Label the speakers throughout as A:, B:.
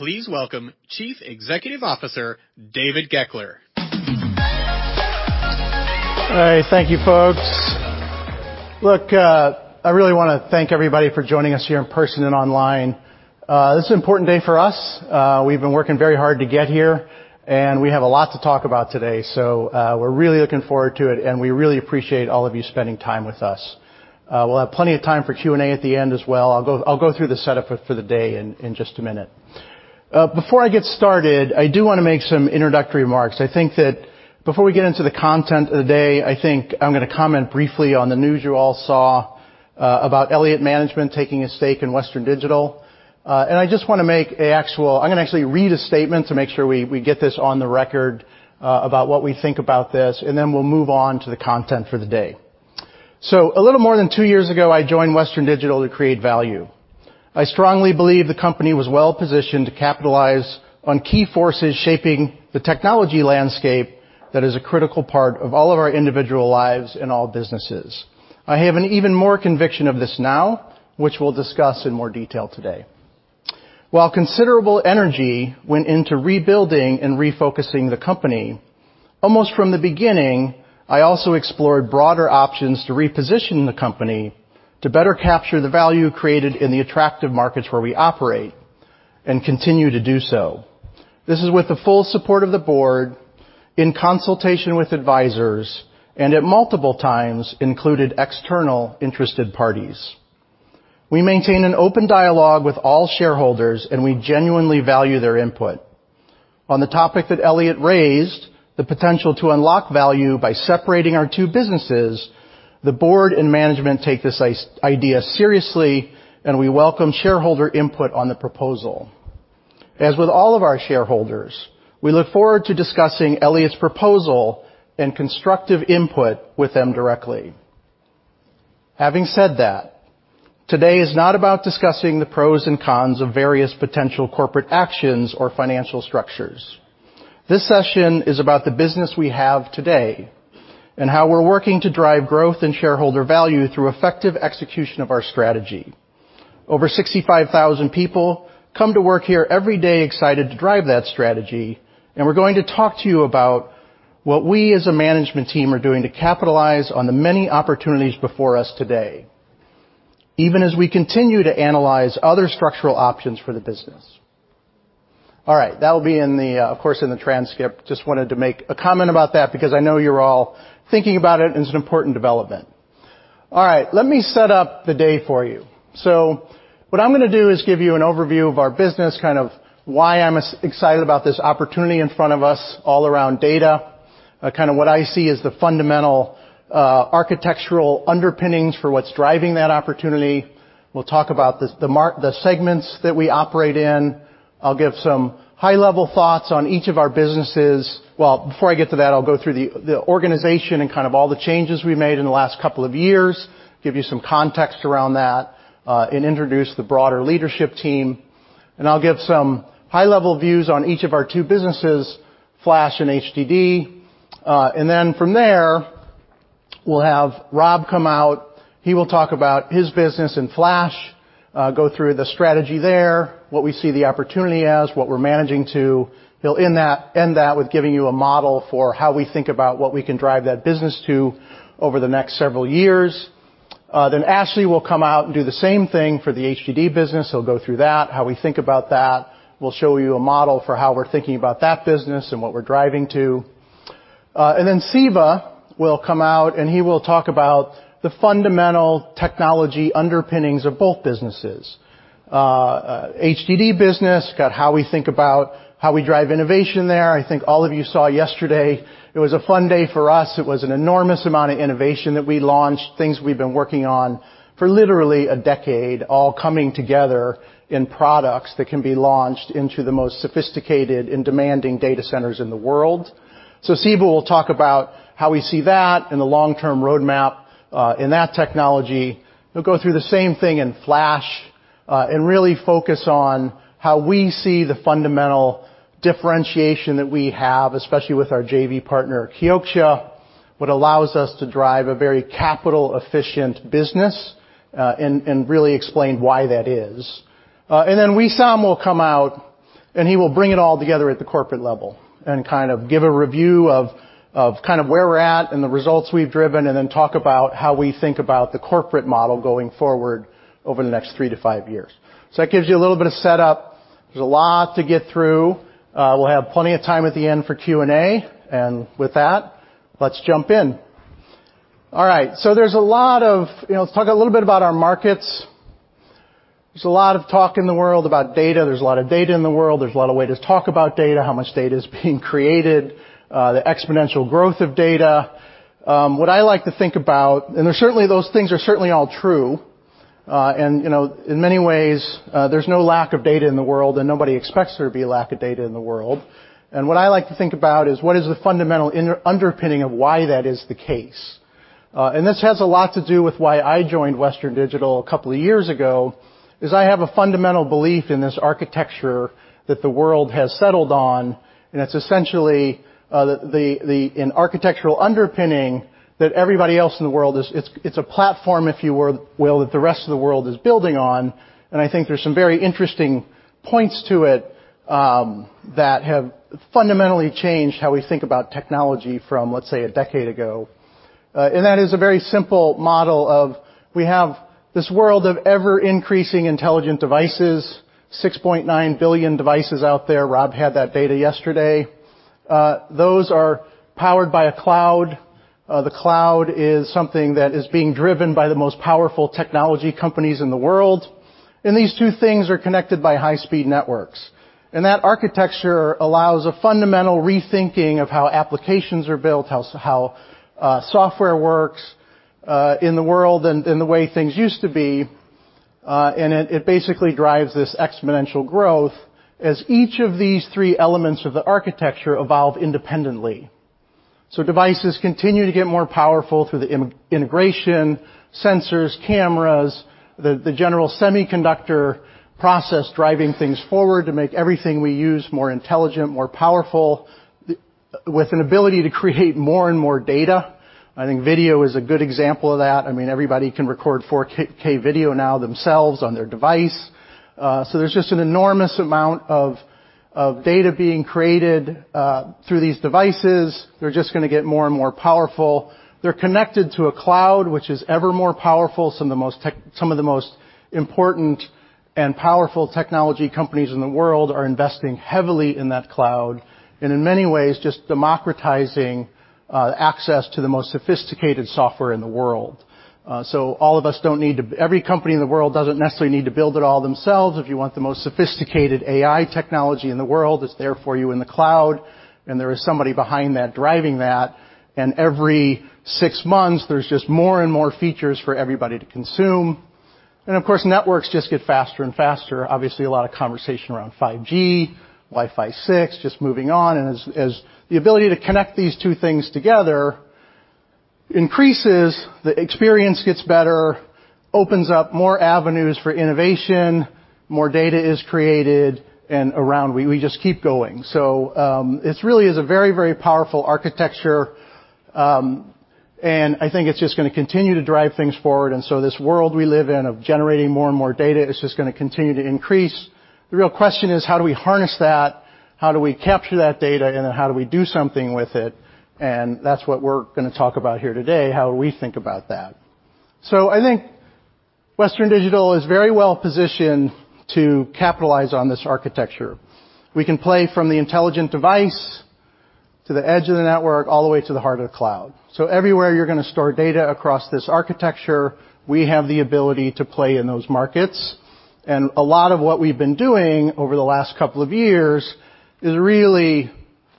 A: Please welcome Chief Executive Officer, David Goeckeler.
B: All right, thank you, folks. Look, I really want to thank everybody for joining us here in person and online. This is an important day for us. We've been working very hard to get here, and we have a lot to talk about today. We're really looking forward to it, and we really appreciate all of you spending time with us. We'll have plenty of time for Q&A at the end as well. I'll go through the setup for the day in just a minute. Before I get started, I do want to make some introductory remarks. I think that before we get into the content of the day, I think I'm going to comment briefly on the news you all saw about Elliott Investment Management taking a stake in Western Digital. I'm gonna actually read a statement to make sure we get this on the record, about what we think about this, and then we'll move on to the content for the day. A little more than two years ago, I joined Western Digital to create value. I strongly believe the company was well-positioned to capitalize on key forces shaping the technology landscape that is a critical part of all of our individual lives and all businesses. I have an even more conviction of this now, which we'll discuss in more detail today. While considerable energy went into rebuilding and refocusing the company, almost from the beginning, I also explored broader options to reposition the company to better capture the value created in the attractive markets where we operate, and continue to do so. This is with the full support of the board, in consultation with advisors, and at multiple times included external interested parties. We maintain an open dialogue with all shareholders, and we genuinely value their input. On the topic that Elliott raised, the potential to unlock value by separating our two businesses, the board and management take this idea seriously, and we welcome shareholder input on the proposal. As with all of our shareholders, we look forward to discussing Elliott's proposal and constructive input with them directly. Having said that, today is not about discussing the pros and cons of various potential corporate actions or financial structures. This session is about the business we have today and how we're working to drive growth and shareholder value through effective execution of our strategy. Over 65,000 people come to work here every day excited to drive that strategy, and we're going to talk to you about what we as a management team are doing to capitalize on the many opportunities before us today, even as we continue to analyze other structural options for the business. All right. That'll be in the, of course, in the transcript. Just wanted to make a comment about that because I know you're all thinking about it, and it's an important development. All right. Let me set up the day for you. What I'm gonna do is give you an overview of our business, kind of why I'm as excited about this opportunity in front of us all around data. Kind of what I see is the fundamental architectural underpinnings for what's driving that opportunity. We'll talk about the segments that we operate in. I'll give some high-level thoughts on each of our businesses. Well, before I get to that, I'll go through the organization and kind of all the changes we made in the last couple of years, give you some context around that, and introduce the broader leadership team. I'll give some high-level views on each of our two businesses, flash and HDD. Then from there, we'll have Rob come out. He will talk about his business in flash, go through the strategy there, what we see the opportunity as, what we're managing to. He'll end that with giving you a model for how we think about what we can drive that business to over the next several years. Ashley will come out and do the same thing for the HDD business. He'll go through that, how we think about that. We'll show you a model for how we're thinking about that business and what we're driving to. Siva will come out, and he will talk about the fundamental technology underpinnings of both businesses. HDD business, how we think about how we drive innovation there. I think all of you saw yesterday. It was a fun day for us. It was an enormous amount of innovation that we launched, things we've been working on for literally a decade, all coming together in products that can be launched into the most sophisticated and demanding data centers in the world. Siva will talk about how we see that in the long-term roadmap, in that technology. He'll go through the same thing in flash, and really focus on how we see the fundamental differentiation that we have, especially with our JV partner, Kioxia, what allows us to drive a very capital efficient business, and really explain why that is. Then Wissam will come out, and he will bring it all together at the corporate level and kind of give a review of kind of where we're at and the results we've driven, and then talk about how we think about the corporate model going forward over the next three-five years. That gives you a little bit of setup. There's a lot to get through. We'll have plenty of time at the end for Q&A. With that, let's jump in. All right. There's a lot of You know, let's talk a little bit about our markets. There's a lot of talk in the world about data. There's a lot of data in the world. There's a lot of way to talk about data, how much data is being created, the exponential growth of data. What I like to think about, and certainly those things are certainly all true. You know, in many ways, there's no lack of data in the world, and nobody expects there to be a lack of data in the world. What I like to think about is what is the fundamental underpinning of why that is the case. This has a lot to do with why I joined Western Digital a couple of years ago, is I have a fundamental belief in this architecture that the world has settled on, and it's essentially an architectural underpinning that everybody else in the world is—it's a platform, if you will, that the rest of the world is building on. I think there's some very interesting points to it, that have fundamentally changed how we think about technology from, let's say, a decade ago. That is a very simple model of we have this world of ever-increasing intelligent devices, 6.9 billion devices out there. Rob had that data yesterday. Those are powered by a cloud. The cloud is something that is being driven by the most powerful technology companies in the world. These two things are connected by high-speed networks. That architecture allows a fundamental rethinking of how applications are built, how software works in the world than the way things used to be. It basically drives this exponential growth as each of these three elements of the architecture evolve independently. Devices continue to get more powerful through the integration, sensors, cameras, the general semiconductor process driving things forward to make everything we use more intelligent, more powerful with an ability to create more and more data. I think video is a good example of that. I mean, everybody can record 4K video now themselves on their device. There's just an enormous amount of data being created through these devices. They're just gonna get more and more powerful. They're connected to a cloud which is ever more powerful. Some of the most important and powerful technology companies in the world are investing heavily in that cloud, and in many ways just democratizing access to the most sophisticated software in the world. Every company in the world doesn't necessarily need to build it all themselves. If you want the most sophisticated AI technology in the world, it's there for you in the cloud, and there is somebody behind that driving that. Every six months, there's just more and more features for everybody to consume. Of course, networks just get faster and faster. Obviously, a lot of conversation around 5G, Wi-Fi 6, just moving on. As the ability to connect these two things together increases, the experience gets better, opens up more avenues for innovation, more data is created and around we just keep going. It's really is a very, very powerful architecture, and I think it's just gonna continue to drive things forward. This world we live in of generating more and more data is just gonna continue to increase. The real question is, how do we harness that? How do we capture that data? And then how do we do something with it? That's what we're gonna talk about here today, how we think about that. I think Western Digital is very well-positioned to capitalize on this architecture. We can play from the intelligent device to the edge of the network, all the way to the heart of the cloud. Everywhere you're gonna store data across this architecture, we have the ability to play in those markets. A lot of what we've been doing over the last couple of years is really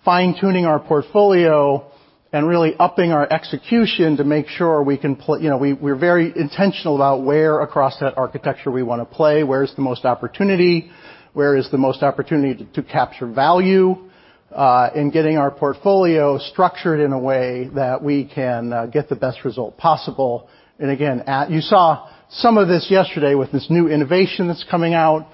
B: fine-tuning our portfolio and really upping our execution to make sure we can play. You know, we're very intentional about where across that architecture we wanna play, where is the most opportunity to capture value in getting our portfolio structured in a way that we can get the best result possible. You saw some of this yesterday with this new innovation that's coming out,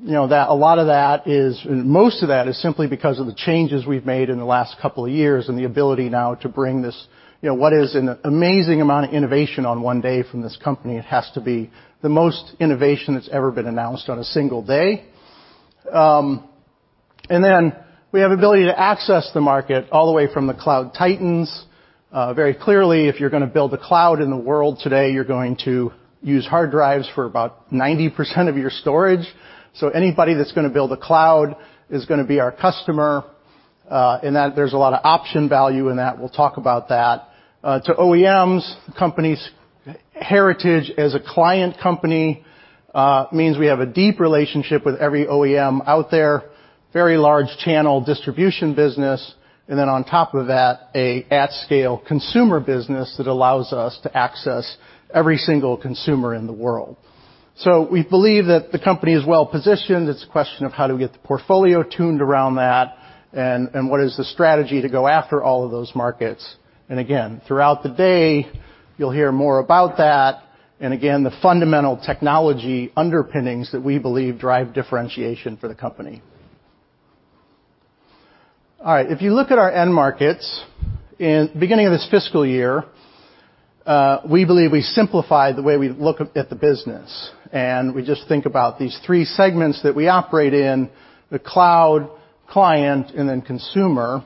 B: you know, that a lot of that is most of that is simply because of the changes we've made in the last couple of years and the ability now to bring this, you know, what is an amazing amount of innovation on one day from this company. It has to be the most innovation that's ever been announced on a single day. We have ability to access the market all the way from the cloud titans. Very clearly, if you're gonna build a cloud in the world today, you're going to use hard drives for about 90% of your storage. So anybody that's gonna build a cloud is gonna be our customer, in that there's a lot of option value in that. We'll talk about that. To OEMs, company's heritage as a client company means we have a deep relationship with every OEM out there, very large channel distribution business, and then on top of that, an at-scale consumer business that allows us to access every single consumer in the world. We believe that the company is well-positioned. It's a question of how do we get the portfolio tuned around that, and what is the strategy to go after all of those markets. Again, throughout the day, you'll hear more about that, and again, the fundamental technology underpinnings that we believe drive differentiation for the company. All right. If you look at our end markets, at the beginning of this fiscal year, we believe we simplified the way we look at the business. We just think about these three segments that we operate in, the cloud, client, and then consumer.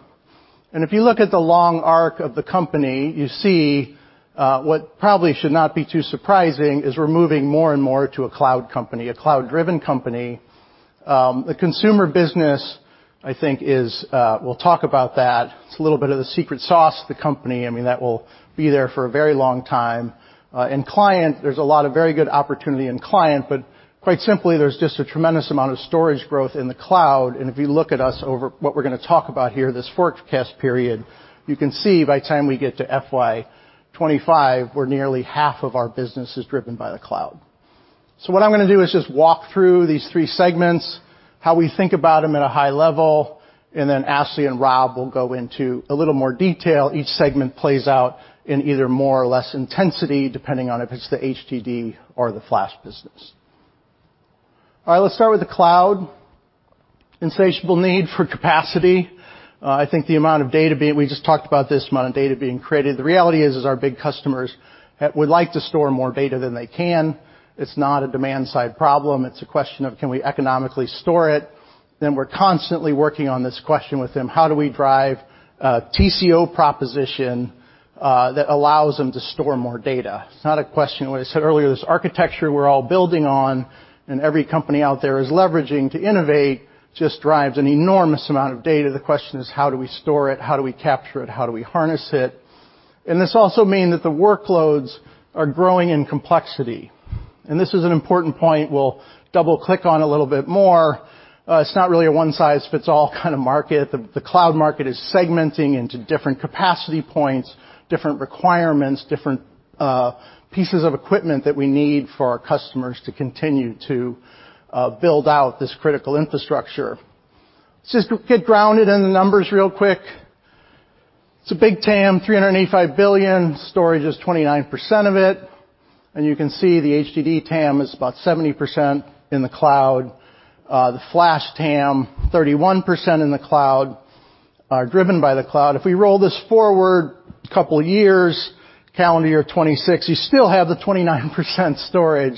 B: If you look at the long arc of the company, you see what probably should not be too surprising is we're moving more and more to a cloud company, a cloud-driven company. The consumer business, I think, is we'll talk about that. It's a little bit of the secret sauce of the company. I mean, that will be there for a very long time. In client, there's a lot of very good opportunity in client, but quite simply, there's just a tremendous amount of storage growth in the cloud. If you look at us over what we're gonna talk about here, this forecast period, you can see by the time we get to FY 2025, where nearly half of our business is driven by the cloud. What I'm gonna do is just walk through these three segments, how we think about them at a high level, and then Ashley and Rob will go into a little more detail. Each segment plays out in either more or less intensity, depending on if it's the HDD or the flash business. All right, let's start with the cloud. Insatiable need for capacity. I think the amount of data being created. We just talked about this amount of data being created. The reality is our big customers would like to store more data than they can. It's not a demand side problem. It's a question of can we economically store it. We're constantly working on this question with them, how do we drive a TCO proposition that allows them to store more data. It's not a question, what I said earlier, this architecture we're all building on and every company out there is leveraging to innovate, just drives an enormous amount of data. The question is how do we store it? How do we capture it? How do we harness it? This also mean that the workloads are growing in complexity. This is an important point we'll double-click on a little bit more. It's not really a one-size-fits-all kind of market. The cloud market is segmenting into different capacity points, different requirements, different pieces of equipment that we need for our customers to continue to build out this critical infrastructure. Just to get grounded in the numbers real quick. It's a big TAM, $385 billion. Storage is 29% of it. You can see the HDD TAM is about 70% in the cloud. The flash TAM, 31% in the cloud. Are driven by the cloud. If we roll this forward a couple years, calendar year 2026, you still have the 29% storage,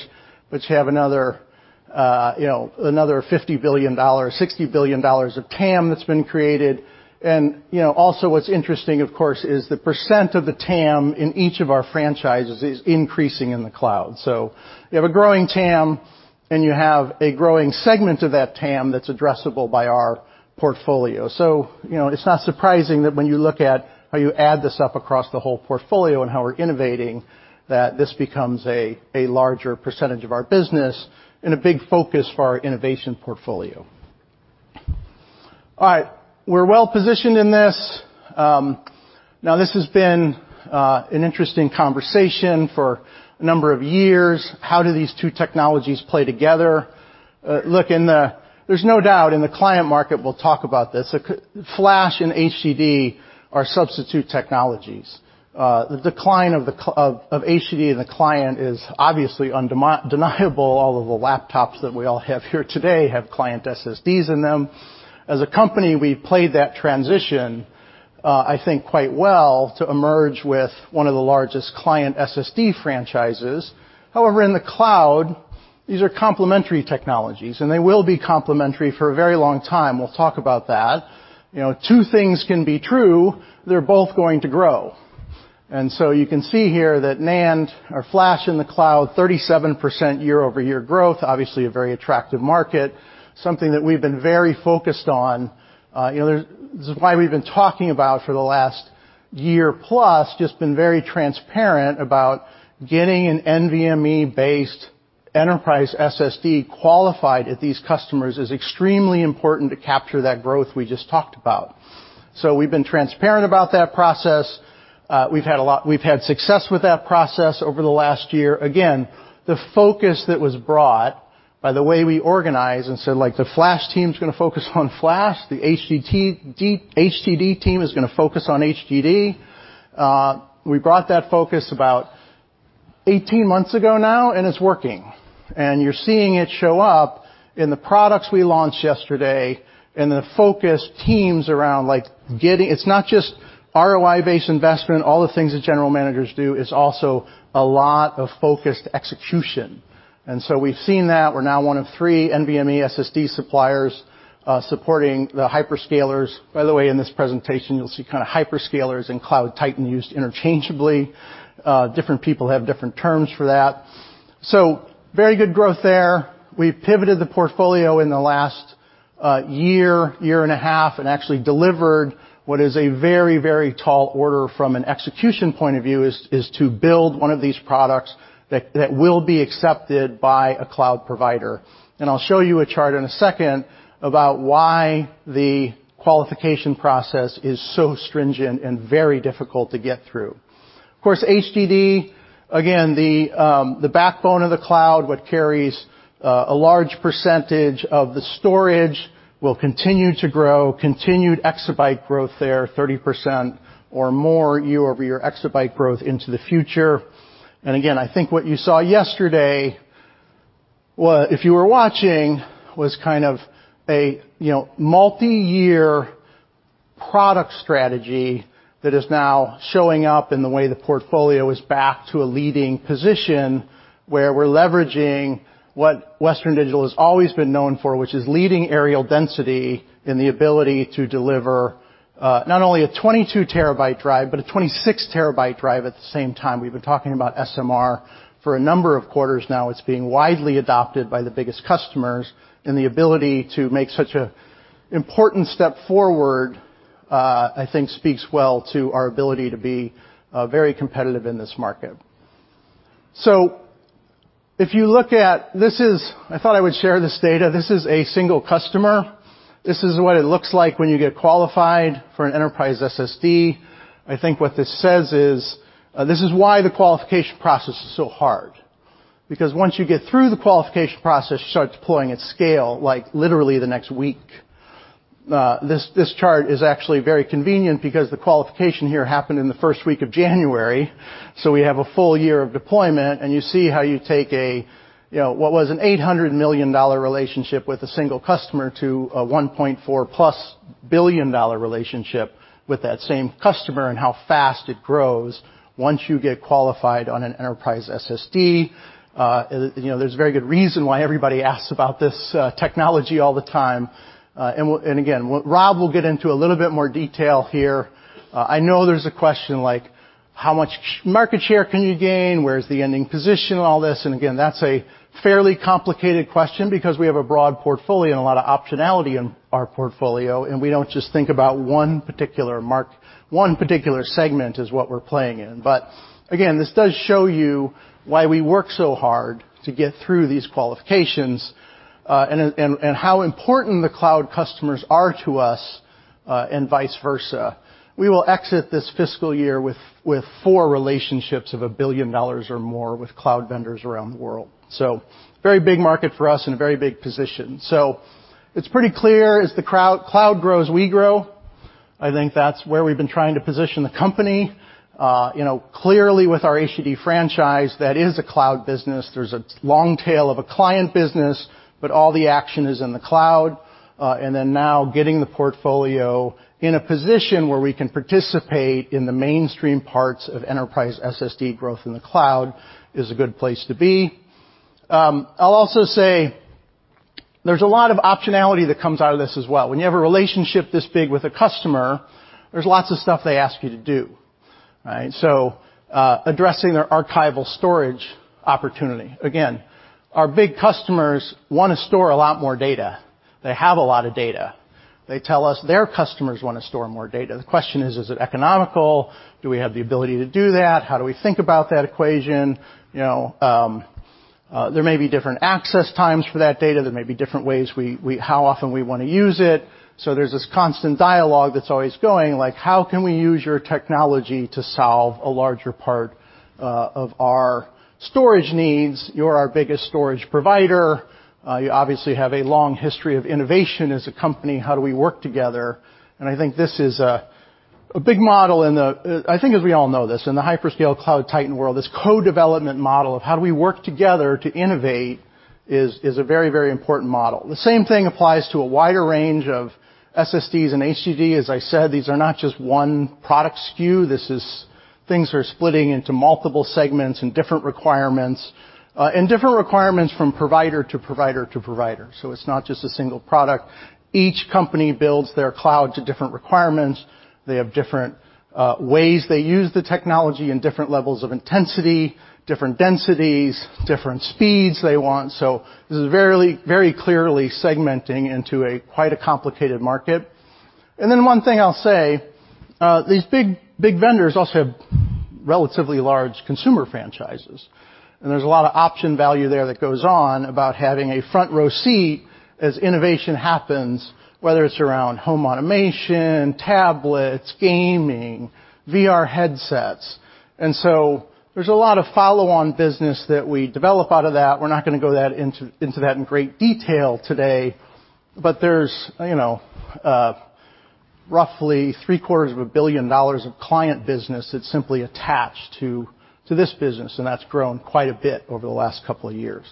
B: but you have another $50 billion-$60 billion of TAM that's been created. Also what's interesting, of course, is the percent of the TAM in each of our franchises is increasing in the cloud. You have a growing TAM, and you have a growing segment of that TAM that's addressable by our portfolio. You know, it's not surprising that when you look at how you add this up across the whole portfolio and how we're innovating, that this becomes a larger percentage of our business and a big focus for our innovation portfolio. All right, we're well positioned in this. Now, this has been an interesting conversation for a number of years. How do these two technologies play together? Look, there's no doubt in the client market we'll talk about this. Flash and HDD are substitute technologies. The decline of HDD in the client is obviously undeniable. All of the laptops that we all have here today have client SSDs in them. As a company, we played that transition, I think, quite well to emerge with one of the largest client SSD franchises. However, in the cloud, these are complementary technologies, and they will be complementary for a very long time. We'll talk about that. You know, two things can be true, they're both going to grow. You can see here that NAND or flash in the cloud, 37% year-over-year growth, obviously a very attractive market, something that we've been very focused on. You know, this is why we've been talking about for the last year plus, just been very transparent about getting an NVMe-based enterprise SSD qualified at these customers is extremely important to capture that growth we just talked about. We've been transparent about that process. We've had success with that process over the last year. Again, the focus that was brought by the way we organize and said, like, the flash team's gonna focus on flash, the HDD team is gonna focus on HDD. We brought that focus about 18 months ago now, and it's working. You're seeing it show up in the products we launched yesterday and the focus teams around, like getting. It's not just ROI-based investment, all the things that general managers do, it's also a lot of focused execution. We've seen that. We're now one of three NVMe SSD suppliers supporting the hyperscalers. By the way, in this presentation, you'll see kind of hyperscalers and cloud titans used interchangeably. Different people have different terms for that. Very good growth there. We've pivoted the portfolio in the last year and a half and actually delivered what is a very, very tall order from an execution point of view, is to build one of these products that will be accepted by a cloud provider. I'll show you a chart in a second about why the qualification process is so stringent and very difficult to get through. Of course, HDD, again, the backbone of the cloud, what carries a large percentage of the storage will continue to grow, continued exabyte growth there, 30% or more year-over-year exabyte growth into the future. I think what you saw yesterday if you were watching was kind of a, you know, multi-year product strategy that is now showing up in the way the portfolio is back to a leading position, where we're leveraging what Western Digital has always been known for, which is leading areal density in the ability to deliver not only a 22 TB drive, but a 26 TB drive at the same time. We've been talking about SMR for a number of quarters now. It's being widely adopted by the biggest customers, and the ability to make such an important step forward, I think speaks well to our ability to be very competitive in this market. If you look at this data. I thought I would share this data. This is a single customer. This is what it looks like when you get qualified for an enterprise SSD. I think what this says is, this is why the qualification process is so hard. Because once you get through the qualification process, you start deploying at scale, like literally the next week. This chart is actually very convenient because the qualification here happened in the first week of January, so we have a full year of deployment. You see how you take a, you know, what was an $800 million relationship with a single customer to a $1.4+ billion relationship with that same customer, and how fast it grows once you get qualified on an enterprise SSD. You know, there's a very good reason why everybody asks about this technology all the time. Rob will get into a little bit more detail here. I know there's a question like, how much market share can you gain? Where's the ending position in all this? That's a fairly complicated question because we have a broad portfolio and a lot of optionality in our portfolio, and we don't just think about one particular segment is what we're playing in. This does show you why we work so hard to get through these qualifications, and how important the cloud customers are to us, and vice versa. We will exit this fiscal year with four relationships of $1 billion or more with cloud vendors around the world. Very big market for us and a very big position. It's pretty clear as the cloud grows, we grow. I think that's where we've been trying to position the company. You know, clearly with our HDD franchise, that is a cloud business. There's a long tail of a client business, but all the action is in the cloud. Then now getting the portfolio in a position where we can participate in the mainstream parts of enterprise SSD growth in the cloud is a good place to be. I'll also say there's a lot of optionality that comes out of this as well. When you have a relationship this big with a customer, there's lots of stuff they ask you to do, right? Addressing their archival storage opportunity. Again, our big customers wanna store a lot more data. They have a lot of data. They tell us their customers wanna store more data. The question is it economical? Do we have the ability to do that? How do we think about that equation? You know, there may be different access times for that data. There may be different ways how often we wanna use it. So there's this constant dialogue that's always going, like, "How can we use your technology to solve a larger part of our storage needs? You're our biggest storage provider. You obviously have a long history of innovation as a company. How do we work together?" I think this is a big model in the, I think as we all know this, in the hyperscale cloud titan world, this co-development model of how do we work together to innovate is a very, very important model. The same thing applies to a wider range of SSDs and HDDs. As I said, these are not just one product SKU. This is things are splitting into multiple segments and different requirements from provider to provider to provider. It's not just a single product. Each company builds their cloud to different requirements. They have different ways they use the technology and different levels of intensity, different densities, different speeds they want. This is very, very clearly segmenting into quite a complicated market. One thing I'll say, these big vendors also have relatively large consumer franchises, and there's a lot of option value there that goes on about having a front row seat as innovation happens, whether it's around home automation, tablets, gaming, VR headsets. There's a lot of follow-on business that we develop out of that. We're not gonna go into that in great detail today, but there's, you know, roughly three-quarters of a billion dollars of client business that's simply attached to this business, and that's grown quite a bit over the last couple of years.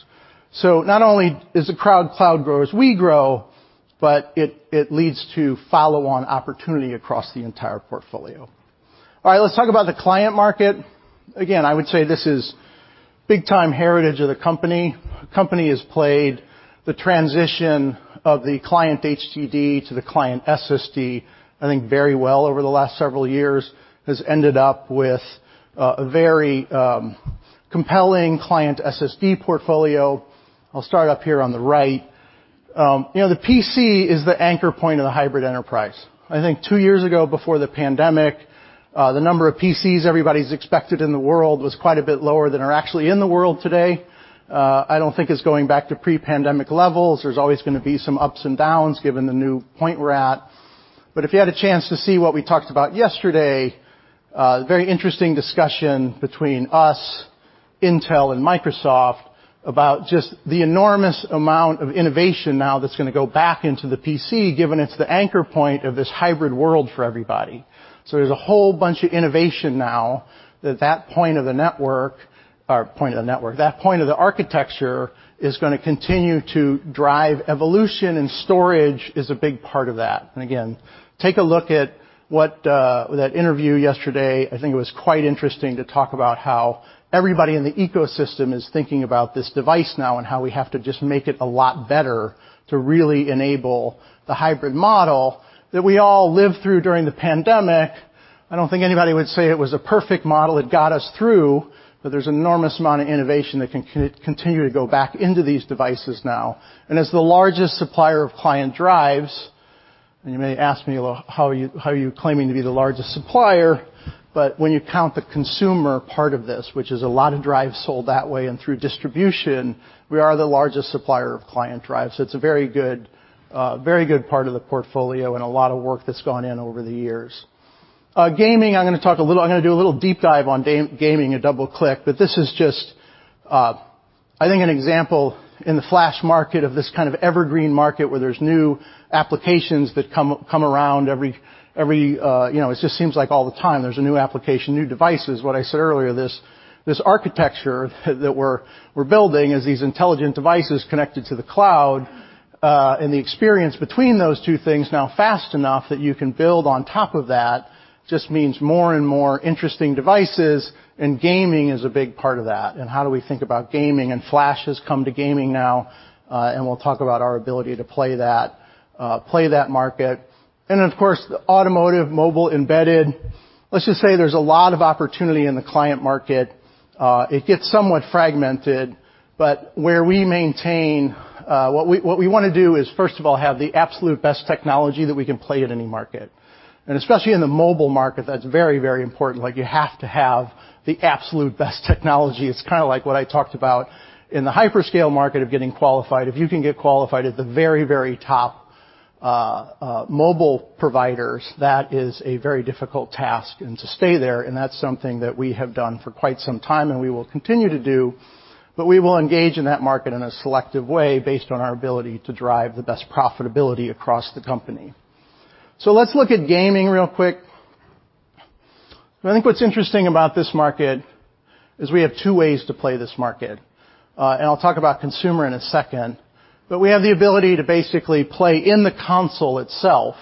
B: Not only is the cloud business grows as we grow, but it leads to follow-on opportunity across the entire portfolio. All right. Let's talk about the client market. Again, I would say this is big-time heritage of the company. The company has played the transition of the client HDD to the client SSD, I think, very well over the last several years. It has ended up with a very compelling client SSD portfolio. I'll start up here on the right. You know, the PC is the anchor point of the hybrid enterprise. I think two years ago, before the pandemic, the number of PCs everybody's expected in the world was quite a bit lower than are actually in the world today. I don't think it's going back to pre-pandemic levels. There's always gonna be some ups and downs given the new point we're at. If you had a chance to see what we talked about yesterday, very interesting discussion between us, Intel, and Microsoft about just the enormous amount of innovation now that's gonna go back into the PC given it's the anchor point of this hybrid world for everybody. There's a whole bunch of innovation now that point of the architecture is gonna continue to drive evolution, and storage is a big part of that. Again, take a look at what that interview yesterday. I think it was quite interesting to talk about how everybody in the ecosystem is thinking about this device now and how we have to just make it a lot better to really enable the hybrid model that we all lived through during the pandemic. I don't think anybody would say it was a perfect model. It got us through, but there's enormous amount of innovation that can continue to go back into these devices now. As the largest supplier of client drives, and you may ask me, "Well, how are you claiming to be the largest supplier?" When you count the consumer part of this, which is a lot of drives sold that way and through distribution, we are the largest supplier of client drives. It's a very good part of the portfolio and a lot of work that's gone in over the years. Gaming, I'm gonna do a little deep dive on gaming at WD_BLACK, but this is just I think an example in the flash market of this kind of evergreen market where there's new applications that come around every it just seems like all the time there's a new application, new devices. What I said earlier, this architecture that we're building is these intelligent devices connected to the cloud, and the experience between those two things now fast enough that you can build on top of that just means more and more interesting devices, and gaming is a big part of that. How do we think about gaming? Flash has come to gaming now, and we'll talk about our ability to play that market. Of course, the automotive, mobile, embedded. Let's just say there's a lot of opportunity in the client market. It gets somewhat fragmented, but where we maintain what we wanna do is, first of all, have the absolute best technology that we can play at any market. Especially in the mobile market, that's very, very important. Like, you have to have the absolute best technology. It's kinda like what I talked about in the hyperscale market of getting qualified. If you can get qualified at the very, very top, mobile providers, that is a very difficult task and to stay there, and that's something that we have done for quite some time, and we will continue to do, but we will engage in that market in a selective way based on our ability to drive the best profitability across the company. Let's look at gaming real quick. I think what's interesting about this market is we have two ways to play this market, and I'll talk about consumer in a second. We have the ability to basically play in the console itself.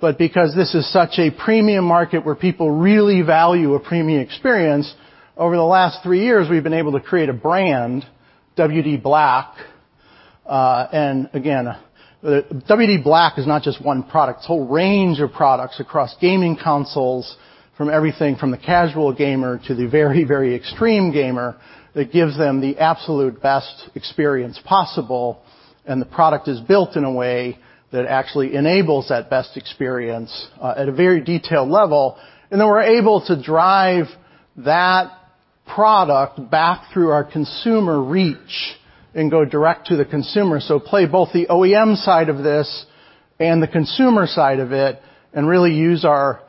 B: Because this is such a premium market where people really value a premium experience, over the last three years we've been able to create a brand, WD_BLACK, and again, the WD_BLACK is not just one product, it's a whole range of products across gaming consoles, from everything from the casual gamer to the very, very extreme gamer, that gives them the absolute best experience possible, and the product is built in a way that actually enables that best experience at a very detailed level. Then we're able to drive that product back through our consumer reach and go direct to the consumer. Play both the OEM side of this and the consumer side of it and really use our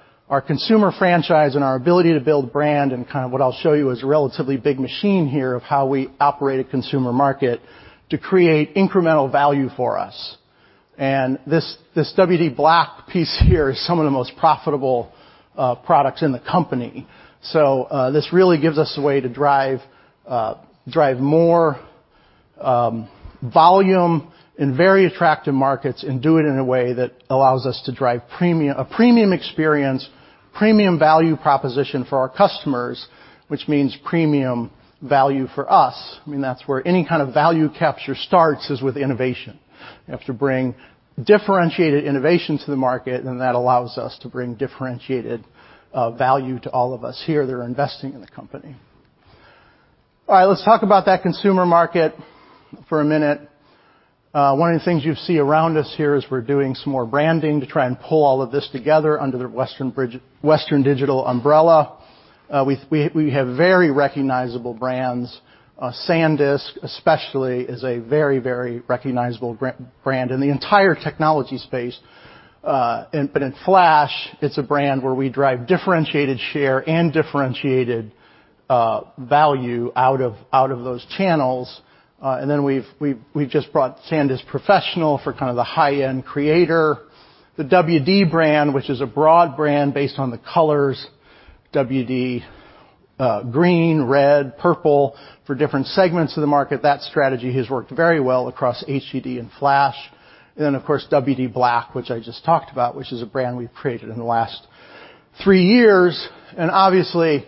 B: consumer franchise and our ability to build brand and kind of what I'll show you is a relatively big machine here of how we operate a consumer market to create incremental value for us. This WD_BLACK piece here is some of the most profitable products in the company. This really gives us a way to drive more volume in very attractive markets and do it in a way that allows us to drive premium experience, premium value proposition for our customers, which means premium value for us. I mean, that's where any kind of value capture starts is with innovation. You have to bring differentiated innovation to the market, and that allows us to bring differentiated value to all of us here that are investing in the company. All right, let's talk about that consumer market for a minute. One of the things you see around us here is we're doing some more branding to try and pull all of this together under the Western Digital umbrella. We have very recognizable brands, SanDisk especially is a very recognizable brand in the entire technology space. But in flash, it's a brand where we drive differentiated share and differentiated value out of those channels. We've just brought SanDisk Professional for kind of the high-end creator. The WD brand, which is a broad brand based on the colors, WD green, red, purple for different segments of the market. That strategy has worked very well across HDD and flash. Then, of course, WD Black, which I just talked about, which is a brand we've created in the last three years. Obviously,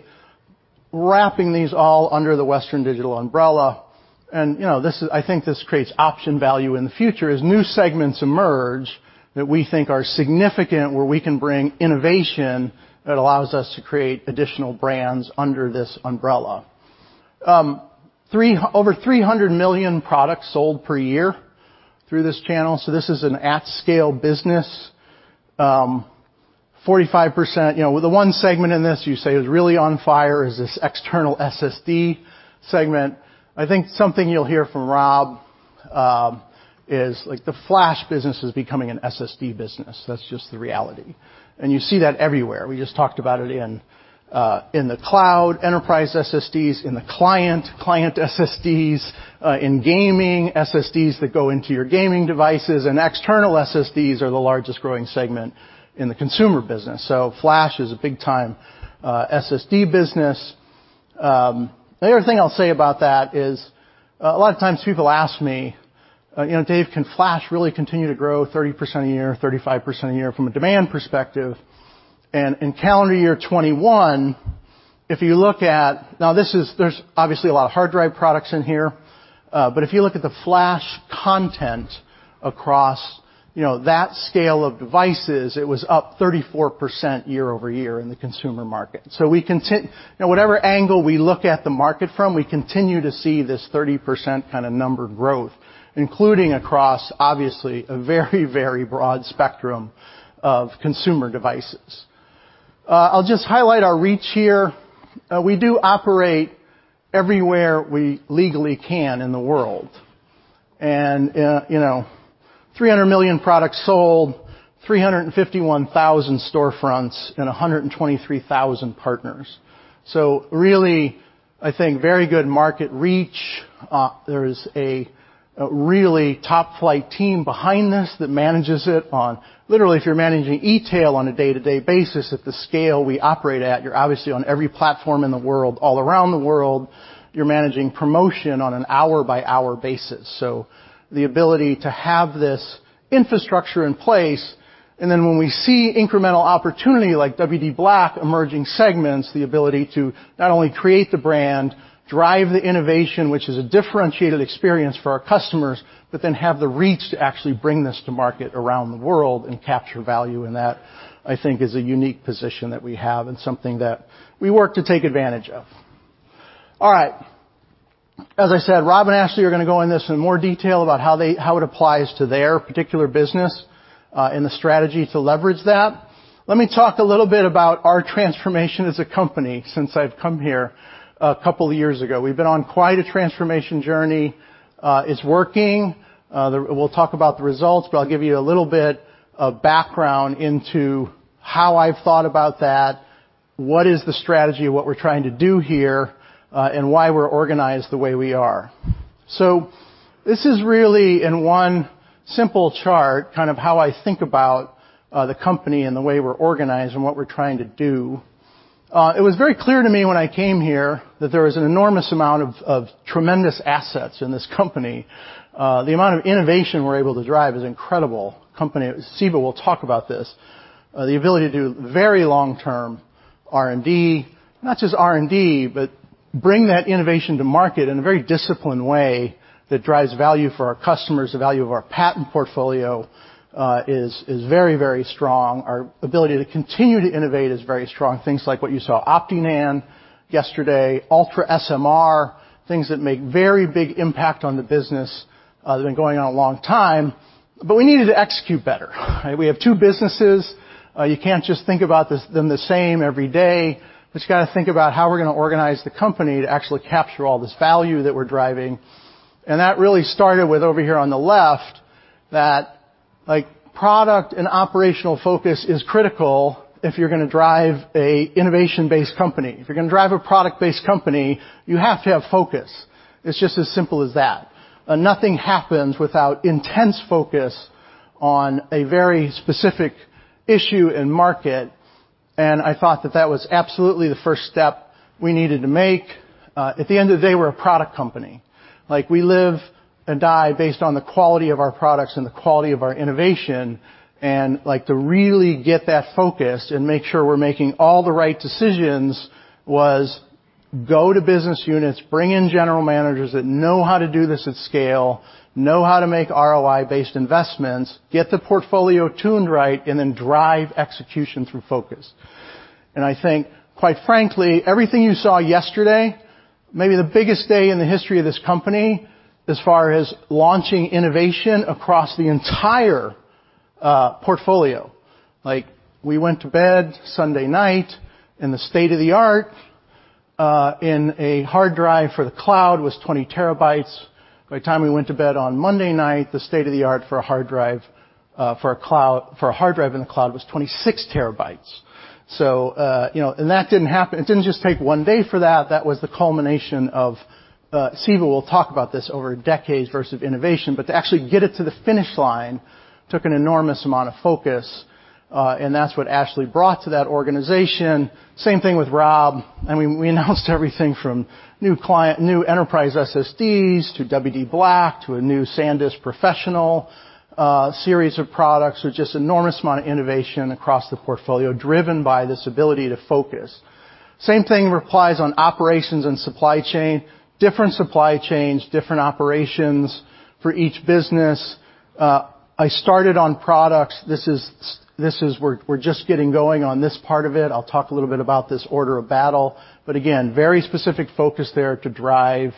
B: wrapping these all under the Western Digital umbrella. You know, this is—I think this creates option value in the future as new segments emerge that we think are significant, where we can bring innovation that allows us to create additional brands under this umbrella. Over 300 million products sold per year through this channel, so this is an at-scale business. 45%, you know, the one segment in this you say is really on fire is this external SSD segment. I think something you'll hear from Rob, like, the flash business is becoming an SSD business. That's just the reality. You see that everywhere. We just talked about it in the cloud, enterprise SSDs, in the client SSDs, in gaming, SSDs that go into your gaming devices, and external SSDs are the largest-growing segment in the consumer business. Flash is a big-time SSD business. The other thing I'll say about that is, a lot of times people ask me, "You know, Dave, can flash really continue to grow 30% a year, 35% a year from a demand perspective?" In calendar year 2021, if you look at... Now there's obviously a lot of hard drive products in here, but if you look at the flash content across, you know, that scale of devices, it was up 34% year-over-year in the consumer market. You know, whatever angle we look at the market from, we continue to see this 30% kind of number growth, including across, obviously, a very broad spectrum of consumer devices. I'll just highlight our reach here. We do operate everywhere we legally can in the world, 300 million products sold, 351,000 storefronts, and 123,000 partners. Really, I think very good market reach. There is a really top-flight team behind this that manages it on. Literally, if you're managing e-tail on a day-to-day basis at the scale we operate at, you're obviously on every platform in the world, all around the world. You're managing promotion on an hour-by-hour basis. The ability to have this infrastructure in place, and then when we see incremental opportunity like WD_BLACK emerging segments, the ability to not only create the brand, drive the innovation, which is a differentiated experience for our customers, but then have the reach to actually bring this to market around the world and capture value in that, I think, is a unique position that we have and something that we work to take advantage of. All right. As I said, Rob and Ashley are gonna go into this in more detail about how it applies to their particular business, and the strategy to leverage that. Let me talk a little bit about our transformation as a company since I've come here a couple of years ago. We've been on quite a transformation journey. It's working. We'll talk about the results, but I'll give you a little bit of background into how I've thought about that, what is the strategy, what we're trying to do here, and why we're organized the way we are. This is really in one simple chart, kind of how I think about the company and the way we're organized and what we're trying to do. It was very clear to me when I came here that there was an enormous amount of tremendous assets in this company. The amount of innovation we're able to drive is incredible. Company. Siva Sivaram will talk about this. The ability to do very long-term R&D. Not just R&D, but bring that innovation to market in a very disciplined way that drives value for our customers. The value of our patent portfolio is very strong. Our ability to continue to innovate is very strong. Things like what you saw, OptiNAND yesterday, UltraSMR, things that make very big impact on the business, that have been going on a long time. But we needed to execute better, right? We have two businesses. You can't just think about them the same every day. Just gotta think about how we're gonna organize the company to actually capture all this value that we're driving. That really started with over here on the left, like, product and operational focus is critical if you're gonna drive a innovation-based company. If you're gonna drive a product-based company, you have to have focus. It's just as simple as that. Nothing happens without intense focus on a very specific issue and market, and I thought that was absolutely the first step we needed to make. At the end of the day, we're a product company. Like, we live and die based on the quality of our products and the quality of our innovation. Like, to really get that focus and make sure we're making all the right decisions was to go to business units, bring in general managers that know how to do this at scale, know how to make ROI-based investments, get the portfolio tuned right, and then drive execution through focus. I think, quite frankly, everything you saw yesterday, maybe the biggest day in the history of this company as far as launching innovation across the entire portfolio. Like, we went to bed Sunday night, and the state-of-the-art in a hard drive for the cloud was 20 TB. By the time we went to bed on Monday night, the state-of-the-art for a hard drive in the cloud was 26 TB. That didn't just take one day for that. That was the culmination of Siva will talk about this, over decades of innovation. To actually get it to the finish line took an enormous amount of focus, and that's what Ashley brought to that organization. Same thing with Rob. I mean, we announced everything from new enterprise SSDs to WD_BLACK, to a new SanDisk Professional series of products. Just enormous amount of innovation across the portfolio driven by this ability to focus. Same thing applies on operations and supply chain. Different supply chains, different operations for each business. I started on products. This is. We're just getting going on this part of it. I'll talk a little bit about this order of battle. Again, very specific focus there to drive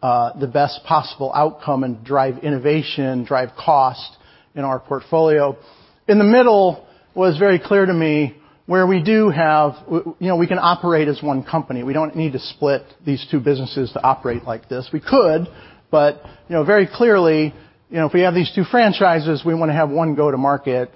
B: the best possible outcome and drive innovation, drive cost in our portfolio. In the middle was very clear to me, where we do have you know we can operate as one company. We don't need to split these two businesses to operate like this. We could, but you know, very clearly, you know, if we have these two franchises, we wanna have one go-to-market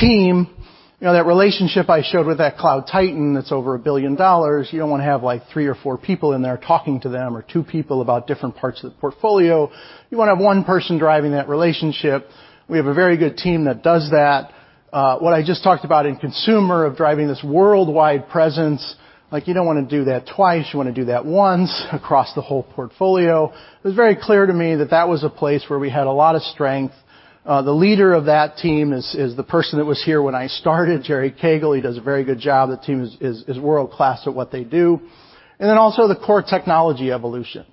B: team. You know, that relationship I showed with that cloud titan that's over $1 billion, you don't wanna have, like, three or four people in there talking to them or two people about different parts of the portfolio. You wanna have one person driving that relationship. We have a very good team that does that. What I just talked about in consumer of driving this worldwide presence, like, you don't wanna do that twice. You wanna do that once across the whole portfolio. It was very clear to me that that was a place where we had a lot of strength. The leader of that team is the person that was here when I started, Gerry Cagle. He does a very good job. The team is world-class at what they do. Also the core technology evolution.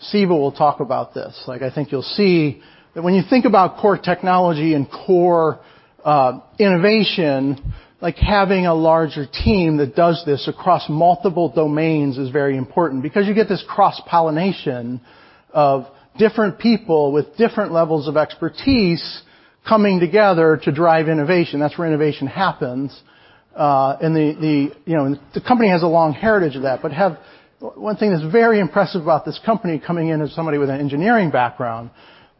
B: Siva Sivaram will talk about this. Like, I think you'll see that when you think about core technology and core innovation, like, having a larger team that does this across multiple domains is very important because you get this cross-pollination of different people with different levels of expertise coming together to drive innovation, that's where innovation happens. You know, the company has a long heritage of that, but one thing that's very impressive about this company coming in as somebody with an engineering background, the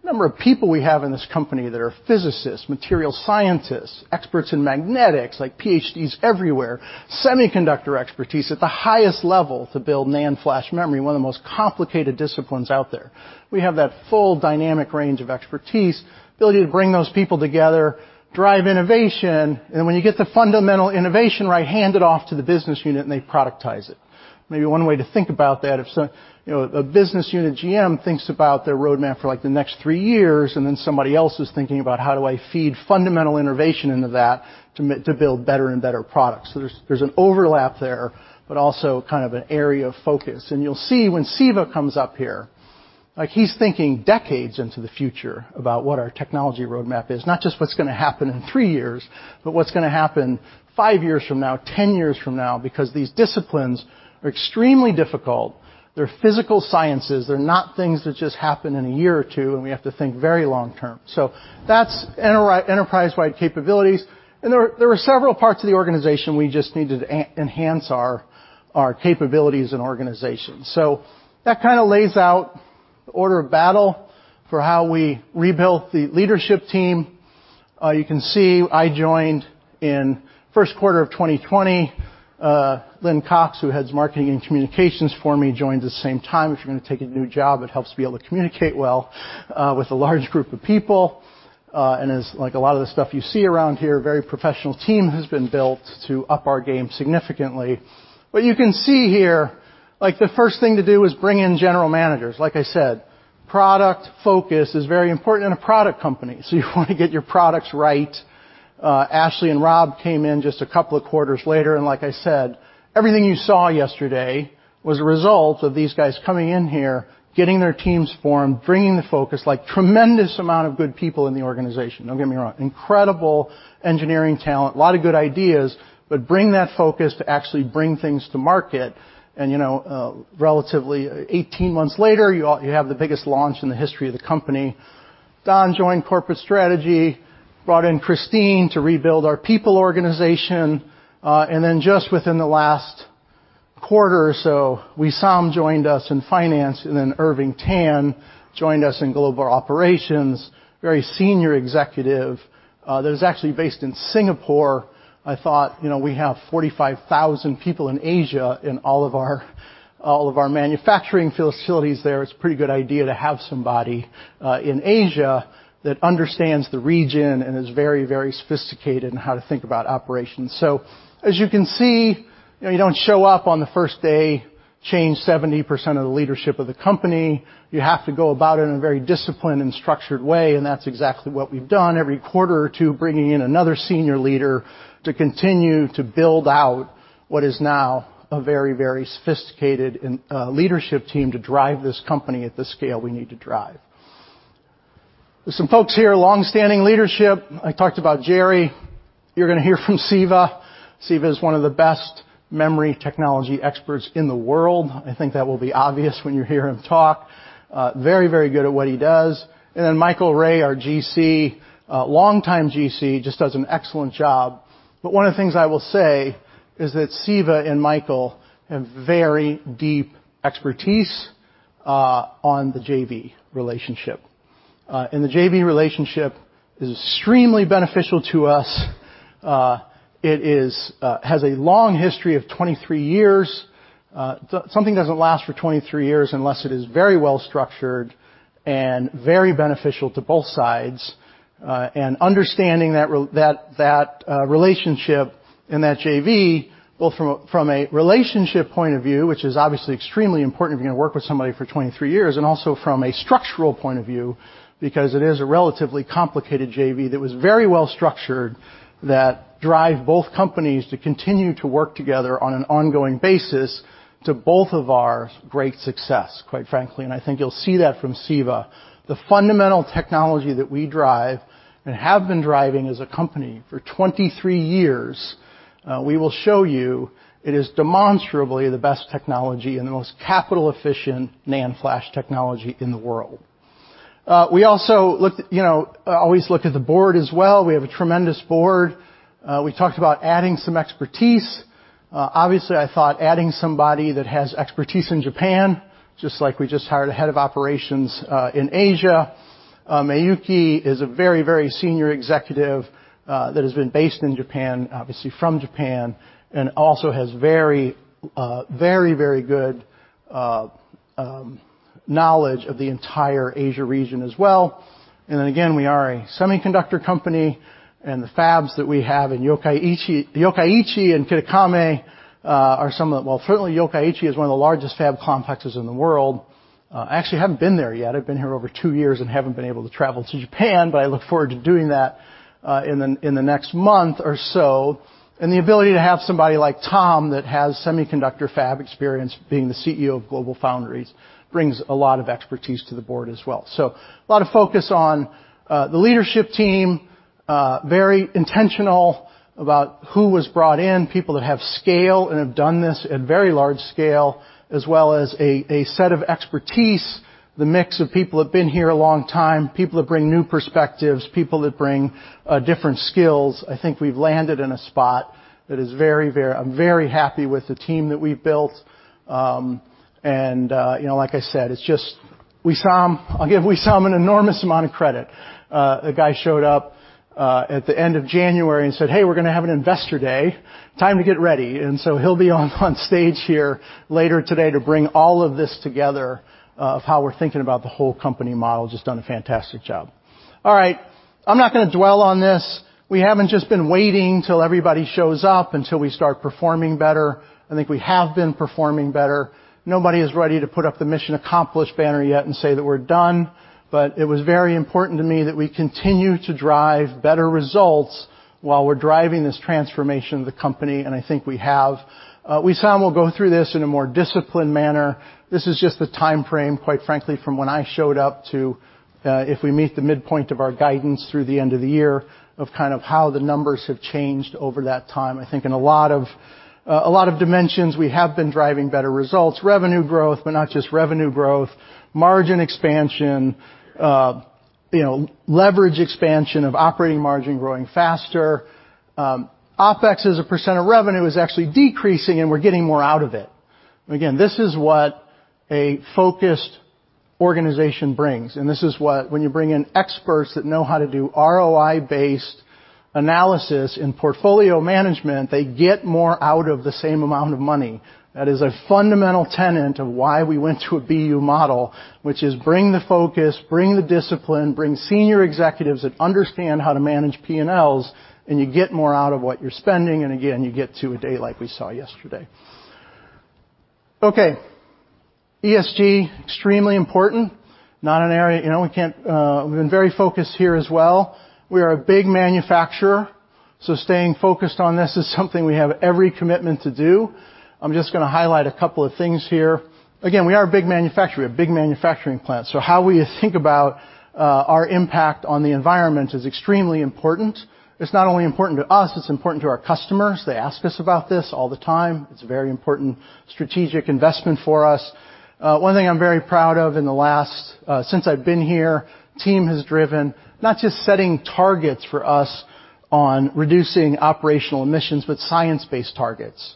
B: number of people we have in this company that are physicists, material scientists, experts in magnetics, like PhDs everywhere, semiconductor expertise at the highest level to build NAND flash memory, one of the most complicated disciplines out there. We have that full dynamic range of expertise, the ability to bring those people together, drive innovation, and when you get the fundamental innovation right, hand it off to the business unit, and they productize it. Maybe one way to think about that, if so, you know, a business unit GM thinks about their roadmap for like the next three years, and then somebody else is thinking about how do I feed fundamental innovation into that to build better and better products. There's an overlap there, but also kind of an area of focus. You'll see when Siva comes up here, like, he's thinking decades into the future about what our technology roadmap is, not just what's gonna happen in three years, but what's gonna happen five years from now, 10 years from now, because these disciplines are extremely difficult. They're physical sciences. They're not things that just happen in a year or two, and we have to think very long term. That's enterprise-wide capabilities. There were several parts of the organization we just needed to enhance our capabilities and organizations. That kinda lays out the order of battle for how we rebuilt the leadership team. You can see I joined in first quarter of 2020. Lynne Cox, who heads marketing and communications for me, joined the same time. If you're gonna take a new job, it helps to be able to communicate well with a large group of people, and it's like a lot of the stuff you see around here, a very professional team has been built to up our game significantly. You can see here, like the first thing to do is bring in general managers. Like I said, product focus is very important in a product company, so you wanna get your products right. Ashley and Rob came in just a couple of quarters later, and like I said, everything you saw yesterday was a result of these guys coming in here, getting their teams formed, bringing the focus, like tremendous amount of good people in the organization. Don't get me wrong. Incredible engineering talent, a lot of good ideas, but bring that focus to actually bring things to market and, you know, relatively 18 months later, you all have the biggest launch in the history of the company. Don joined corporate strategy, brought in Christine to rebuild our people organization, and then just within the last quarter or so, Wissam joined us in finance, and then Irving Tan joined us in global operations, very senior executive, that is actually based in Singapore. I thought, you know, we have 45,000 people in Asia in all of our manufacturing facilities there. It's a pretty good idea to have somebody in Asia that understands the region and is very, very sophisticated in how to think about operations. As you can see, you know, you don't show up on the first day, change 70% of the leadership of the company. You have to go about it in a very disciplined and structured way, and that's exactly what we've done every quarter or two, bringing in another senior leader to continue to build out what is now a very, very sophisticated and leadership team to drive this company at the scale we need to drive. There's some folks here, long-standing leadership. I talked about Jerry. You're gonna hear from Siva. Siva is one of the best memory technology experts in the world. I think that will be obvious when you hear him talk. Very, very good at what he does. Then Michael Ray, our GC, longtime GC, just does an excellent job. One of the things I will say is that Siva and Michael have very deep expertise on the JV relationship. The JV relationship is extremely beneficial to us. It has a long history of 23 years. Something doesn't last for 23 years unless it is very well structured and very beneficial to both sides. Understanding that relationship and that JV, both from a relationship point of view, which is obviously extremely important if you're gonna work with somebody for 23 years, and also from a structural point of view because it is a relatively complicated JV that was very well structured that drive both companies to continue to work together on an ongoing basis to both of our great success, quite frankly. I think you'll see that from Siva. The fundamental technology that we drive and have been driving as a company for 23 years, we will show you it is demonstrably the best technology and the most capital-efficient NAND flash technology in the world. We also always look at the board as well. We have a tremendous board. We talked about adding some expertise. Obviously, I thought adding somebody that has expertise in Japan, just like we just hired a head of operations in Asia. Miyuki is a very senior executive that has been based in Japan, obviously from Japan, and also has very good knowledge of the entire Asia region as well. Again, we are a semiconductor company, and the fabs that we have in Yokkaichi. Certainly Yokkaichi is one of the largest fab complexes in the world. Actually, I haven't been there yet. I've been here over two years and haven't been able to travel to Japan, but I look forward to doing that in the next month or so. The ability to have somebody like Tom that has semiconductor fab experience being the CEO of GlobalFoundries brings a lot of expertise to the board as well. A lot of focus on the leadership team. Very intentional about who was brought in, people that have scale and have done this at very large scale, as well as a set of expertise, the mix of people that have been here a long time, people that bring new perspectives, people that bring different skills. I think we've landed in a spot that is very, very. I'm very happy with the team that we've built. You know, like I said, it's just Wissam, I'll give Wissam an enormous amount of credit. The guy showed up at the end of January and said, "Hey, we're gonna have an investor day. Time to get ready." He'll be on stage here later today to bring all of this together, of how we're thinking about the whole company model. Just done a fantastic job. All right. I'm not gonna dwell on this. We haven't just been waiting till everybody shows up until we start performing better. I think we have been performing better. Nobody is ready to put up the mission accomplished banner yet and say that we're done, but it was very important to me that we continue to drive better results while we're driving this transformation of the company, and I think we have. Wissam will go through this in a more disciplined manner. This is just the timeframe, quite frankly, from when I showed up to if we meet the midpoint of our guidance through the end of the year, of kind of how the numbers have changed over that time. I think in a lot of dimensions, we have been driving better results, revenue growth, but not just revenue growth, margin expansion, you know, leverage expansion of operating margin growing faster. OpEx as a % of revenue is actually decreasing, and we're getting more out of it. Again, this is what a focused organization brings, and this is what when you bring in experts that know how to do ROI-based analysis in portfolio management, they get more out of the same amount of money. That is a fundamental tenet of why we went to a BU model, which is bring the focus, bring the discipline, bring senior executives that understand how to manage P&Ls, and you get more out of what you're spending, and again, you get to a day like we saw yesterday. Okay. ESG, extremely important. Not an area, you know, we can't. We've been very focused here as well. We are a big manufacturer, so staying focused on this is something we have every commitment to do. I'm just gonna highlight a couple of things here. Again, we are a big manufacturer. We have big manufacturing plants. How we think about our impact on the environment is extremely important. It's not only important to us, it's important to our customers. They ask us about this all the time. It's a very important strategic investment for us. One thing I'm very proud of in the last since I've been here, team has driven not just setting targets for us on reducing operational emissions, but science-based targets,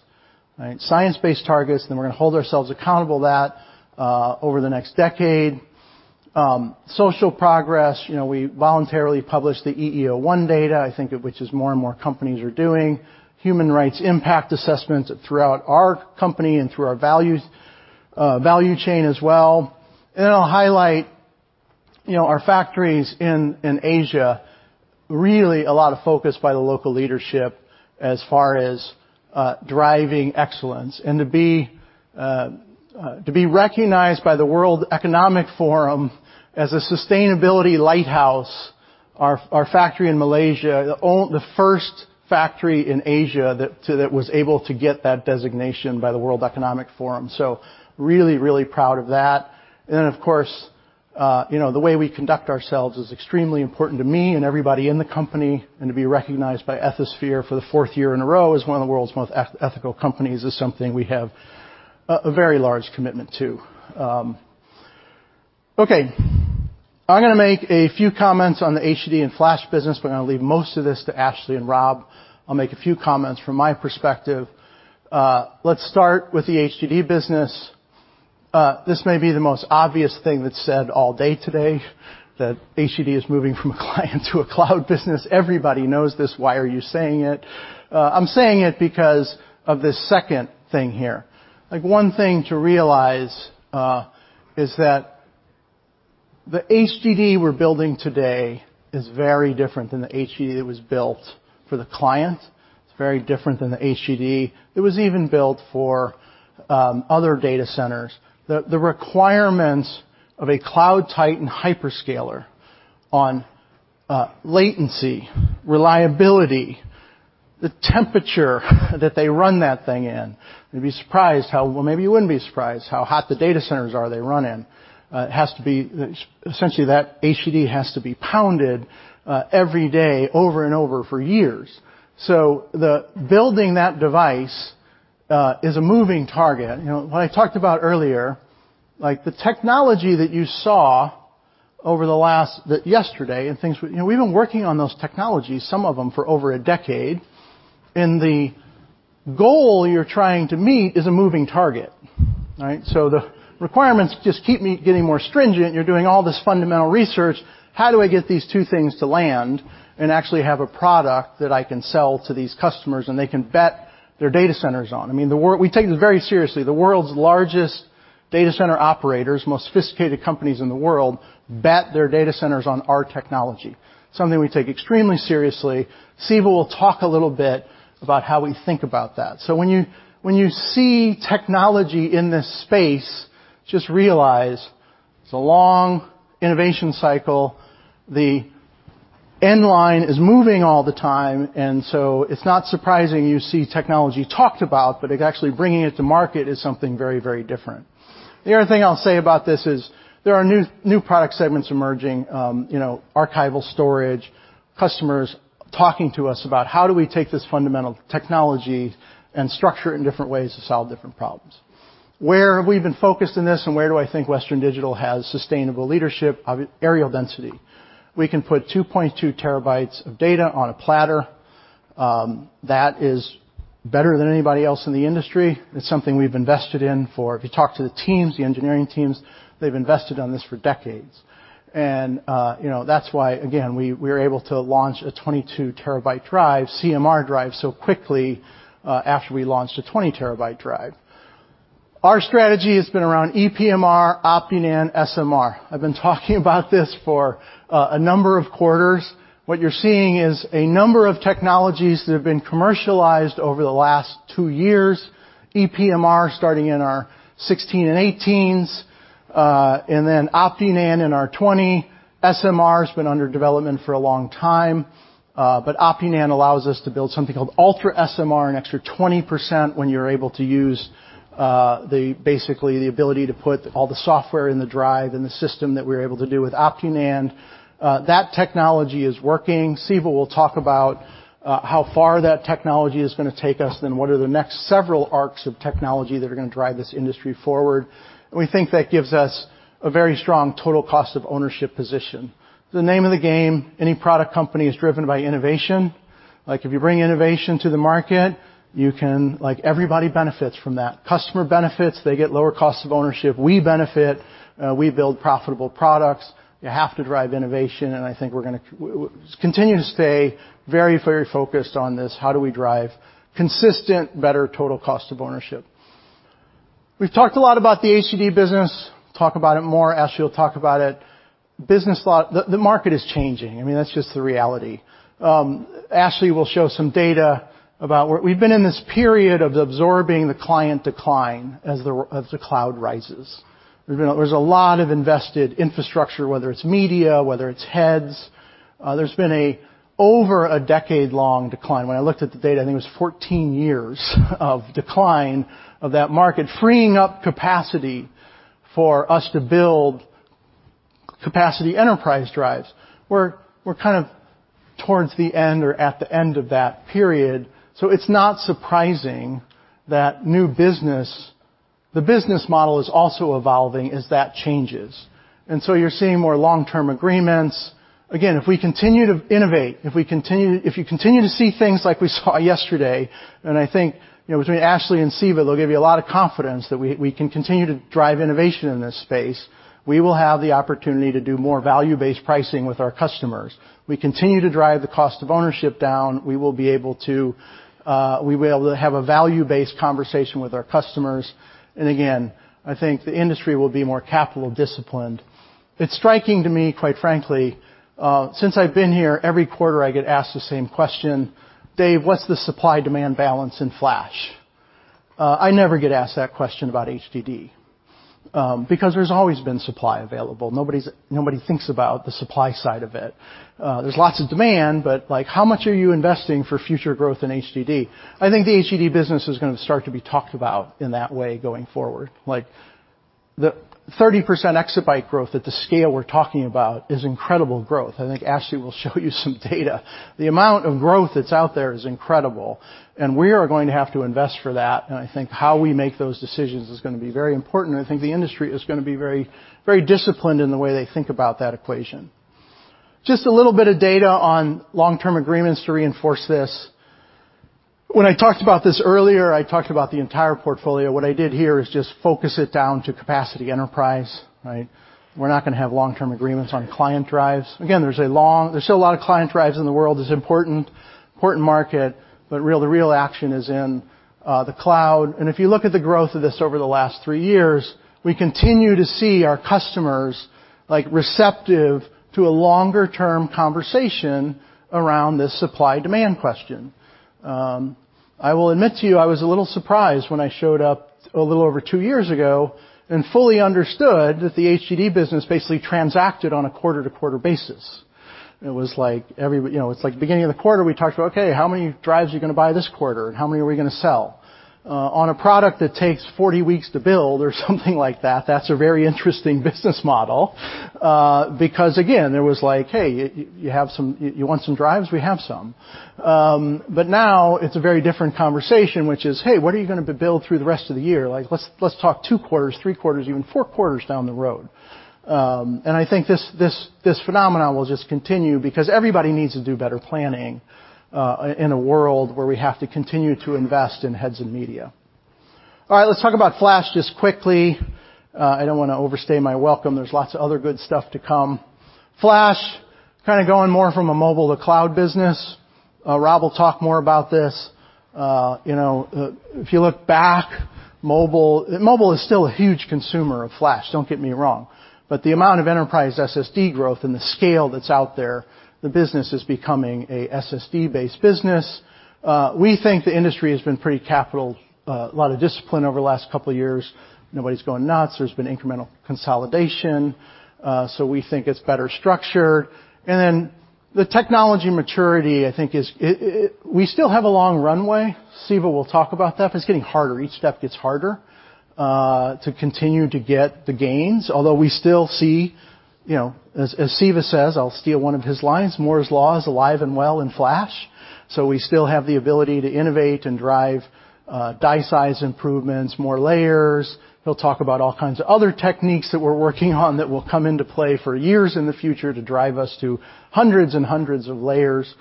B: right? Science-based targets, then we're gonna hold ourselves accountable to that over the next decade. Social progress, you know, we voluntarily publish the EEO-1 data, I think which is more and more companies are doing. Human rights impact assessments throughout our company and through our values, value chain as well. I'll highlight, you know, our factories in Asia, really a lot of focus by the local leadership as far as driving excellence and to be recognized by the World Economic Forum as a sustainability lighthouse. Our factory in Malaysia, the first factory in Asia that was able to get that designation by the World Economic Forum. Really proud of that. Of course, you know, the way we conduct ourselves is extremely important to me and everybody in the company. To be recognized by Ethisphere for the fourth year in a row as one of the world's most ethical companies is something we have a very large commitment to. Okay. I'm gonna make a few comments on the HDD and flash business, but I'm gonna leave most of this to Ashley and Rob. I'll make a few comments from my perspective. Let's start with the HDD business. This may be the most obvious thing that's said all day today that HDD is moving from a client to a cloud business. Everybody knows this. Why are you saying it? I'm saying it because of this second thing here. Like, one thing to realize, is that the HDD we're building today is very different than the HDD that was built for the client. It's very different than the HDD that was even built for other data centers. The requirements of a cloud titan hyperscaler on latency, reliability, the temperature that they run that thing in, you'd be surprised how. Well, maybe you wouldn't be surprised how hot the data centers are they run in. Essentially, that HDD has to be pounded every day over and over for years. The building that device is a moving target. You know, what I talked about earlier, like the technology that you saw yesterday and things, you know, we've been working on those technologies, some of them, for over a decade, and the goal you're trying to meet is a moving target, right? The requirements just keep getting more stringent. You're doing all this fundamental research. How do I get these two things to land and actually have a product that I can sell to these customers, and they can bet their data centers on? I mean, we take this very seriously. The world's largest data center operators, most sophisticated companies in the world, bet their data centers on our technology, something we take extremely seriously. Siva will talk a little bit about how we think about that. When you see technology in this space, just realize it's a long innovation cycle. The end line is moving all the time, and so it's not surprising you see technology talked about, but actually bringing it to market is something very, very different. The other thing I'll say about this is there are new product segments emerging, you know, archival storage, customers talking to us about how do we take this fundamental technology and structure it in different ways to solve different problems. Where have we been focused in this, and where do I think Western Digital has sustainable leadership? Areal density. We can put 2.2 TB of data on a platter. That is better than anybody else in the industry. It's something we've invested in. If you talk to the teams, the engineering teams, they've invested in this for decades. You know, that's why, again, we're able to launch a 22 TB drive, CMR drive, so quickly, after we launched a 20 TB drive. Our strategy has been around EPMR, OptiNAND, SMR. I've been talking about this for a number of quarters. What you're seeing is a number of technologies that have been commercialized over the last two years, EPMR starting in our 16 and 18s, and then OptiNAND in our 20. SMR's been under development for a long time, but OptiNAND allows us to build something called UltraSMR, an extra 20% when you're able to use basically the ability to put all the software in the drive and the system that we're able to do with OptiNAND. That technology is working. Siva will talk about how far that technology is gonna take us, then what are the next several arcs of technology that are gonna drive this industry forward. We think that gives us a very strong total cost of ownership position. The name of the game, any product company is driven by innovation. If you bring innovation to the market, you can. Everybody benefits from that. Customer benefits, they get lower costs of ownership. We benefit, we build profitable products. You have to drive innovation, and I think we're gonna continue to stay very, very focused on this, how do we drive consistent, better total cost of ownership. We've talked a lot about the HDD business. Talk about it more. Ashley will talk about it. The market is changing. I mean, that's just the reality. Ashley will show some data about where we've been in this period of absorbing the client decline as the cloud rises. There's a lot of invested infrastructure, whether it's media, whether it's heads. There's been an over-a-decade-long decline. When I looked at the data, I think it was 14 years of decline of that market, freeing up capacity for us to build capacity enterprise drives. We're kind of towards the end or at the end of that period, so it's not surprising that new business, the business model is also evolving as that changes. You're seeing more long-term agreements. Again, if we continue to innovate, if you continue to see things like we saw yesterday, and I think, you know, between Ashley and Siva, they'll give you a lot of confidence that we can continue to drive innovation in this space. We will have the opportunity to do more value-based pricing with our customers. We continue to drive the cost of ownership down. We will be able to, we will have a value-based conversation with our customers. I think the industry will be more capital disciplined. It's striking to me, quite frankly, since I've been here, every quarter, I get asked the same question: Dave, what's the supply-demand balance in flash? I never get asked that question about HDD, because there's always been supply available. Nobody thinks about the supply side of it. There's lots of demand, but, like, how much are you investing for future growth in HDD? I think the HDD business is gonna start to be talked about in that way going forward. Like, the 30% exabyte growth at the scale we're talking about is incredible growth. I think Ashley will show you some data. The amount of growth that's out there is incredible, and we are going to have to invest for that. I think how we make those decisions is gonna be very important. I think the industry is gonna be very, very disciplined in the way they think about that equation. Just a little bit of data on long-term agreements to reinforce this. When I talked about this earlier, I talked about the entire portfolio. What I did here is just focus it down to enterprise capacity, right? We're not gonna have long-term agreements on client drives. Again, there's still a lot of client drives in the world. It's important market, but the real action is in the cloud. If you look at the growth of this over the last three years, we continue to see our customers, like, receptive to a longer-term conversation around this supply-demand question. I will admit to you, I was a little surprised when I showed up a little over two years ago and fully understood that the HDD business basically transacted on a quarter-to-quarter basis. It was like you know, it's like beginning of the quarter, we talked about, "Okay, how many drives are you gonna buy this quarter? How many are we gonna sell?" On a product that takes 40 weeks to build or something like that's a very interesting business model. Because again, it was like, "Hey, you have some-- you want some drives? We have some." But now it's a very different conversation, which is, "Hey, what are you gonna build through the rest of the year? Like, let's talk two quarters, three quarters, even four quarters down the road. I think this phenomenon will just continue because everybody needs to do better planning in a world where we have to continue to invest in heads and media. All right, let's talk about flash just quickly. I don't wanna overstay my welcome. There's lots of other good stuff to come. Flash, kind of going more from a mobile to cloud business. Rob will talk more about this. You know, if you look back, mobile is still a huge consumer of flash, don't get me wrong. But the amount of enterprise SSD growth and the scale that's out there, the business is becoming a SSD-based business. We think the industry has been pretty capital, a lot of discipline over the last couple of years. Nobody's going nuts. There's been incremental consolidation, so we think it's better structured. The technology maturity, I think is. We still have a long runway. Siva will talk about that, but it's getting harder. Each step gets harder, to continue to get the gains. Although we still see, you know, as Siva says, I'll steal one of his lines, Moore's Law is alive and well in flash. So we still have the ability to innovate and drive, die size improvements, more layers. He'll talk about all kinds of other techniques that we're working on that will come into play for years in the future to drive us to hundreds and hundreds of layers.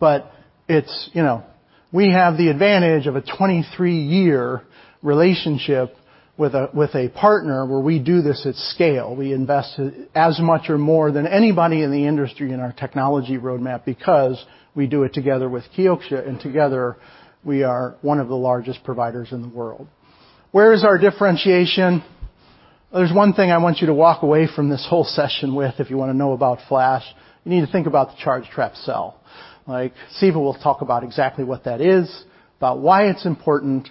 B: But it's, you know, we have the advantage of a 23-year relationship with a partner where we do this at scale. We invest as much or more than anybody in the industry in our technology roadmap because we do it together with Kioxia, and together we are one of the largest providers in the world. Where is our differentiation? There's one thing I want you to walk away from this whole session with. If you wanna know about flash, you need to think about the charge trap cell. Like, Siva will talk about exactly what that is, about why it's important,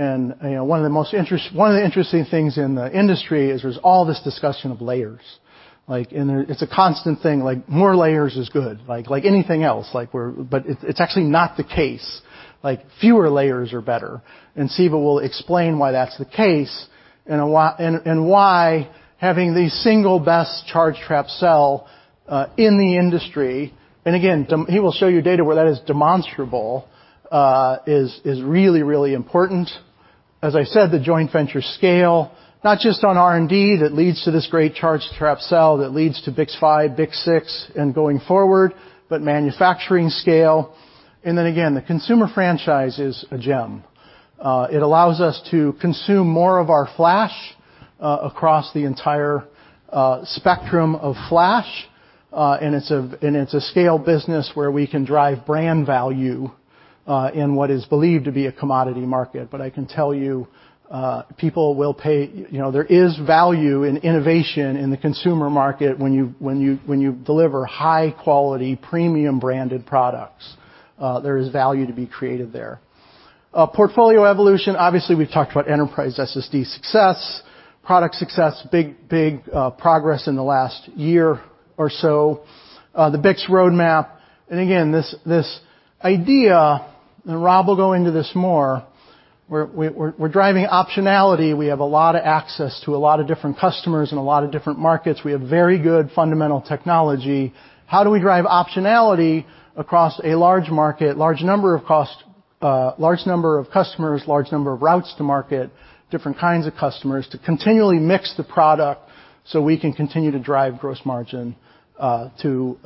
B: and you know, one of the interesting things in the industry is there's all this discussion of layers. Like, it's a constant thing, like more layers is good, like anything else. But it's actually not the case. Like, fewer layers are better. Siva will explain why that's the case and why having the single best charge trap cell in the industry, and again, he will show you data where that is demonstrable, is really important. As I said, the joint venture scale, not just on R&D that leads to this great charge trap cell that leads to BiCS5, BiCS6 and going forward, but manufacturing scale. Then again, the consumer franchise is a gem. It allows us to consume more of our flash across the entire spectrum of flash, and it's a scale business where we can drive brand value in what is believed to be a commodity market. I can tell you, people will pay, you know, there is value in innovation in the consumer market when you deliver high-quality, premium-branded products. There is value to be created there. Portfolio evolution, obviously, we've talked about enterprise SSD success, product success, big progress in the last year or so. The BiCS roadmap, and again, this idea, and Rob will go into this more, we're driving optionality. We have a lot of access to a lot of different customers in a lot of different markets. We have very good fundamental technology. How do we drive optionality across a large market, large number of costs, large number of customers, large number of routes to market, different kinds of customers, to continually mix the product so we can continue to drive gross margin to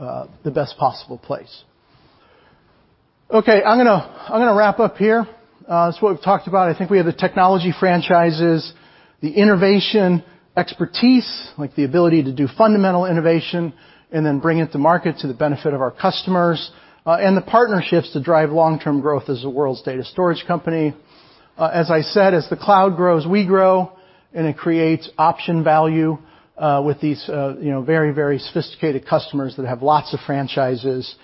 B: the best possible place? Okay, I'm gonna wrap up here. That's what we've talked about. I think we have the technology franchises, the innovation expertise, like the ability to do fundamental innovation and then bring it to market to the benefit of our customers, and the partnerships to drive long-term growth as the world's data storage company. As I said, as the cloud grows, we grow, and it creates option value with these, you know, very, very sophisticated customers that have lots of franchises.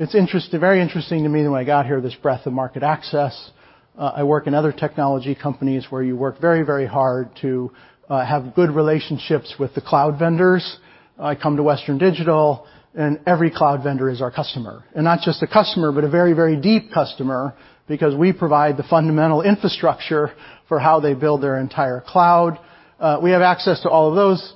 B: It's interesting, very interesting to me that when I got here, this breadth of market access. I work in other technology companies where you work very, very hard to have good relationships with the cloud vendors. I come to Western Digital, and every cloud vendor is our customer. Not just a customer, but a very, very deep customer because we provide the fundamental infrastructure for how they build their entire cloud. We have access to all of those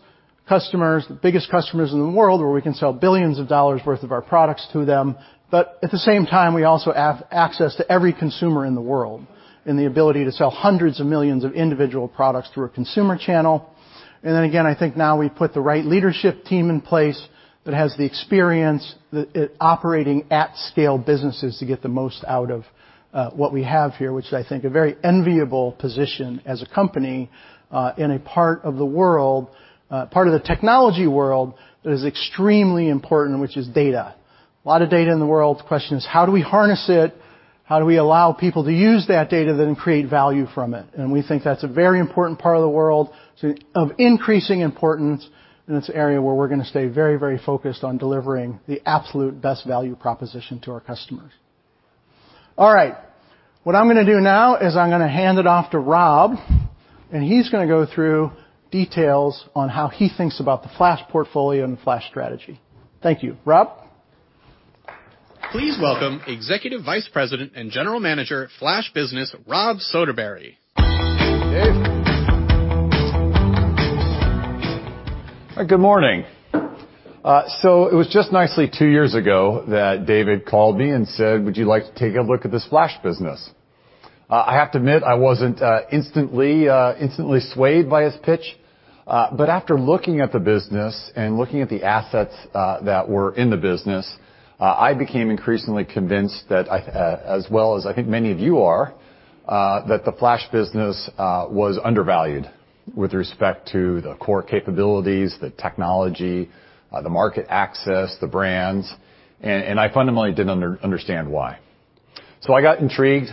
B: customers, the biggest customers in the world, where we can sell billions of dollars worth of our products to them. But at the same time, we also have access to every consumer in the world and the ability to sell hundreds of millions of individual products through a consumer channel. I think now we put the right leadership team in place that has the experience in operating at scale businesses to get the most out of what we have here, which I think a very enviable position as a company, in a part of the world, part of the technology world that is extremely important, which is data. A lot of data in the world. The question is: how do we harness it? How do we allow people to use that data then create value from it? We think that's a very important part of the world of increasing importance, and it's an area where we're gonna stay very, very focused on delivering the absolute best value proposition to our customers. All right. What I'm gonna do now is I'm gonna hand it off to Rob, and he's gonna go through details on how he thinks about the flash portfolio and the flash strategy. Thank you. Rob?
A: Please welcome Executive Vice President and General Manager, Flash Business, Rob Soderbery.
C: Dave. Good morning. It was just nicely two years ago that David called me and said, "Would you like to take a look at this flash business?" I have to admit, I wasn't instantly swayed by his pitch. After looking at the business and looking at the assets that were in the business, I became increasingly convinced that, as well as I think many of you are, the flash business was undervalued with respect to the core capabilities, the technology, the market access, the brands, and I fundamentally didn't understand why. I got intrigued.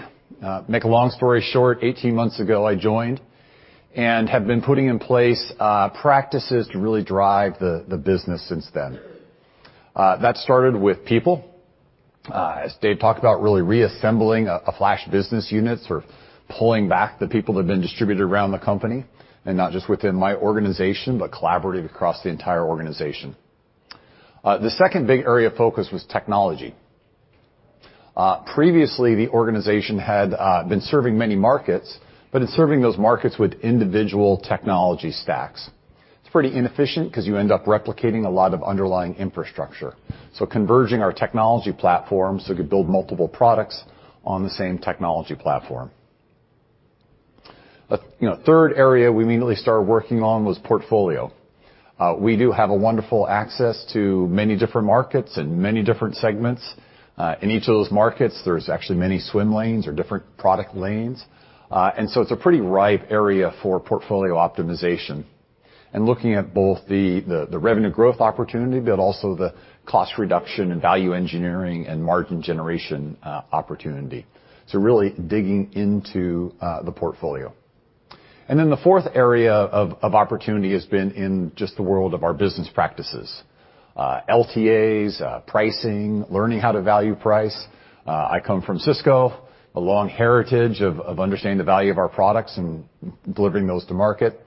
C: Make a long story short, 18 months ago, I joined and have been putting in place practices to really drive the business since then. That started with people. As Dave talked about, really reassembling a flash business unit, sort of pulling back the people that have been distributed around the company, and not just within my organization, but collaborative across the entire organization. The second big area of focus was technology. Previously, the organization had been serving many markets, but it's serving those markets with individual technology stacks. It's pretty inefficient 'cause you end up replicating a lot of underlying infrastructure. So converging our technology platforms, so we could build multiple products on the same technology platform. You know, a third area we immediately started working on was portfolio. We do have wonderful access to many different markets and many different segments. In each of those markets, there's actually many swim lanes or different product lanes. It's a pretty ripe area for portfolio optimization. Looking at both the revenue growth opportunity, but also the cost reduction and value engineering and margin generation, opportunity. Really digging into the portfolio. Then the fourth area of opportunity has been in just the world of our business practices. LTAs, pricing, learning how to value price. I come from Cisco, a long heritage of understanding the value of our products and delivering those to market,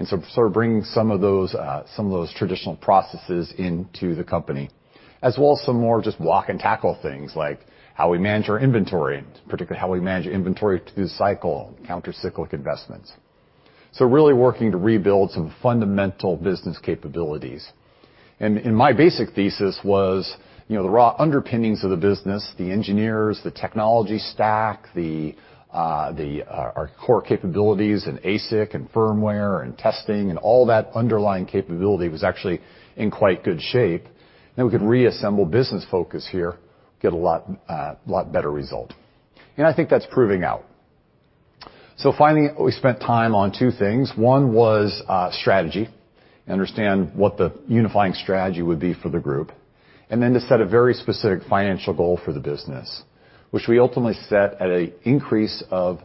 C: and so sort of bringing some of those traditional processes into the company. As well as some more just block and tackle things like how we manage our inventory, and particularly how we manage inventory through the cycle, counter-cyclical investments. Really working to rebuild some fundamental business capabilities. My basic thesis was, you know, the raw underpinnings of the business, the engineers, the technology stack, our core capabilities in ASIC and firmware and testing and all that underlying capability was actually in quite good shape, and we could reassemble business focus here, get a lot better result. I think that's proving out. Finally, we spent time on two things. One was strategy, understand what the unifying strategy would be for the group, and then to set a very specific financial goal for the business, which we ultimately set at an increase of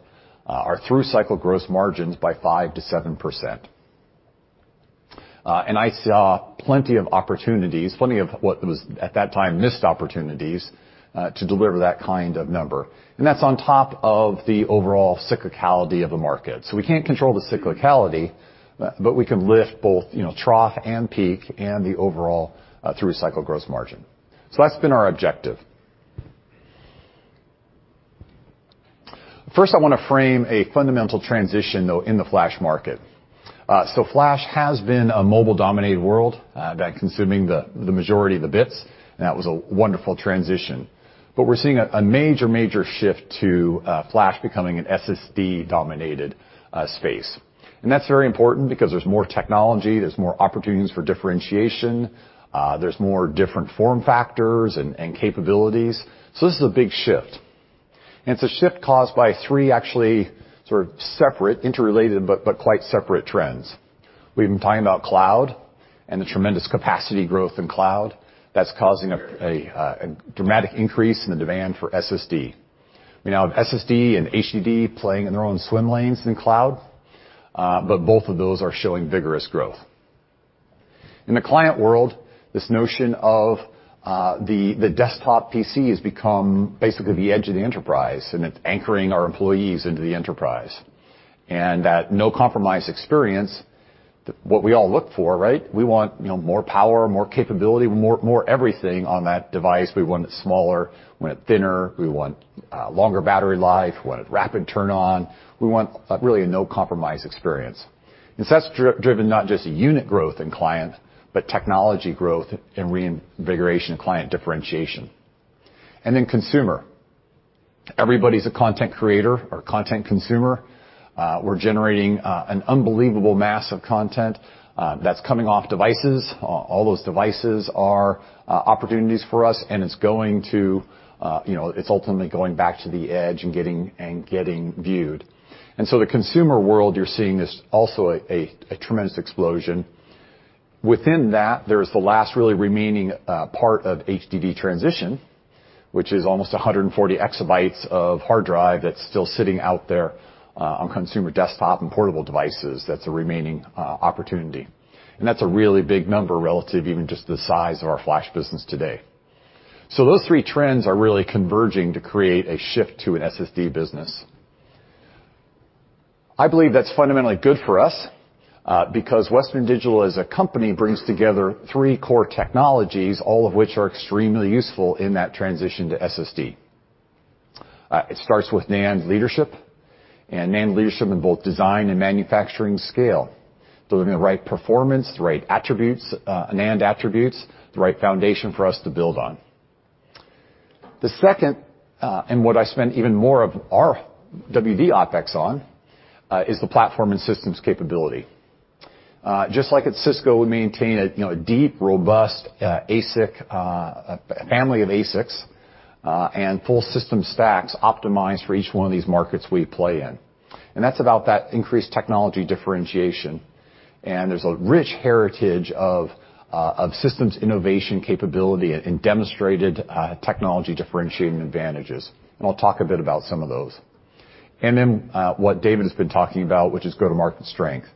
C: our through-cycle gross margins by 5%-7%. I saw plenty of opportunities, plenty of what was at that time missed opportunities, to deliver that kind of number. That's on top of the overall cyclicality of the market. We can't control the cyclicality, but we can lift both, you know, trough and peak and the overall, through cycle gross margin. That's been our objective. First, I wanna frame a fundamental transition, though, in the flash market. Flash has been a mobile-dominated world, that consuming the majority of the bits, and that was a wonderful transition. But we're seeing a major shift to flash becoming an SSD-dominated space. That's very important because there's more technology, there's more opportunities for differentiation, there's more different form factors and capabilities. This is a big shift. It's a shift caused by three actually sort of separate, interrelated, but quite separate trends. We've been talking about cloud and the tremendous capacity growth in cloud that's causing a dramatic increase in the demand for SSD. We now have SSD and HDD playing in their own swim lanes in cloud, but both of those are showing vigorous growth. In the client world, this notion of the desktop PC has become basically the edge of the enterprise, and it's anchoring our employees into the enterprise. That no-compromise experience, what we all look for, right? We want, you know, more power, more capability, more everything on that device. We want it smaller, we want it thinner, we want longer battery life. We want it rapid turn on. We want a really no-compromise experience. That's driven not just unit growth in client, but technology growth and reinvigoration of client differentiation. Then consumer. Everybody's a content creator or content consumer. We're generating an unbelievable mass of content that's coming off devices. All those devices are opportunities for us, and it's going to, you know, it's ultimately going back to the edge and getting viewed. The consumer world, you're seeing this also a tremendous explosion. Within that, there's the last really remaining part of HDD transition, which is almost 140 exabytes of hard drive that's still sitting out there on consumer desktop and portable devices. That's a remaining opportunity. That's a really big number relative even just the size of our flash business today. Those three trends are really converging to create a shift to an SSD business. I believe that's fundamentally good for us, because Western Digital, as a company, brings together three core technologies, all of which are extremely useful in that transition to SSD. It starts with NAND leadership, and NAND leadership in both design and manufacturing scale. Delivering the right performance, the right attributes, NAND attributes, the right foundation for us to build on. The second, and what I spend even more of our WD OpEx on, is the platform and systems capability. Just like at Cisco, we maintain a, you know, a deep, robust ASIC, a family of ASICs, and full system stacks optimized for each one of these markets we play in. That's about that increased technology differentiation. There's a rich heritage of systems innovation capability and demonstrated technology differentiating advantages. I'll talk a bit about some of those. What David has been talking about, which is go-to-market strength.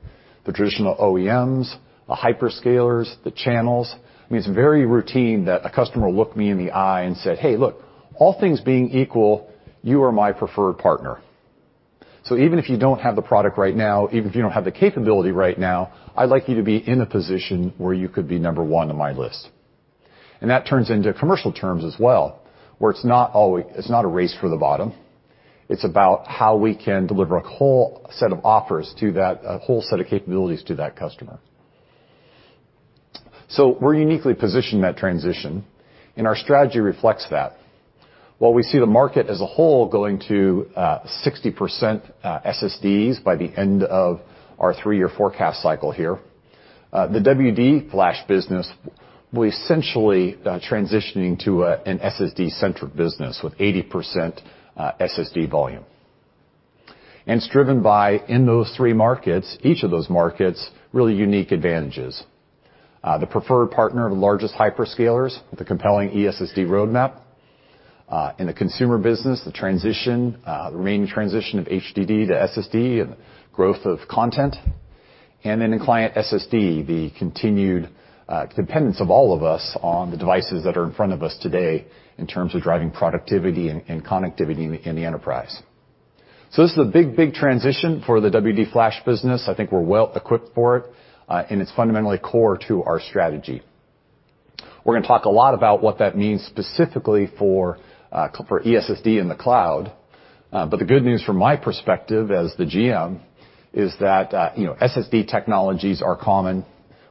C: The traditional OEMs, the hyperscalers, the channels. I mean, it's very routine that a customer will look me in the eye and say, "Hey, look, all things being equal, you are my preferred partner. So even if you don't have the product right now, even if you don't have the capability right now, I'd like you to be in a position where you could be number one on my list." That turns into commercial terms as well, where it's not always a race for the bottom. It's about how we can deliver a whole set of capabilities to that customer. We're uniquely positioned in that transition, and our strategy reflects that. While we see the market as a whole going to 60% SSDs by the end of our three-year forecast cycle here, the WD Flash business, we're essentially transitioning to an SSD-centric business with 80% SSD volume. It's driven by in those three markets each of those markets really unique advantages. The preferred partner of the largest hyperscalers with a compelling eSSD roadmap. In the consumer business, the transition, the remaining transition of HDD to SSD and growth of content. In the client SSD, the continued dependence of all of us on the devices that are in front of us today in terms of driving productivity and connectivity in the enterprise. This is a big transition for the WD Flash business. I think we're well equipped for it, and it's fundamentally core to our strategy. We're gonna talk a lot about what that means specifically for eSSD and the cloud. The good news from my perspective as the GM is that, you know, SSD technologies are common.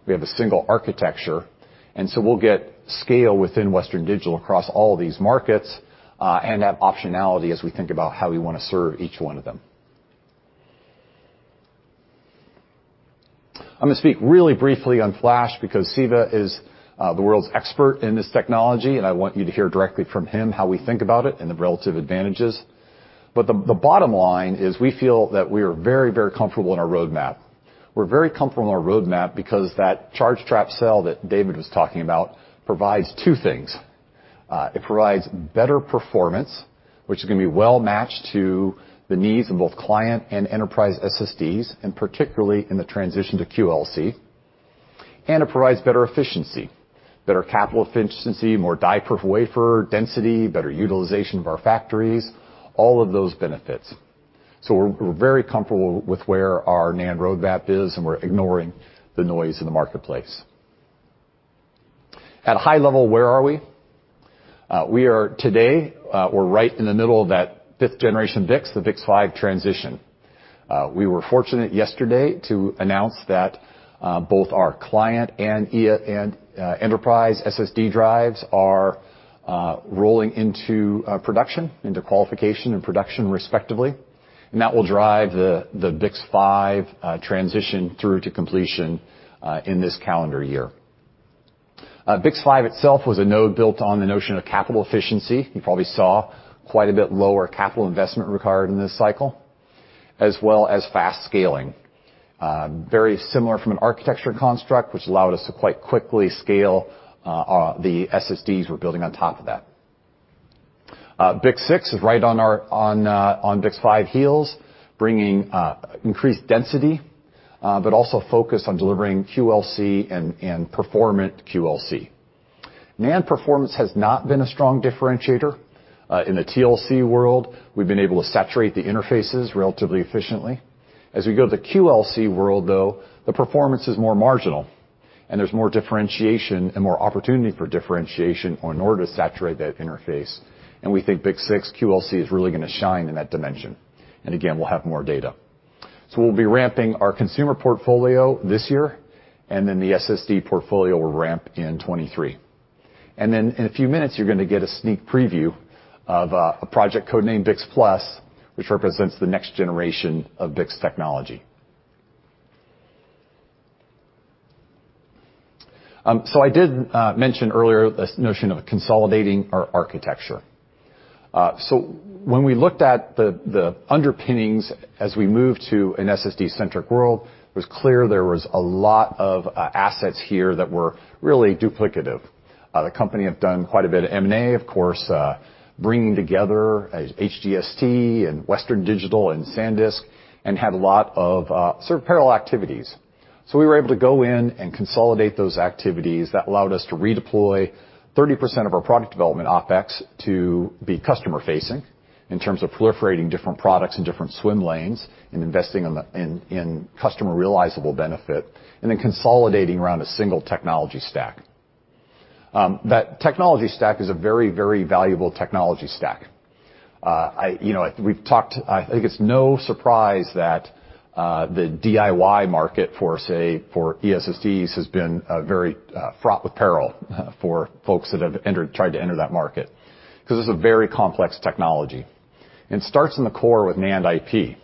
C: We have a single architecture, and so we'll get scale within Western Digital across all of these markets, and have optionality as we think about how we wanna serve each one of them. I'm gonna speak really briefly on Flash because Siva is the world's expert in this technology, and I want you to hear directly from him how we think about it and the relative advantages. The bottom line is we feel that we are very, very comfortable in our roadmap. We're very comfortable in our roadmap because that charge trap cell that David was talking about provides two things. It provides better performance, which is gonna be well-matched to the needs of both client and enterprise SSDs, and particularly in the transition to QLC. It provides better efficiency, better capital efficiency, more die per wafer, density, better utilization of our factories, all of those benefits. We're very comfortable with where our NAND roadmap is, and we're ignoring the noise in the marketplace. At a high level, where are we? We are today right in the middle of that fifth generation BiCS, the BiCS5 transition. We were fortunate yesterday to announce that both our client and enterprise SSD drives are rolling into qualification and production respectively. That will drive the BiCS5 transition through to completion in this calendar year. BiCS5 itself was a node built on the notion of capital efficiency. You probably saw quite a bit lower capital investment required in this cycle, as well as fast scaling. Very similar from an architecture construct, which allowed us to quite quickly scale the SSDs we're building on top of that. BiCS6 is right on BiCS5 heels, bringing increased density but also focused on delivering QLC and performant QLC. NAND performance has not been a strong differentiator. In the TLC world, we've been able to saturate the interfaces relatively efficiently. As we go to the QLC world, though, the performance is more marginal, and there's more differentiation and more opportunity for differentiation in order to saturate that interface. We think BiCS6 QLC is really gonna shine in that dimension. Again, we'll have more data. We'll be ramping our consumer portfolio this year, and then the SSD portfolio will ramp in 2023. Then in a few minutes, you're gonna get a sneak preview of a project code-named BiCS+, which represents the next generation of BiCS technology. I did mention earlier this notion of consolidating our architecture. When we looked at the underpinnings as we moved to an SSD-centric world, it was clear there was a lot of assets here that were really duplicative. The company have done quite a bit of M&A, of course, bringing together HGST and Western Digital and SanDisk, and had a lot of sort of parallel activities. We were able to go in and consolidate those activities. That allowed us to redeploy 30% of our product development OpEx to be customer-facing in terms of proliferating different products in different swim lanes and investing in customer realizable benefit, and then consolidating around a single technology stack. That technology stack is a very, very valuable technology stack. You know, we've talked, I think it's no surprise that the DIY market for, say, for eSSDs has been very fraught with peril for folks that have entered, tried to enter that market, 'cause it's a very complex technology. It starts in the core with NAND IP.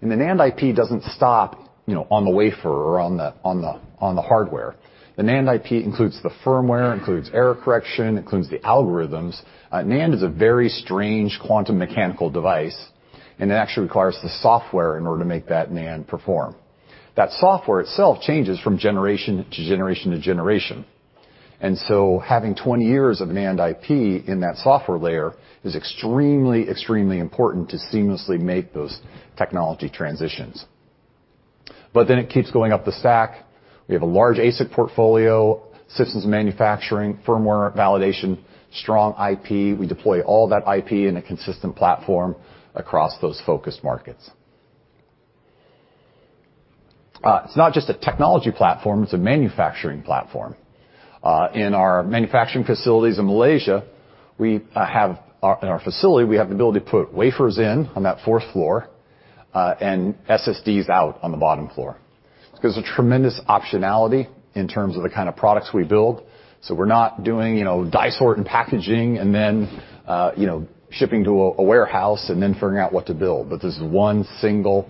C: The NAND IP doesn't stop, you know, on the wafer or on the hardware. The NAND IP includes the firmware, includes error correction, includes the algorithms. NAND is a very strange quantum mechanical device, and it actually requires the software in order to make that NAND perform. That software itself changes from generation to generation to generation. Having 20 years of NAND IP in that software layer is extremely important to seamlessly make those technology transitions. But then it keeps going up the stack. We have a large ASIC portfolio, systems manufacturing, firmware validation, strong IP. We deploy all that IP in a consistent platform across those focused markets. It's not just a technology platform, it's a manufacturing platform. In our manufacturing facilities in Malaysia, in our facility, we have the ability to put wafers in on that fourth floor, and SSDs out on the bottom floor. There's a tremendous optionality in terms of the kind of products we build, so we're not doing, you know, die sort and packaging and then, you know, shipping to a warehouse and then figuring out what to build. This is one single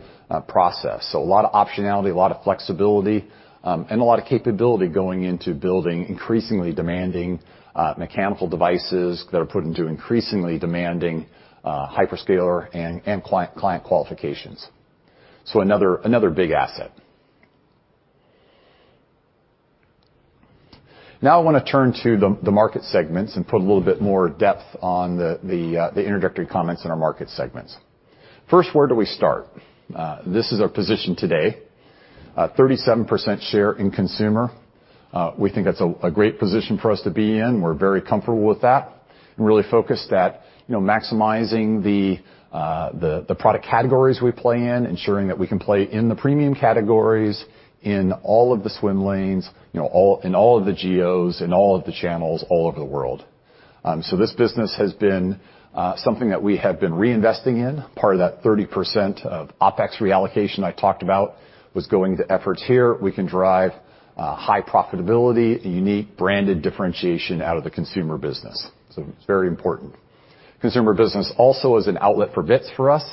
C: process. A lot of optionality, a lot of flexibility, and a lot of capability going into building increasingly demanding mechanical devices that are put into increasingly demanding hyperscaler and client qualifications. Another big asset. Now I wanna turn to the market segments and put a little bit more depth on the introductory comments in our market segments. First, where do we start? This is our position today. 37% share in consumer. We think that's a great position for us to be in. We're very comfortable with that, and really focused at, you know, maximizing the product categories we play in, ensuring that we can play in the premium categories in all of the swim lanes, you know, all, in all of the GOs, in all of the channels, all over the world. This business has been something that we have been reinvesting in. Part of that 30% of OpEx reallocation I talked about was going to efforts here. We can drive high profitability, a unique branded differentiation out of the consumer business. It's very important. Consumer business also is an outlet for bits for us,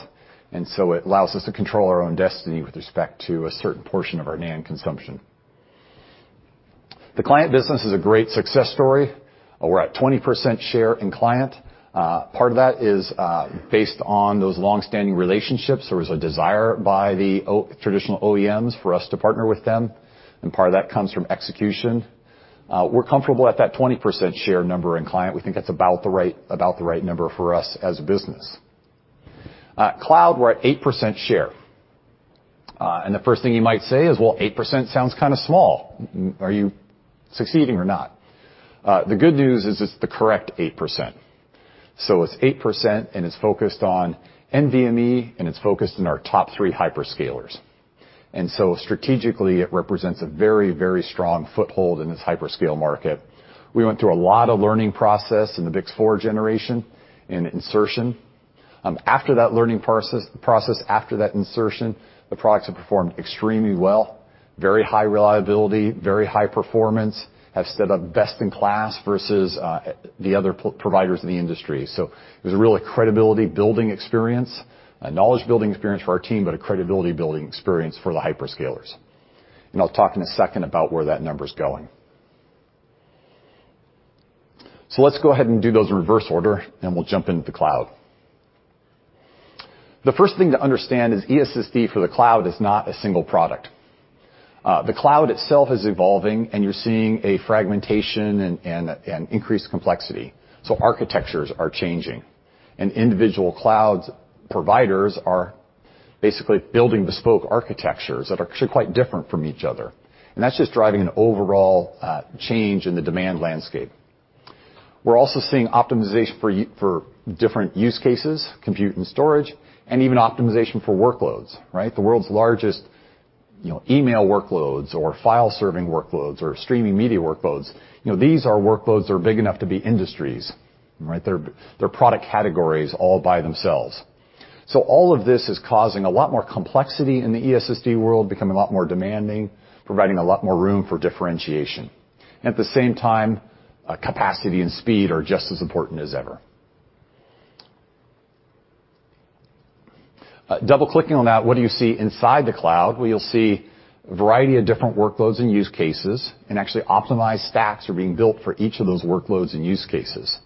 C: and so it allows us to control our own destiny with respect to a certain portion of our NAND consumption. The client business is a great success story. We're at 20% share in client. Part of that is based on those long-standing relationships. There was a desire by the traditional OEMs for us to partner with them, and part of that comes from execution. We're comfortable at that 20% share number in client. We think that's about the right number for us as a business. Cloud, we're at 8% share. The first thing you might say is, "Well, 8% sounds kinda small. Mmm, are you succeeding or not?" The good news is it's the correct 8%. It's 8%, and it's focused on NVMe, and it's focused on our top three hyperscalers. Strategically, it represents a very, very strong foothold in this hyperscale market. We went through a lot of learning process in the big four generation in insertion. After that learning process, after that insertion, the products have performed extremely well, very high reliability, very high performance, have stood up best-in-class versus the other providers in the industry. It was a real credibility-building experience, a knowledge-building experience for our team, but a credibility-building experience for the hyperscalers. I'll talk in a second about where that number's going. Let's go ahead and do those in reverse order, and we'll jump into cloud. The first thing to understand is eSSD for the cloud is not a single product. The cloud itself is evolving, and you're seeing a fragmentation and increased complexity, so architectures are changing. Individual cloud providers are basically building bespoke architectures that are actually quite different from each other, and that's just driving an overall change in the demand landscape. We're also seeing optimization for different use cases, compute and storage, and even optimization for workloads, right? The world's largest, you know, email workloads or file-serving workloads or streaming media workloads, you know, these are workloads that are big enough to be industries, right? They're product categories all by themselves. So all of this is causing a lot more complexity in the eSSD world, becoming a lot more demanding, providing a lot more room for differentiation. At the same time, capacity and speed are just as important as ever. Double-clicking on that, what do you see inside the cloud? Well, you'll see a variety of different workloads and use cases, and actually optimized stacks are being built for each of those workloads and use cases.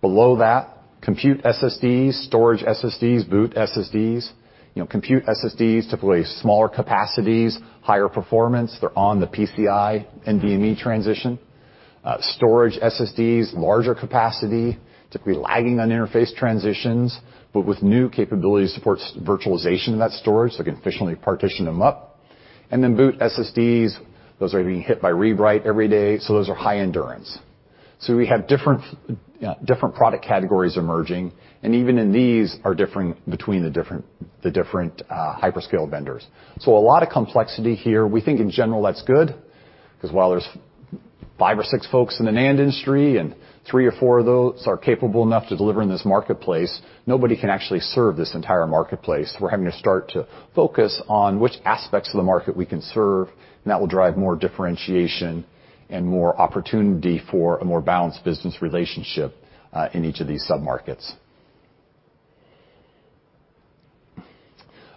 C: Below that, compute SSDs, storage SSDs, boot SSDs. You know, compute SSDs, typically smaller capacities, higher performance. They're on the PCIe NVMe transition. Storage SSDs, larger capacity, typically lagging on interface transitions, but with new capabilities to support virtualization of that storage, so we can efficiently partition them up. Then boot SSDs, those are being hit by read/write every day, so those are high endurance. We have different, you know, different product categories emerging, and even in these are differing between the different hyperscale vendors. A lot of complexity here. We think in general that's good, 'cause while there's five or six folks in the NAND industry, and three or four of those are capable enough to deliver in this marketplace, nobody can actually serve this entire marketplace. We're having to start to focus on which aspects of the market we can serve, and that will drive more differentiation and more opportunity for a more balanced business relationship in each of these sub-markets.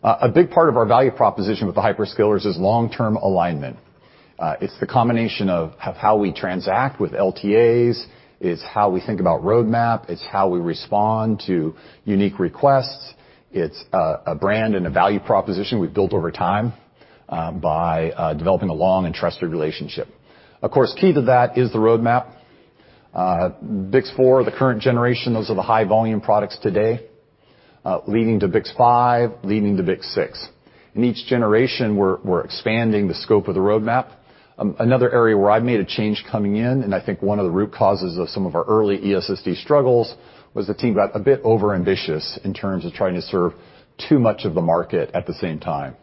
C: A big part of our value proposition with the hyperscalers is long-term alignment. It's the combination of how we transact with LTAs. It's how we think about roadmap. It's how we respond to unique requests. It's a brand and a value proposition we've built over time by developing a long and trusted relationship. Of course, key to that is the roadmap. BiCS4, the current generation, those are the high-volume products today, leading to BiCS5, leading to BiCS6. In each generation, we're expanding the scope of the roadmap. Another area where I made a change coming in, and I think one of the root causes of some of our early eSSD struggles, was the team got a bit overambitious in terms of trying to serve too much of the market at the same time.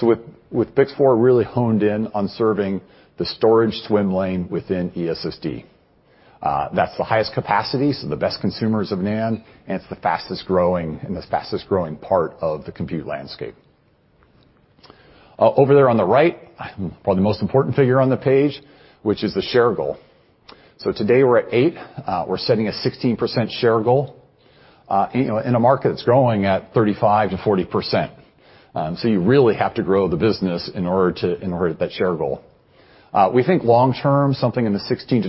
C: With BiCS4, really honed in on serving the storage swim lane within eSSD. That's the highest capacity, so the best consumers of NAND, and it's the fastest-growing and the fastest-growing part of the compute landscape. Over there on the right, probably the most important figure on the page, which is the share goal. Today we're at 8%, we're setting a 16% share goal, you know, in a market that's growing at 35%-40%. You really have to grow the business in order to hit that share goal. We think long term, something in the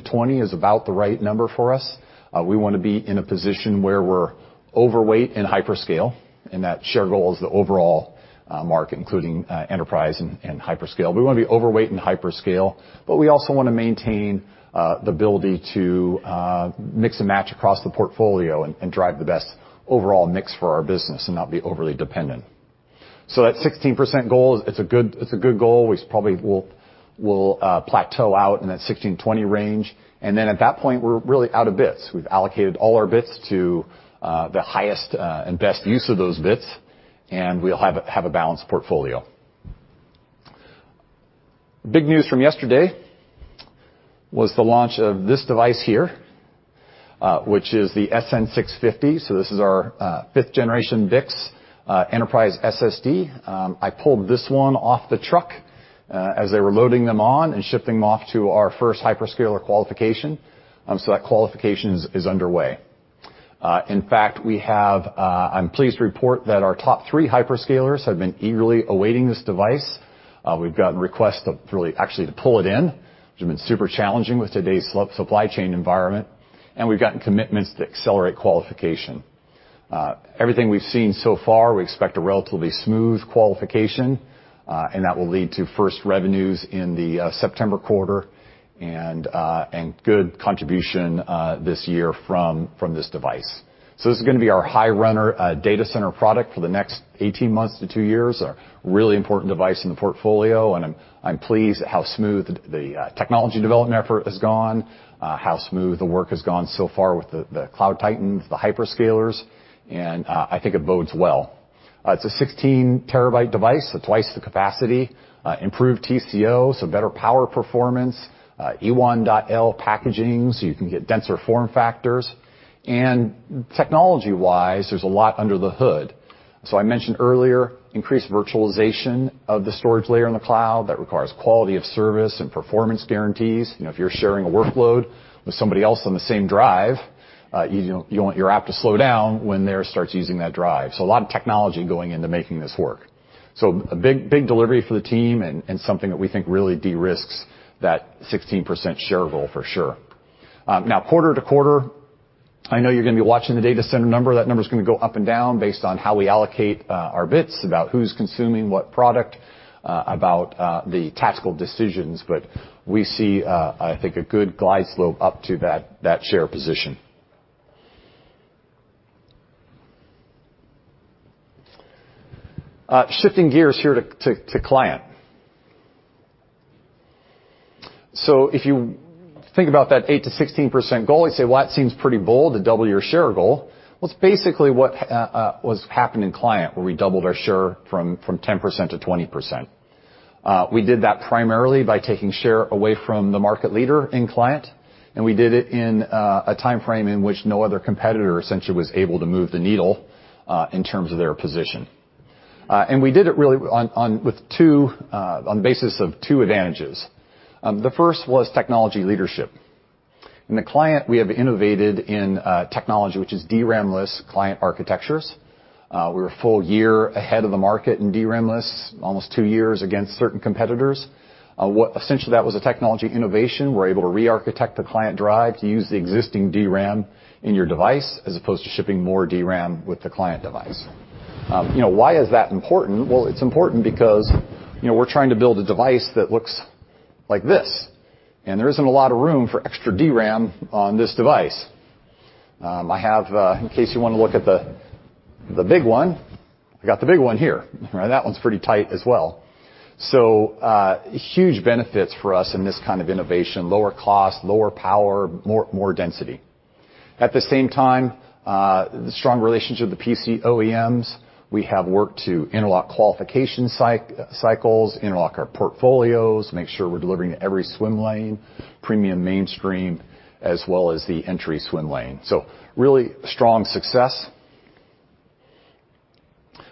C: 16%-20% is about the right number for us. We wanna be in a position where we're overweight in hyperscale, and that share goal is the overall market, including enterprise and hyperscale. We wanna be overweight in hyperscale, but we also wanna maintain the ability to mix and match across the portfolio and drive the best overall mix for our business and not be overly dependent. That 16% goal, it's a good goal. We probably will plateau out in that 16%-20% range. Then at that point, we're really out of bits. We've allocated all our bits to the highest and best use of those bits, and we'll have a balanced portfolio. Big news from yesterday was the launch of this device here, which is the SN650. This is our fifth-generation BiCS enterprise SSD. I pulled this one off the truck as they were loading them on and shipping them off to our first hyperscaler qualification. That qualification is underway. In fact, I'm pleased to report that our top three hyperscalers have been eagerly awaiting this device. We've gotten requests to really actually pull it in, which has been super challenging with today's supply chain environment, and we've gotten commitments to accelerate qualification. Everything we've seen so far, we expect a relatively smooth qualification, and that will lead to first revenues in the September quarter and good contribution this year from this device.
D: This is gonna be our high runner, data center product for the next 18 months to two years. A really important device in the portfolio, and I'm pleased at how smooth the technology development effort has gone, how smooth the work has gone so far with the cloud titans, the hyperscalers, and I think it bodes well. It's a 16 TB device, so twice the capacity. Improved TCO, so better power performance. E1.L packaging, so you can get denser form factors. Technology-wise, there's a lot under the hood. I mentioned earlier, increased virtualization of the storage layer in the cloud. That requires quality of service and performance guarantees. You know, if you're sharing a workload with somebody else on the same drive, you don't want your app to slow down when theirs starts using that drive.
C: A lot of technology going into making this work. A big delivery for the team and something that we think really de-risks that 16% share goal for sure. Now quarter to quarter, I know you're gonna be watching the data center number. That number's gonna go up and down based on how we allocate our bits, about who's consuming what product, about the tactical decisions. But we see, I think, a good glide slope up to that share position. Shifting gears here to client. If you think about that 8%-16% goal, you'd say, "Well, that seems pretty bold to double your share goal." Well, it's basically what what's happened in client, where we doubled our share from 10% to 20%. We did that primarily by taking share away from the market leader in client, and we did it in a timeframe in which no other competitor essentially was able to move the needle in terms of their position. We did it really on the basis of two advantages. The first was technology leadership. In the client, we have innovated in technology, which is DRAMless client architectures. We're a full year ahead of the market in DRAMless, almost two years against certain competitors. Essentially that was a technology innovation. We're able to rearchitect the client drive to use the existing DRAM in your device as opposed to shipping more DRAM with the client device. You know, why is that important? Well, it's important because, you know, we're trying to build a device that looks like this, and there isn't a lot of room for extra DRAM on this device. I have, in case you wanna look at the big one, I've got the big one here. Right? That one's pretty tight as well. Huge benefits for us in this kind of innovation, lower cost, lower power, more density. At the same time, the strong relationship with the PC OEMs, we have worked to interlock qualification cycles, interlock our portfolios, make sure we're delivering to every swim lane, premium mainstream, as well as the entry swim lane. Really strong success.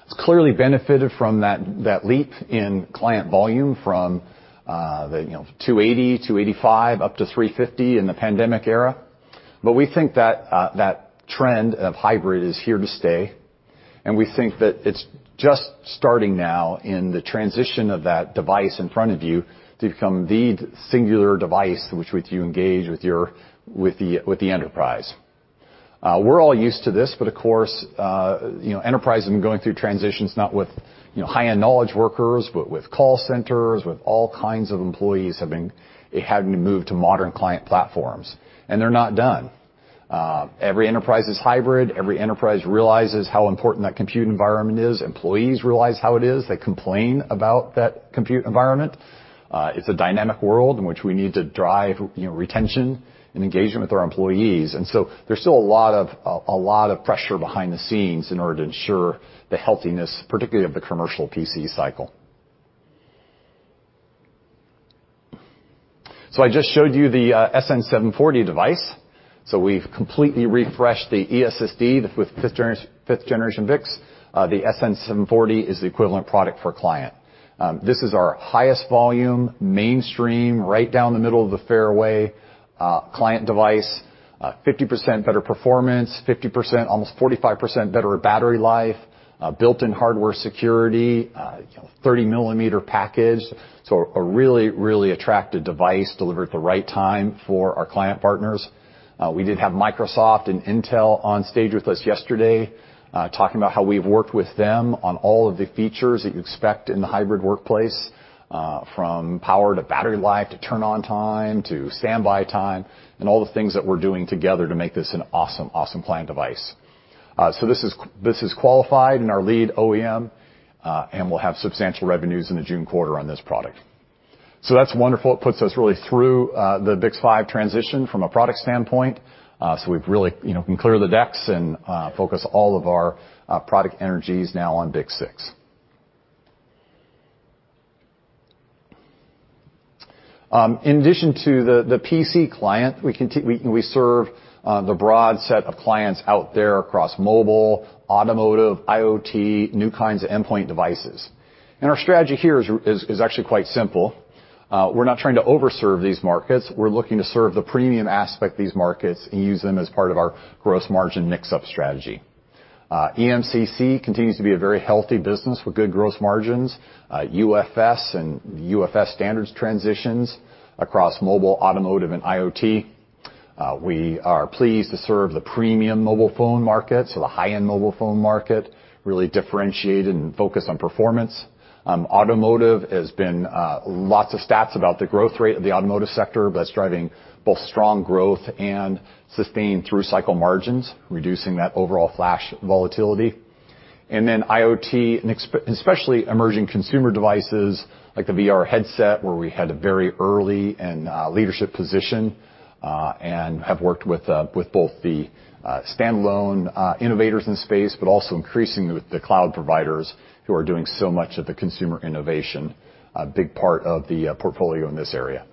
C: It's clearly benefited from that leap in client volume from, the, you know, 280, 285, up to 350 in the pandemic era. We think that that trend of hybrid is here to stay, and we think that it's just starting now in the transition of that device in front of you to become the singular device which with you engage with the enterprise. We're all used to this, but of course, you know, enterprise have been going through transitions, not with, you know, high-end knowledge workers, but with call centers, with all kinds of employees having to move to modern client platforms, and they're not done. Every enterprise is hybrid. Every enterprise realizes how important that compute environment is. Employees realize how it is. They complain about that compute environment. It's a dynamic world in which we need to drive, you know, retention and engagement with our employees. There's still a lot of pressure behind the scenes in order to ensure the healthiness, particularly of the commercial PC cycle. I just showed you the SN740 device. We've completely refreshed the eSSD with fifth-generation BiCS. The SN740 is the equivalent product for client. This is our highest volume, mainstream, right down the middle of the fairway, client device, 50% better performance, 50%, almost 45% better battery life, built-in hardware security, you know, 30-millimeter package. A really, really attractive device delivered at the right time for our client partners. We did have Microsoft and Intel on stage with us yesterday, talking about how we've worked with them on all of the features that you expect in the hybrid workplace, from power to battery life to turn on time to standby time, and all the things that we're doing together to make this an awesome client device. This is qualified in our lead OEM, and we'll have substantial revenues in the June quarter on this product. That's wonderful. It puts us really through the BiCS five transition from a product standpoint. We've really, you know, can clear the decks and focus all of our product energies now on BiCS six. In addition to the PC client, we serve the broad set of clients out there across mobile, automotive, IoT, new kinds of endpoint devices. Our strategy here is actually quite simple. We're not trying to overserve these markets. We're looking to serve the premium aspect these markets and use them as part of our gross margin mix-up strategy. eMMC continues to be a very healthy business with good gross margins, UFS and UFS standards transitions across mobile, automotive, and IoT. We are pleased to serve the premium mobile phone market, so the high-end mobile phone market, really differentiated and focused on performance. Automotive has been lots of stats about the growth rate of the automotive sector that's driving both strong growth and sustained through-cycle margins, reducing that overall flash volatility. IoT, and especially emerging consumer devices like the VR headset, where we had a very early and leadership position, and have worked with both the standalone innovators in the space, but also increasingly with the cloud providers who are doing so much of the consumer innovation, a big part of the portfolio in this area.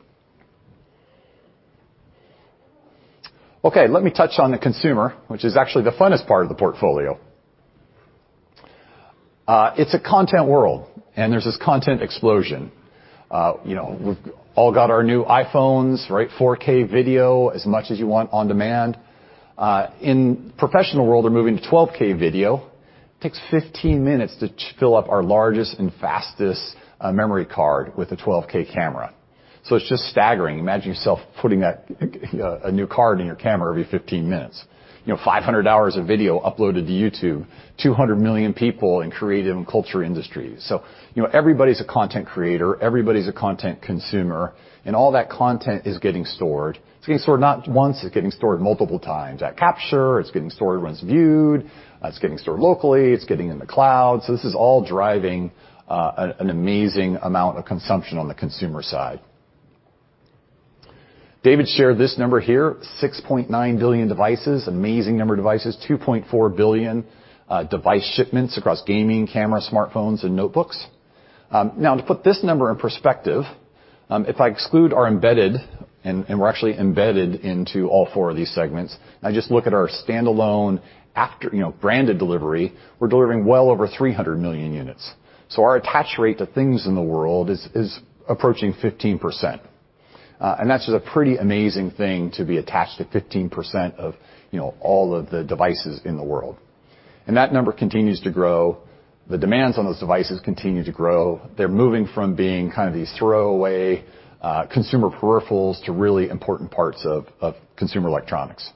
C: Okay, let me touch on the consumer, which is actually the funnest part of the portfolio. It's a content world, and there's this content explosion. You know, we've all got our new iPhones, right? 4K video, as much as you want on demand. In professional world, they're moving to 12K video. Takes 15 minutes to fill up our largest and fastest memory card with a 12K camera. So it's just staggering. Imagine yourself putting that. a new card in your camera every 15 minutes. You know, 500 hours of video uploaded to YouTube, 200 million people in creative and culture industries. You know, everybody's a content creator, everybody's a content consumer, and all that content is getting stored. It's getting stored not once, it's getting stored multiple times. At capture, it's getting stored when it's viewed, it's getting stored locally, it's getting in the cloud. This is all driving an amazing amount of consumption on the consumer side. David shared this number here, 6.9 billion devices. Amazing number of devices. 2.4 billion device shipments across gaming, camera, smartphones, and notebooks. Now to put this number in perspective, if I exclude our embedded, and we're actually embedded into all four of these segments, and I just look at our standalone after... You know, branded delivery, we're delivering well over 300 million units. Our attach rate to things in the world is approaching 15%. That's just a pretty amazing thing to be attached to 15% of, you know, all of the devices in the world. That number continues to grow. The demands on those devices continue to grow. They're moving from being kind of these throwaway consumer peripherals to really important parts of consumer electronics.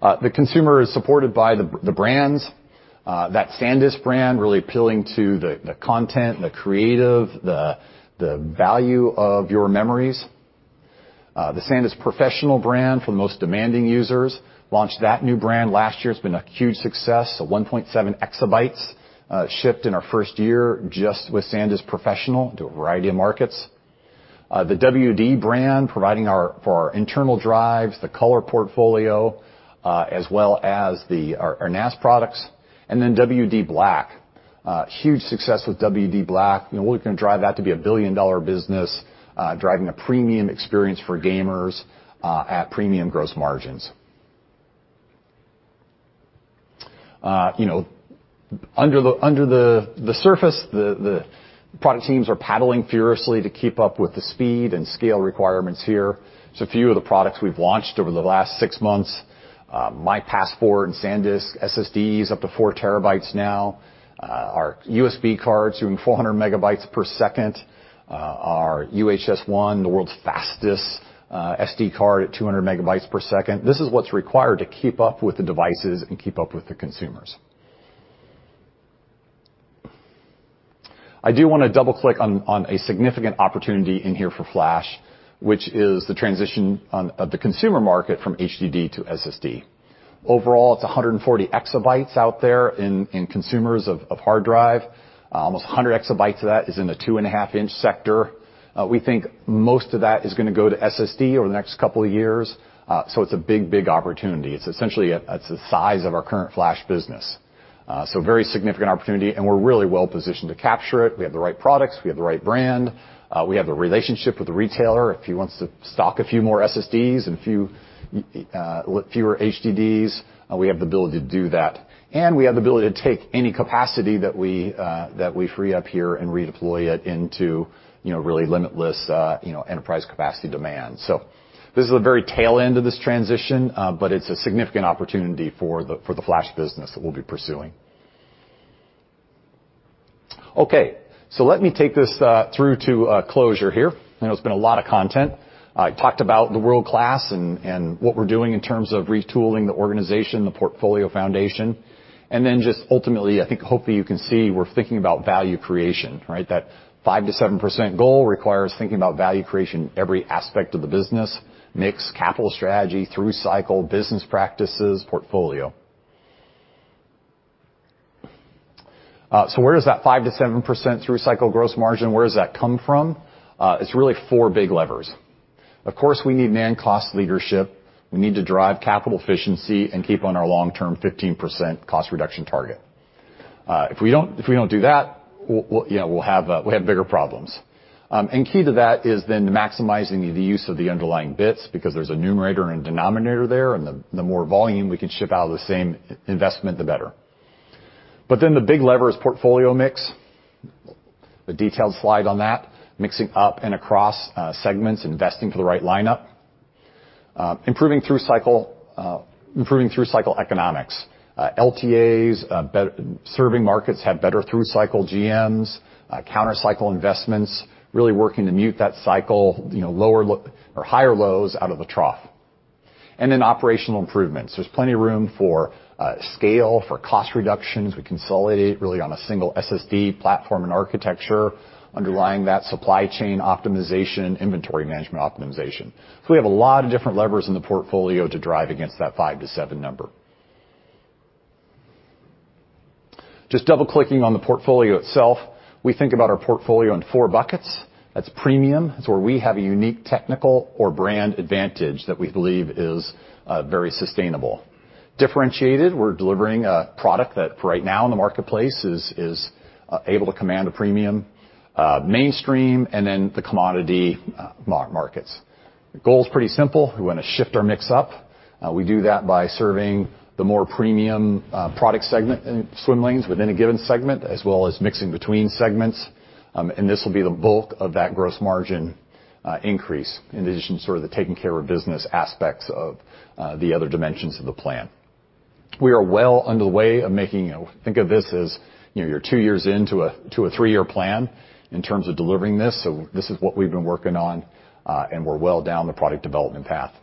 C: The consumer is supported by the brands. That SanDisk brand really appealing to the content, the creative, the value of your memories. The SanDisk Professional brand for the most demanding users. Launched that new brand last year. It's been a huge success. 1.7 EB shipped in our first year just with SanDisk Professional to a variety of markets. The WD brand providing for our internal drives, the color portfolio, as well as our NAS products. WD_BLACK. Huge success with WD_BLACK. You know, we're looking to drive that to be a billion-dollar business, driving a premium experience for gamers, at premium gross margins. You know, under the surface, the product teams are paddling furiously to keep up with the speed and scale requirements here. Just a few of the products we've launched over the last six months. My Passport and SanDisk SSDs up to 4 TB now. Our USB cards doing 400 MB/s. Our UHS-I, the world's fastest, SD card at 200 MB/s. This is what's required to keep up with the devices and keep up with the consumers. I do wanna double-click on a significant opportunity in here for flash, which is the transition of the consumer market from HDD to SSD. Overall, it's 140 EB out there in consumer hard drives. Almost 100 EBof that is in the 2.5-inch sector. We think most of that is gonna go to SSD over the next couple of years, so it's a big opportunity. It's essentially the size of our current flash business. So very significant opportunity, and we're really well-positioned to capture it. We have the right products. We have the right brand. We have the relationship with the retailer. If he wants to stock a few more SSDs and fewer HDDs, we have the ability to do that. We have the ability to take any capacity that we free up here and redeploy it into, you know, really limitless, you know, enterprise capacity demand. This is the very tail end of this transition, but it's a significant opportunity for the flash business that we'll be pursuing. Okay, let me take this through to closure here. I know it's been a lot of content. I talked about the world-class and what we're doing in terms of retooling the organization, the portfolio foundation, and then just ultimately, I think, hopefully you can see we're thinking about value creation, right? That 5%-7% goal requires thinking about value creation in every aspect of the business, mix, capital strategy, through-cycle, business practices, portfolio. Where does that 5%-7% through-cycle gross margin, where does that come from? It is really four big levers. Of course, we need NAND cost leadership. We need to drive capital efficiency and keep on our long-term 15% cost reduction target. If we don't do that, we'll, you know, we'll have bigger problems. Key to that is then maximizing the use of the underlying bits because there's a numerator and denominator there, and the more volume we can ship out of the same investment, the better. The big lever is portfolio mix. The detailed slide on that, mixing up and across segments, investing for the right lineup. Improving through-cycle economics. LTAs, better serving markets have better through-cycle GMs, counter-cycle investments, really working to mute that cycle, you know, lower or higher lows out of the trough. Operational improvements. There's plenty of room for scale, for cost reductions. We consolidate really on a single SSD platform and architecture underlying that supply chain optimization, inventory management optimization. We have a lot of different levers in the portfolio to drive against that five-seven number. Just double-clicking on the portfolio itself. We think about our portfolio in four buckets. That's premium. That's where we have a unique technical or brand advantage that we believe is very sustainable. Differentiated, we're delivering a product that right now in the marketplace is able to command a premium, mainstream, and then the commodity markets. The goal is pretty simple. We wanna shift our mix up. We do that by serving the more premium product segment in swim lanes within a given segment, as well as mixing between segments. This will be the bulk of that gross margin increase in addition to sort of the taking care of business aspects of the other dimensions of the plan. We are well underway. Think of this as, you know, you're two years into a three-year plan in terms of delivering this, so this is what we've been working on, and we're well down the product development path.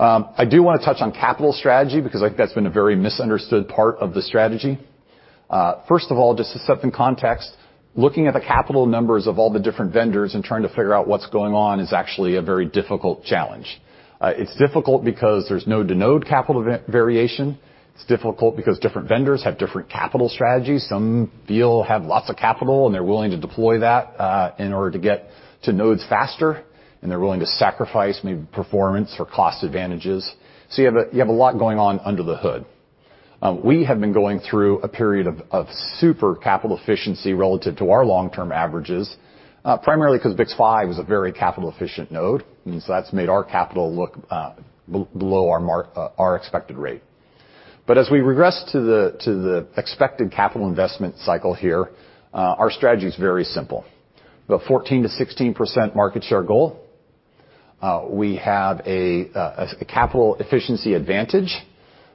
C: I do wanna touch on capital strategy because I think that's been a very misunderstood part of the strategy. First of all, just to set some context, looking at the CapEx numbers of all the different vendors and trying to figure out what's going on is actually a very difficult challenge. It's difficult because there's notable CapEx variation. It's difficult because different vendors have different CapEx strategies. Some have lots of capital, and they're willing to deploy that in order to get to nodes faster, and they're willing to sacrifice maybe performance for cost advantages. You have a lot going on under the hood. We have been going through a period of super CapEx efficiency relative to our long-term averages, primarily 'cause BiCS5 was a very CapEx-efficient node, and so that's made our CapEx look below our expected rate. As we regress to the expected capital investment cycle here, our strategy is very simple. The 14%-16% market share goal, we have a capital efficiency advantage,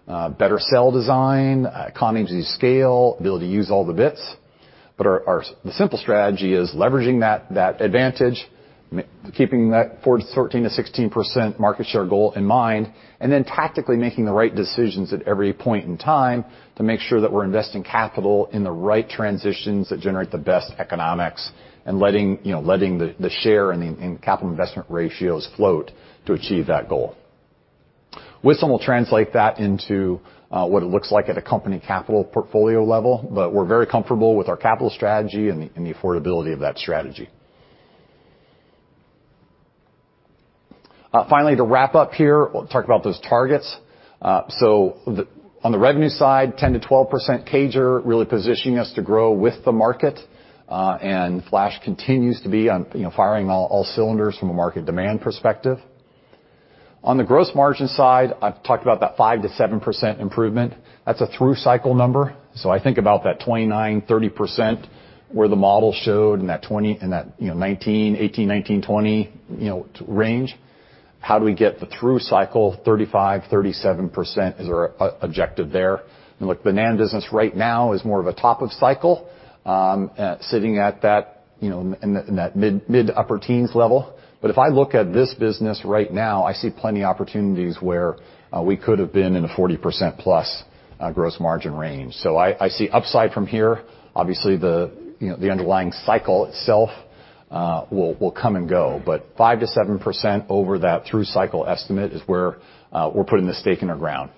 C: better cell design, economies of scale, ability to use all the bits. The simple strategy is leveraging that advantage, keeping that forward 13%-16% market share goal in mind, and then tactically making the right decisions at every point in time to make sure that we're investing capital in the right transitions that generate the best economics and letting the share and the capital investment ratios float to achieve that goal. Wissam Jabre will translate that into, what it looks like at a company capital portfolio level, but we're very comfortable with our capital strategy and the affordability of that strategy. Finally, to wrap up here, we'll talk about those targets. On the revenue side, 10%-12% CAGR really positioning us to grow with the market, and flash continues to be on, you know, firing all cylinders from a market demand perspective.
E: On the gross margin side, I've talked about that 5%-7% improvement. That's a through cycle number. I think about that 29%-30% where the model showed in that, you know, 18%-20%, you know, range. How do we get the through cycle? 35%-37% is our objective there. Look, the NAND business right now is more of a top of cycle, sitting at that, you know, in that mid-upper teens level. If I look at this business right now, I see plenty of opportunities where we could have been in a 40%+ gross margin range. I see upside from here. Obviously, you know, the underlying cycle itself will come and go, but 5%-7% over that through cycle estimate is where we're putting the stake in the ground.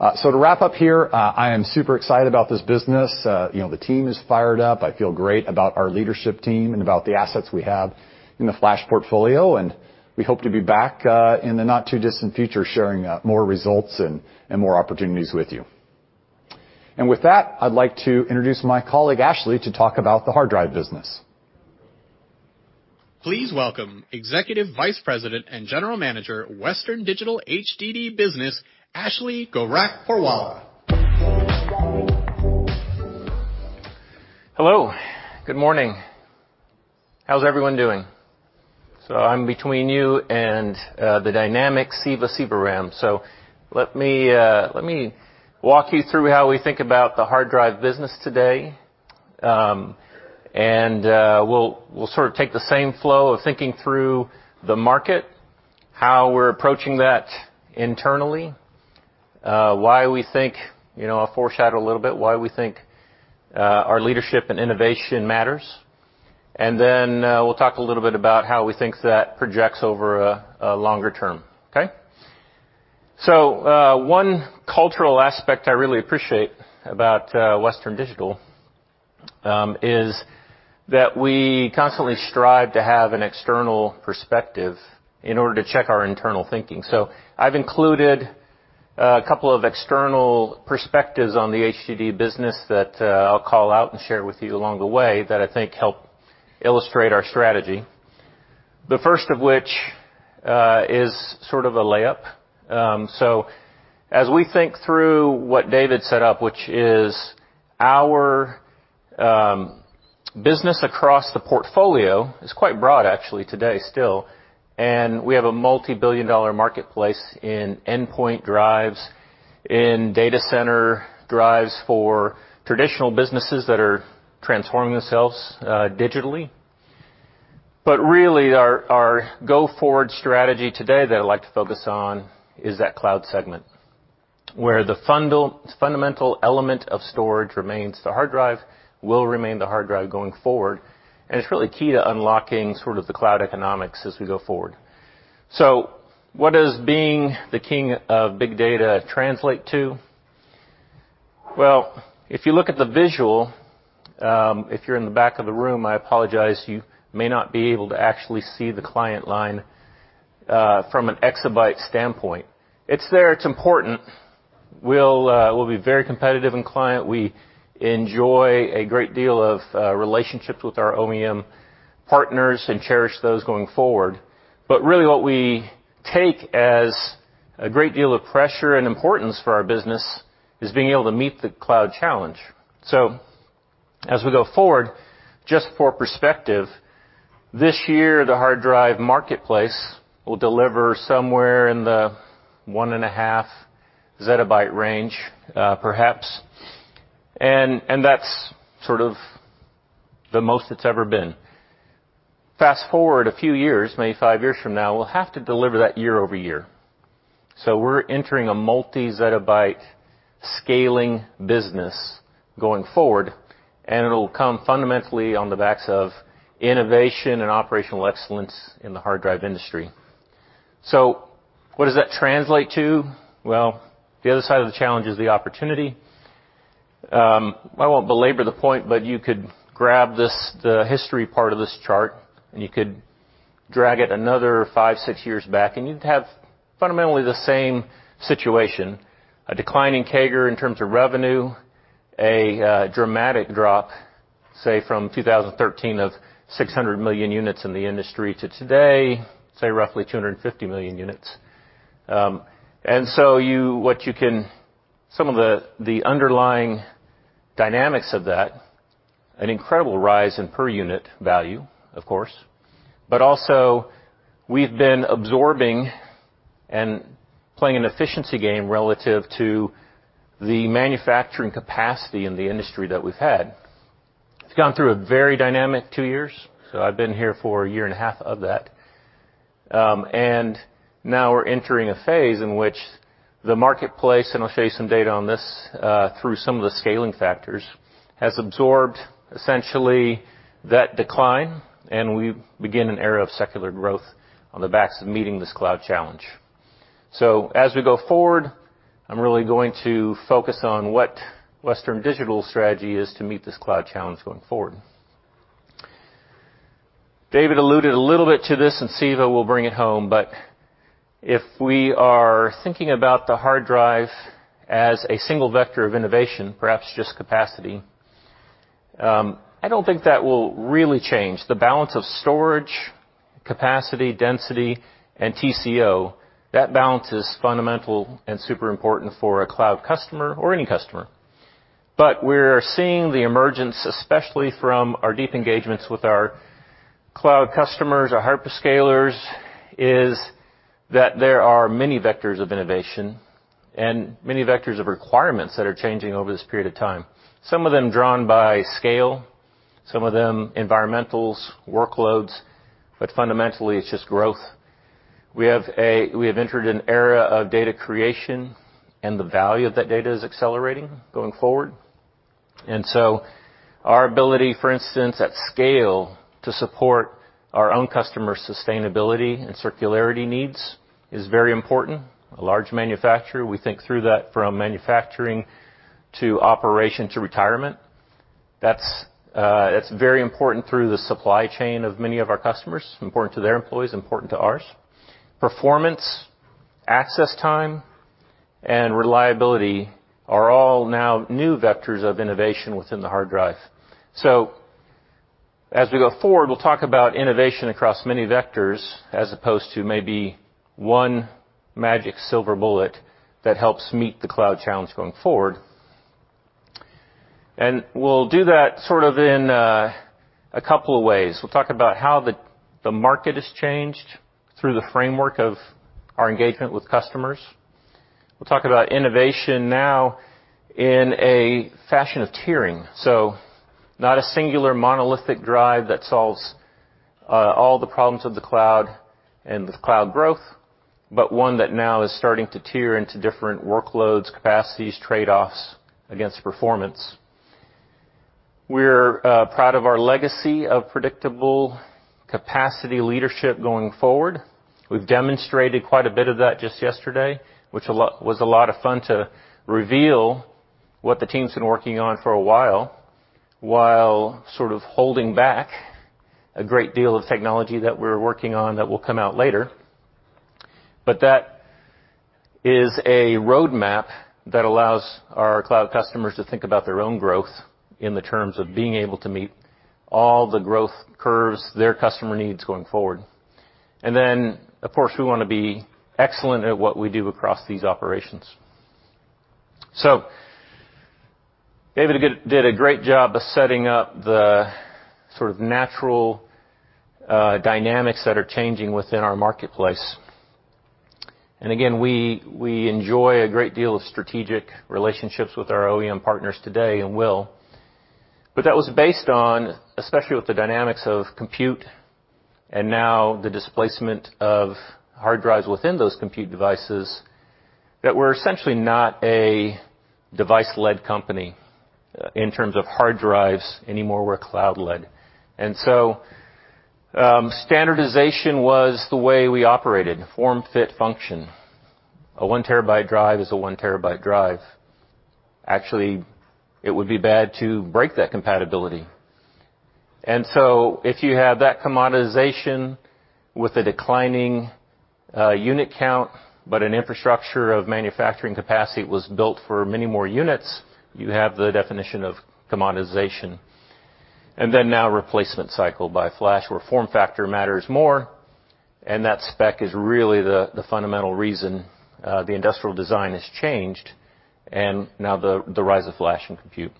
E: To wrap up here, I am super excited about this business. You know, the team is fired up. I feel great about our leadership team and about the assets we have in the flash portfolio, and we hope to be back in the not-too-distant future sharing more results and more opportunities with you. With that, I'd like to introduce my colleague, Ashley, to talk about the hard drive business.
A: Please welcome Executive Vice President and General Manager, Western Digital HDD Business, Ashley Gorakhpurwalla.
E: Hello. Good morning. How's everyone doing? I'm between you and the dynamic Siva Sivaram. Let me walk you through how we think about the hard drive business today. We'll sort of take the same flow of thinking through the market, how we're approaching that internally, why we think, you know, I'll foreshadow a little bit why we think our leadership and innovation matters. Then we'll talk a little bit about how we think that projects over a longer term. Okay? One cultural aspect I really appreciate about Western Digital is that we constantly strive to have an external perspective in order to check our internal thinking. I've included a couple of external perspectives on the HDD business that I'll call out and share with you along the way that I think help illustrate our strategy. The first of which is sort of a layup. As we think through what David set up, which is our business across the portfolio, is quite broad actually today still, and we have a multi-billion dollar marketplace in endpoint drives, in data center drives for traditional businesses that are transforming themselves digitally. Really our go-forward strategy today that I'd like to focus on is that cloud segment, where the fundamental element of storage remains the hard drive, will remain the hard drive going forward. It's really key to unlocking sort of the cloud economics as we go forward. What does being the king of big data translate to? Well, if you look at the visual, if you're in the back of the room, I apologize, you may not be able to actually see the client line from an exabyte standpoint. It's there, it's important. We'll be very competitive in client. We enjoy a great deal of relationships with our OEM partners and cherish those going forward. But really what we take as a great deal of pressure and importance for our business is being able to meet the cloud challenge. As we go forward, just for perspective, this year, the hard drive marketplace will deliver somewhere in the 1.5 ZB range, perhaps. And that's sort of the most it's ever been. Fast-forward a few years, maybe five years from now, we'll have to deliver that year over year. We're entering a multi-zettabyte scaling business going forward, and it'll come fundamentally on the backs of innovation and operational excellence in the hard drive industry. What does that translate to? Well, the other side of the challenge is the opportunity. I won't belabor the point, but you could grab this, the history part of this chart, and you could drag it another five-six years back, and you'd have fundamentally the same situation, a decline in CAGR in terms of revenue, a dramatic drop, say, from 2013 of 600 million units in the industry to today, say roughly 250 million units. Some of the underlying dynamics of that, an incredible rise in per unit value, of course. Also we've been absorbing and playing an efficiency game relative to the manufacturing capacity in the industry that we've had. It's gone through a very dynamic two years, so I've been here for a year and a half of that. Now we're entering a phase in which the marketplace, and I'll show you some data on this, through some of the scaling factors, has absorbed essentially that decline, and we begin an era of secular growth on the backs of meeting this cloud challenge. As we go forward, I'm really going to focus on what Western Digital's strategy is to meet this cloud challenge going forward. David alluded a little bit to this, and Siva will bring it home, but if we are thinking about the hard drive as a single vector of innovation, perhaps just capacity, I don't think that will really change the balance of storage, capacity, density, and TCO. That balance is fundamental and super important for a cloud customer or any customer. We're seeing the emergence, especially from our deep engagements with our cloud customers, our hyperscalers, is that there are many vectors of innovation and many vectors of requirements that are changing over this period of time. Some of them drawn by scale, some of them environmentals, workloads, but fundamentally, it's just growth. We have entered an era of data creation, and the value of that data is accelerating going forward. Our ability, for instance, at scale, to support our own customer sustainability and circularity needs is very important. A large manufacturer, we think through that from manufacturing to operation to retirement. That's very important through the supply chain of many of our customers, important to their employees, important to ours. Performance, access time, and reliability are all now new vectors of innovation within the hard drive. As we go forward, we'll talk about innovation across many vectors as opposed to maybe one magic silver bullet that helps meet the cloud challenge going forward. We'll do that sort of in a couple of ways. We'll talk about how the market has changed through the framework of our engagement with customers. We'll talk about innovation now in a fashion of tiering. Not a singular monolithic drive that solves all the problems of the cloud and the cloud growth, but one that now is starting to tier into different workloads, capacities, trade-offs against performance. We're proud of our legacy of predictable capacity leadership going forward. We've demonstrated quite a bit of that just yesterday, which was a lot of fun to reveal what the team's been working on for a while sort of holding back a great deal of technology that we're working on that will come out later. That is a roadmap that allows our cloud customers to think about their own growth in the terms of being able to meet all the growth curves their customer needs going forward. Then, of course, we wanna be excellent at what we do across these operations. David did a great job of setting up the sort of natural dynamics that are changing within our marketplace. Again, we enjoy a great deal of strategic relationships with our OEM partners today and will. That was based on, especially with the dynamics of compute and now the displacement of hard drives within those compute devices, that we're essentially not a device-led company in terms of hard drives anymore, we're cloud-led. Standardization was the way we operated, form, fit, function. A 1 TB drive is a 1 TB drive. Actually, it would be bad to break that compatibility. If you have that commoditization with a declining unit count, but an infrastructure of manufacturing capacity was built for many more units, you have the definition of commoditization. Then now replacement cycle by flash, where form factor matters more, and that spec is really the fundamental reason the industrial design has changed, and now the rise of flash and compute.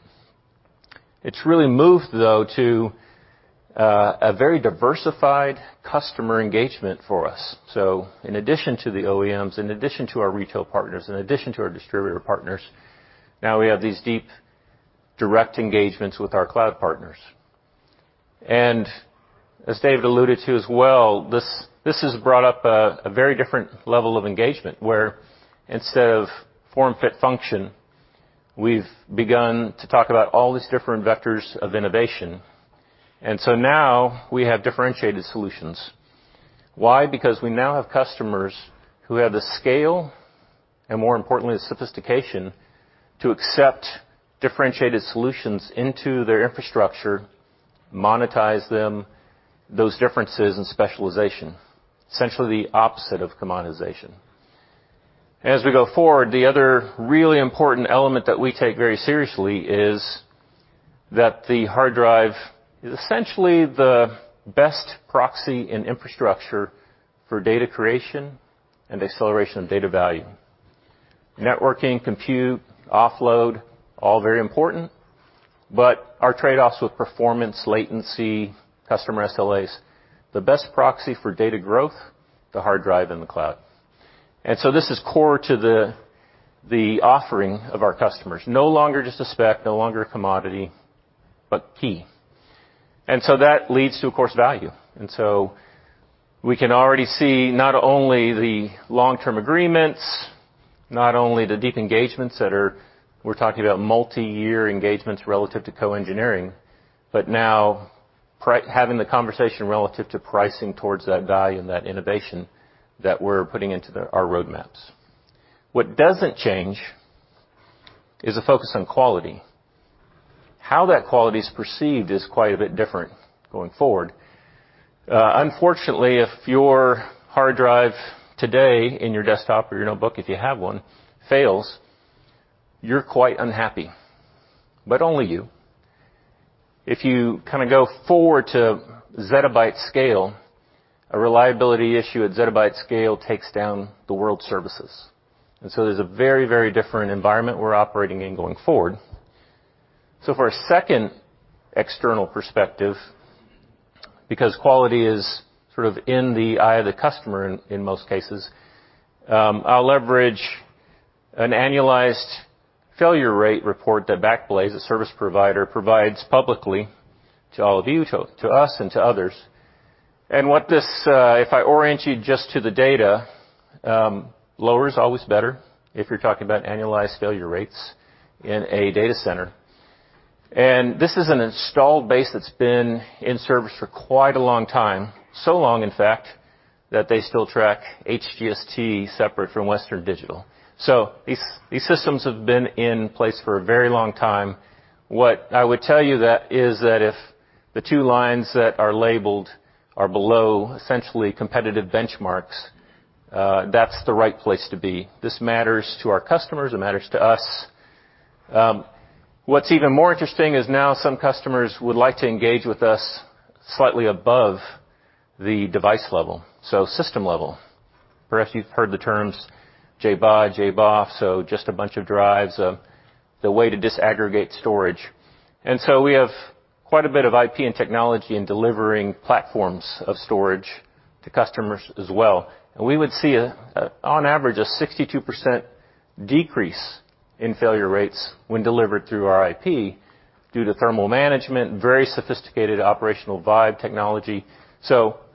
E: It's really moved, though, to a very diversified customer engagement for us. In addition to the OEMs, in addition to our retail partners, in addition to our distributor partners, now we have these deep direct engagements with our cloud partners. As David alluded to as well, this has brought up a very different level of engagement, where instead of form, fit, function, we've begun to talk about all these different vectors of innovation. Now we have differentiated solutions. Why? Because we now have customers who have the scale and, more importantly, the sophistication to accept differentiated solutions into their infrastructure, monetize them, those differences in specialization, essentially the opposite of commoditization. As we go forward, the other really important element that we take very seriously is that the hard drive is essentially the best proxy in infrastructure for data creation and acceleration of data value. Networking, compute, offload, all very important, but our trade-offs with performance, latency, customer SLAs, the best proxy for data growth, the hard drive in the cloud. This is core to the offering of our customers. No longer just a spec, no longer a commodity, but key. That leads to, of course, value. We can already see not only the long-term agreements, not only the deep engagements, we're talking about multi-year engagements relative to co-engineering, but now having the conversation relative to pricing towards that value and that innovation that we're putting into our roadmaps. What doesn't change is the focus on quality. How that quality is perceived is quite a bit different going forward. Unfortunately, if your hard drive today in your desktop or your notebook, if you have one, fails, you're quite unhappy, but only you. If you kinda go forward to zettabyte scale, a reliability issue at zettabyte scale takes down the world's services. There's a very, very different environment we're operating in going forward. For a second external perspective, because quality is sort of in the eye of the customer in most cases, I'll leverage an annualized failure rate report that Backblaze, a service provider, provides publicly to all of you, to us, and to others. If I orient you just to the data, lower is always better if you're talking about annualized failure rates in a data center. This is an installed base that's been in service for quite a long time. Long, in fact, that they still track HGST separate from Western Digital. These systems have been in place for a very long time. What I would tell you is that if the two lines that are labeled are below essentially competitive benchmarks, that's the right place to be. This matters to our customers, it matters to us. What's even more interesting is now some customers would like to engage with us slightly above the device level, so system level. Perhaps you've heard the terms JBOD, JBOF, so just a bunch of drives. The way to disaggregate storage. We have quite a bit of IP and technology in delivering platforms of storage to customers as well. We would see on average, a 62% decrease in failure rates when delivered through our IP due to thermal management, very sophisticated operational vibration technology.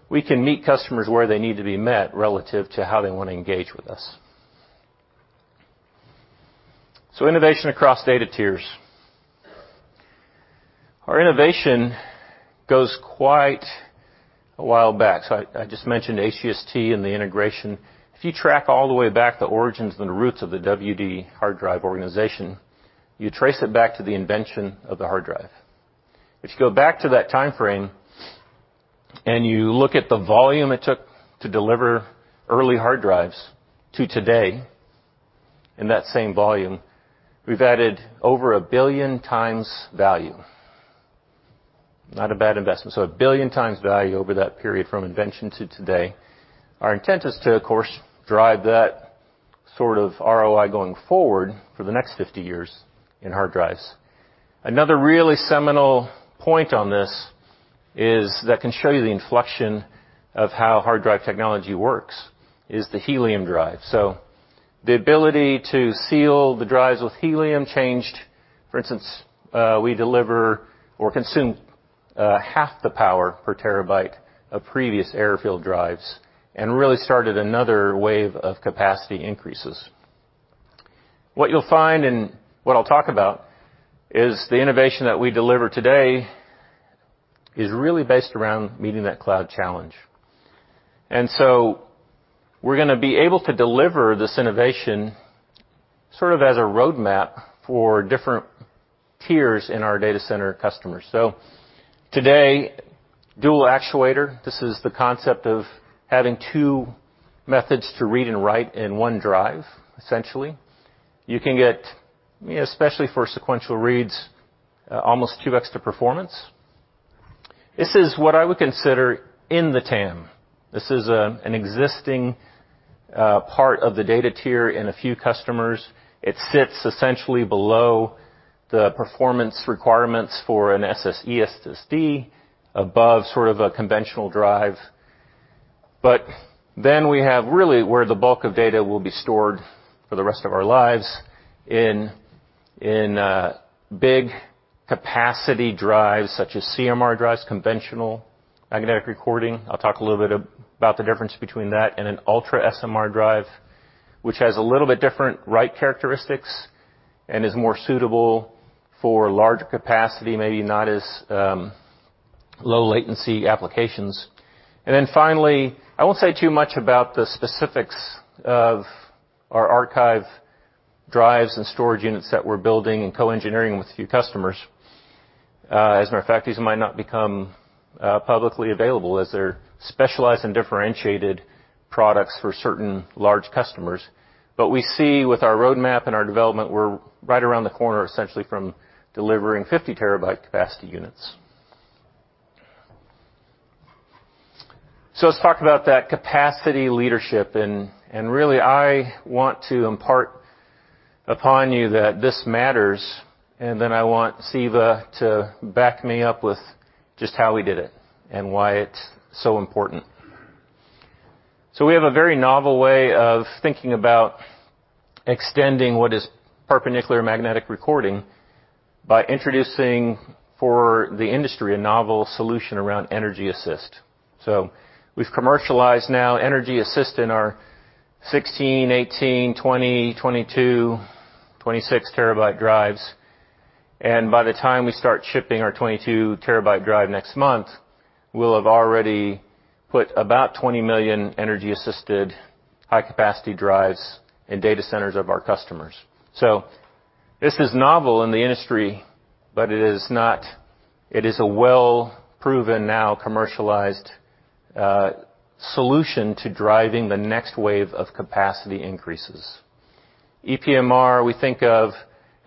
E: We can meet customers where they need to be met relative to how they wanna engage with us. Innovation across data tiers. Our innovation goes quite a while back. I just mentioned HGST and the integration. If you track all the way back the origins and the roots of the WD hard drive organization, you trace it back to the invention of the hard drive, which go back to that timeframe, and you look at the volume it took to deliver early hard drives to today, in that same volume, we've added over a billion times value. Not a bad investment. A billion times value over that period from invention to today. Our intent is to, of course, drive that sort of ROI going forward for the next 50 years in hard drives. Another really seminal point on this is that can show you the inflection of how hard drive technology works, is the helium drive. The ability to seal the drives with helium changed. For instance, we deliver or consume half the power per terabyte of previous air-filled drives, and really started another wave of capacity increases. What you'll find and what I'll talk about is the innovation that we deliver today is really based around meeting that cloud challenge. We're gonna be able to deliver this innovation sort of as a roadmap for different tiers in our data center customers. Today, dual actuator, this is the concept of having two methods to read and write in one drive, essentially. You can get, especially for sequential reads, almost 2X the performance. This is what I would consider in the TAM. This is an existing part of the data tier in a few customers. It sits essentially below the performance requirements for an eSSD, above sort of a conventional drive. We have really where the bulk of data will be stored for the rest of our lives in big capacity drives, such as CMR drives, conventional magnetic recording. I'll talk a little bit about the difference between that and an UltraSMR drive, which has a little bit different write characteristics and is more suitable for large capacity, maybe not as low latency applications. Finally, I won't say too much about the specifics of our archive drives and storage units that we're building and co-engineering with a few customers. As a matter of fact, these might not become publicly available as they're specialized and differentiated products for certain large customers. We see with our roadmap and our development, we're right around the corner, essentially from delivering 50 TB capacity units. Let's talk about that capacity leadership, and really, I want to impart upon you that this matters. Then I want Siva to back me up with just how we did it and why it's so important. We have a very novel way of thinking about extending what is perpendicular magnetic recording by introducing for the industry a novel solution around energy-assisted. We've commercialized now energy-assisted in our 16-, 18-, 20-, 22-, 26 TB drives. By the time we start shipping our 22 TB drive next month, we'll have already put about 20 million energy-assisted high-capacity drives in data centers of our customers. This is novel in the industry, but it is not. It is a well-proven, now commercialized, solution to driving the next wave of capacity increases. EPMR, we think of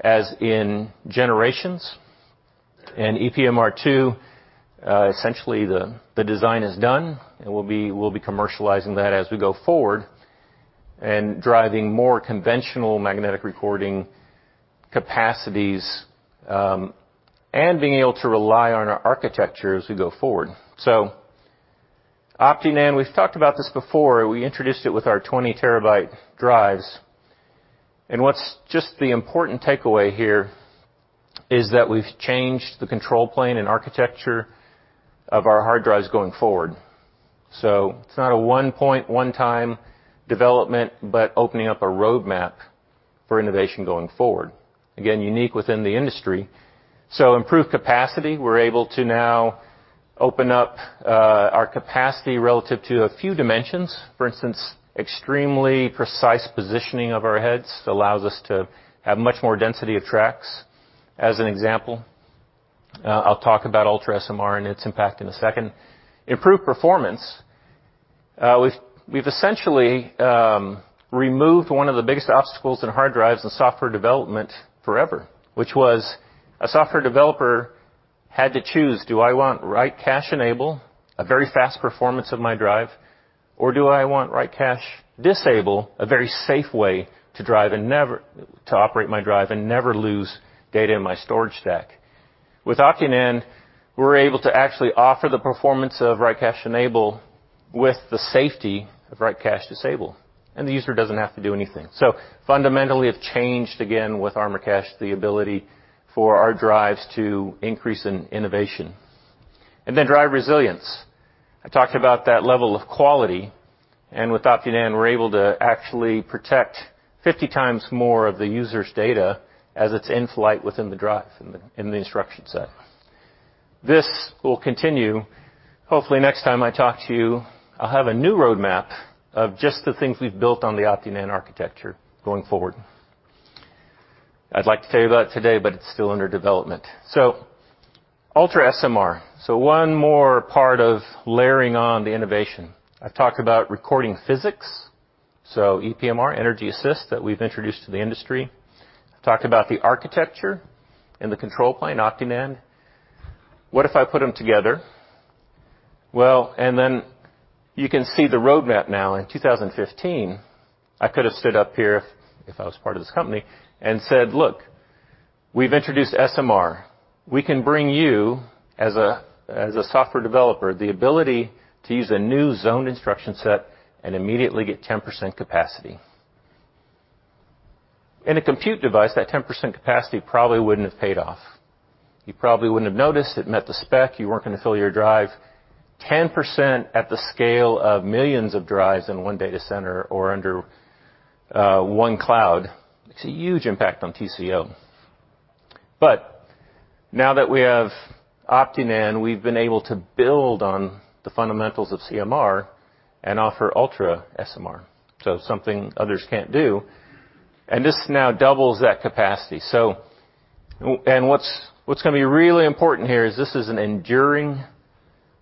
E: as in generations, and EPMR 2, essentially, the design is done, and we'll be commercializing that as we go forward and driving more conventional magnetic recording capacities, and being able to rely on our architecture as we go forward. OptiNAND, we've talked about this before. We introduced it with our 20 TB drives. What's just the important takeaway here is that we've changed the control plane and architecture of our hard drives going forward. It's not a one-off, one-time development, but opening up a roadmap for innovation going forward. Again, unique within the industry. Improved capacity, we're able to now open up, our capacity relative to a few dimensions. For instance, extremely precise positioning of our heads allows us to have much more density of tracks, as an example. I'll talk about UltraSMR and its impact in a second. Improved performance. We've essentially removed one of the biggest obstacles in hard drives and software development forever, which was a software developer had to choose, do I want write cache enable, a very fast performance of my drive? Or do I want write cache disable, a very safe way to operate my drive and never lose data in my storage stack? With OptiNAND, we're able to actually offer the performance of write cache enable with the safety of write cache disable, and the user doesn't have to do anything. Fundamentally, it changed again with ArmorCache, the ability for our drives to increase in innovation. Drive resilience. I talked about that level of quality, and with OptiNAND, we're able to actually protect 50x more of the user's data as it's in-flight within the drive in the instruction set. This will continue. Hopefully, next time I talk to you, I'll have a new roadmap of just the things we've built on the OptiNAND architecture going forward. I'd like to tell you about it today, but it's still under development. UltraSMR. One more part of layering on the innovation. I've talked about recording physics, so EPMR energy assist that we've introduced to the industry. I've talked about the architecture and the control plane, OptiNAND. What if I put them together? Well, you can see the roadmap now. In 2015, I could have stood up here if I was part of this company and said, "Look, we've introduced SMR. We can bring you, as a software developer, the ability to use a new Zoned Namespaces and immediately get 10% capacity. In a compute device, that 10% capacity probably wouldn't have paid off. You probably wouldn't have noticed. It met the spec. You weren't going to fill your drive. 10% at the scale of millions of drives in one data center or under one cloud. It's a huge impact on TCO. Now that we have OptiNAND, we've been able to build on the fundamentals of CMR and offer UltraSMR. Something others can't do. This now doubles that capacity. What's gonna be really important here is this is an enduring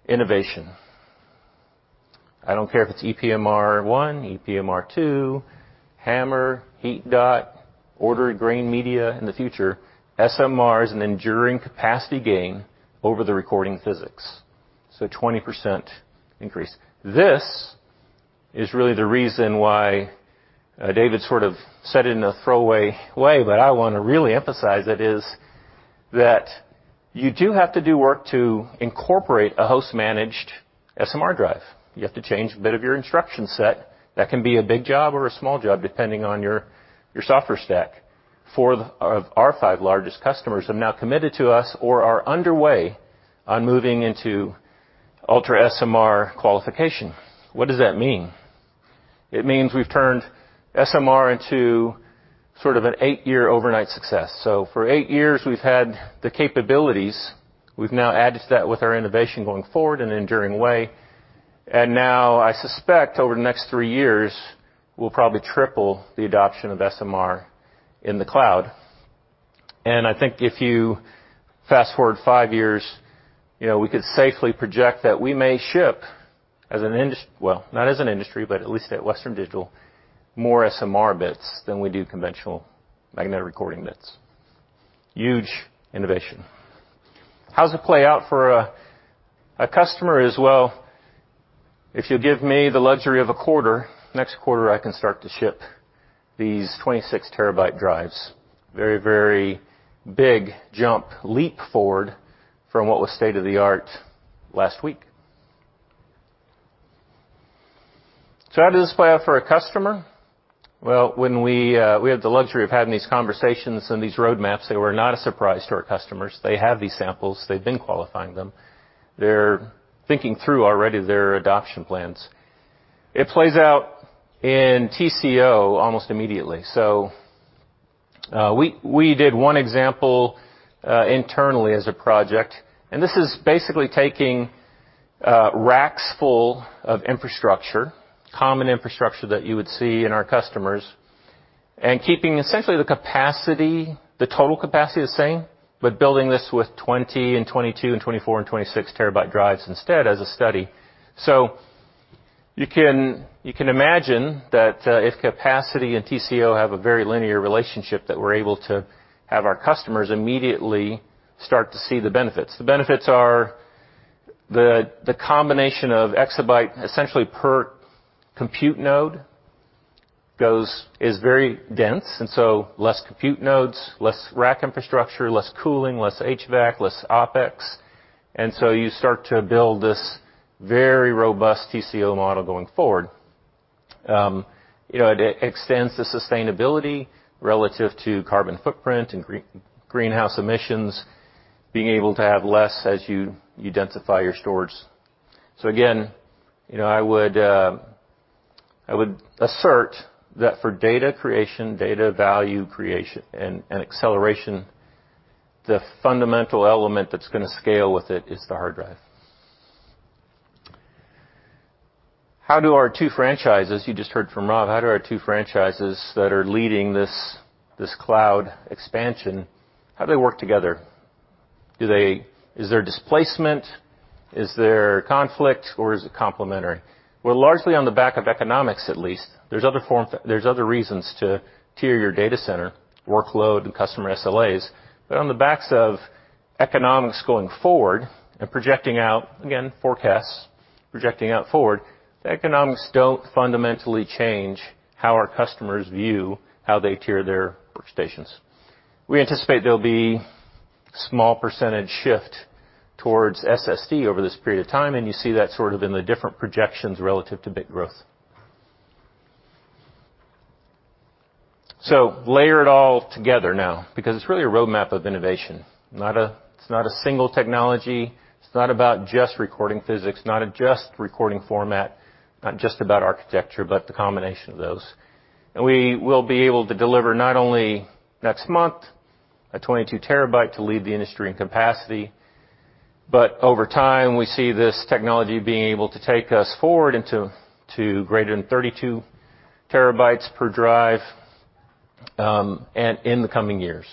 E: innovation. I don't care if it's EPMR 1, EPMR 2, HAMR, heat-dot, ordered granular media in the future. SMR is an enduring capacity gain over the recording physics, so 20% increase. This is really the reason why David sort of said it in a throwaway way, but I wanna really emphasize it, is that you do have to do work to incorporate a host-managed SMR drive. You have to change a bit of your instruction set. That can be a big job or a small job depending on your software stack. Four of our five largest customers have now committed to us or are underway on moving into UltraSMR qualification. What does that mean? It means we've turned SMR into sort of an eight-year overnight success. For eight years, we've had the capabilities. We've now added to that with our innovation going forward in an enduring way. Now I suspect over the next three years, we'll probably triple the adoption of SMR in the cloud. I think if you fast-forward five years, you know, we could safely project that we may ship at least at Western Digital, more SMR bits than we do conventional magnetic recording bits. Huge innovation. How does it play out for a customer? As well, if you give me the luxury of a quarter, next quarter, I can start to ship these 26 TB drives. Very, very big jump, leap forward from what was state-of-the-art last week. How does this play out for a customer? Well, when we have the luxury of having these conversations and these roadmaps, they were not a surprise to our customers. They have these samples. They've been qualifying them. They're thinking through already their adoption plans. It plays out in TCO almost immediately. We did one example internally as a project, and this is basically taking racks full of infrastructure, common infrastructure that you would see in our customers, and keeping essentially the capacity, the total capacity the same, but building this with 20, 22, 24, and 26 TB drives instead as a study. You can imagine that if capacity and TCO have a very linear relationship that we're able to have our customers immediately start to see the benefits. The benefits are the combination of exabyte essentially per compute node is very dense, and so less compute nodes, less rack infrastructure, less cooling, less HVAC, less OpEx. You start to build this very robust TCO model going forward. It extends the sustainability relative to carbon footprint and greenhouse emissions, being able to have less as you densify your storage. I would assert that for data creation, data value creation, and acceleration, the fundamental element that's gonna scale with it is the hard drive. How do our two franchises, you just heard from Rob, how do our two franchises that are leading this cloud expansion, how do they work together? Is there displacement? Is there conflict, or is it complementary? Well, largely on the back of economics, at least, there are other reasons to tier your data center, workload, and customer SLAs. But on the back of economics going forward and projecting out, again, forecasts forward, the economics don't fundamentally change how our customers view how they tier their workloads. We anticipate there'll be small percentage shift towards SSD over this period of time, and you see that sort of in the different projections relative to bit growth. Layer it all together now because it's really a roadmap of innovation. It's not a single technology. It's not about just recording physics, not just a recording format, not just about architecture, but the combination of those. We will be able to deliver not only next month a 22 TB to lead the industry in capacity, but over time, we see this technology being able to take us forward into greater than 32 TB per drive, and in the coming years.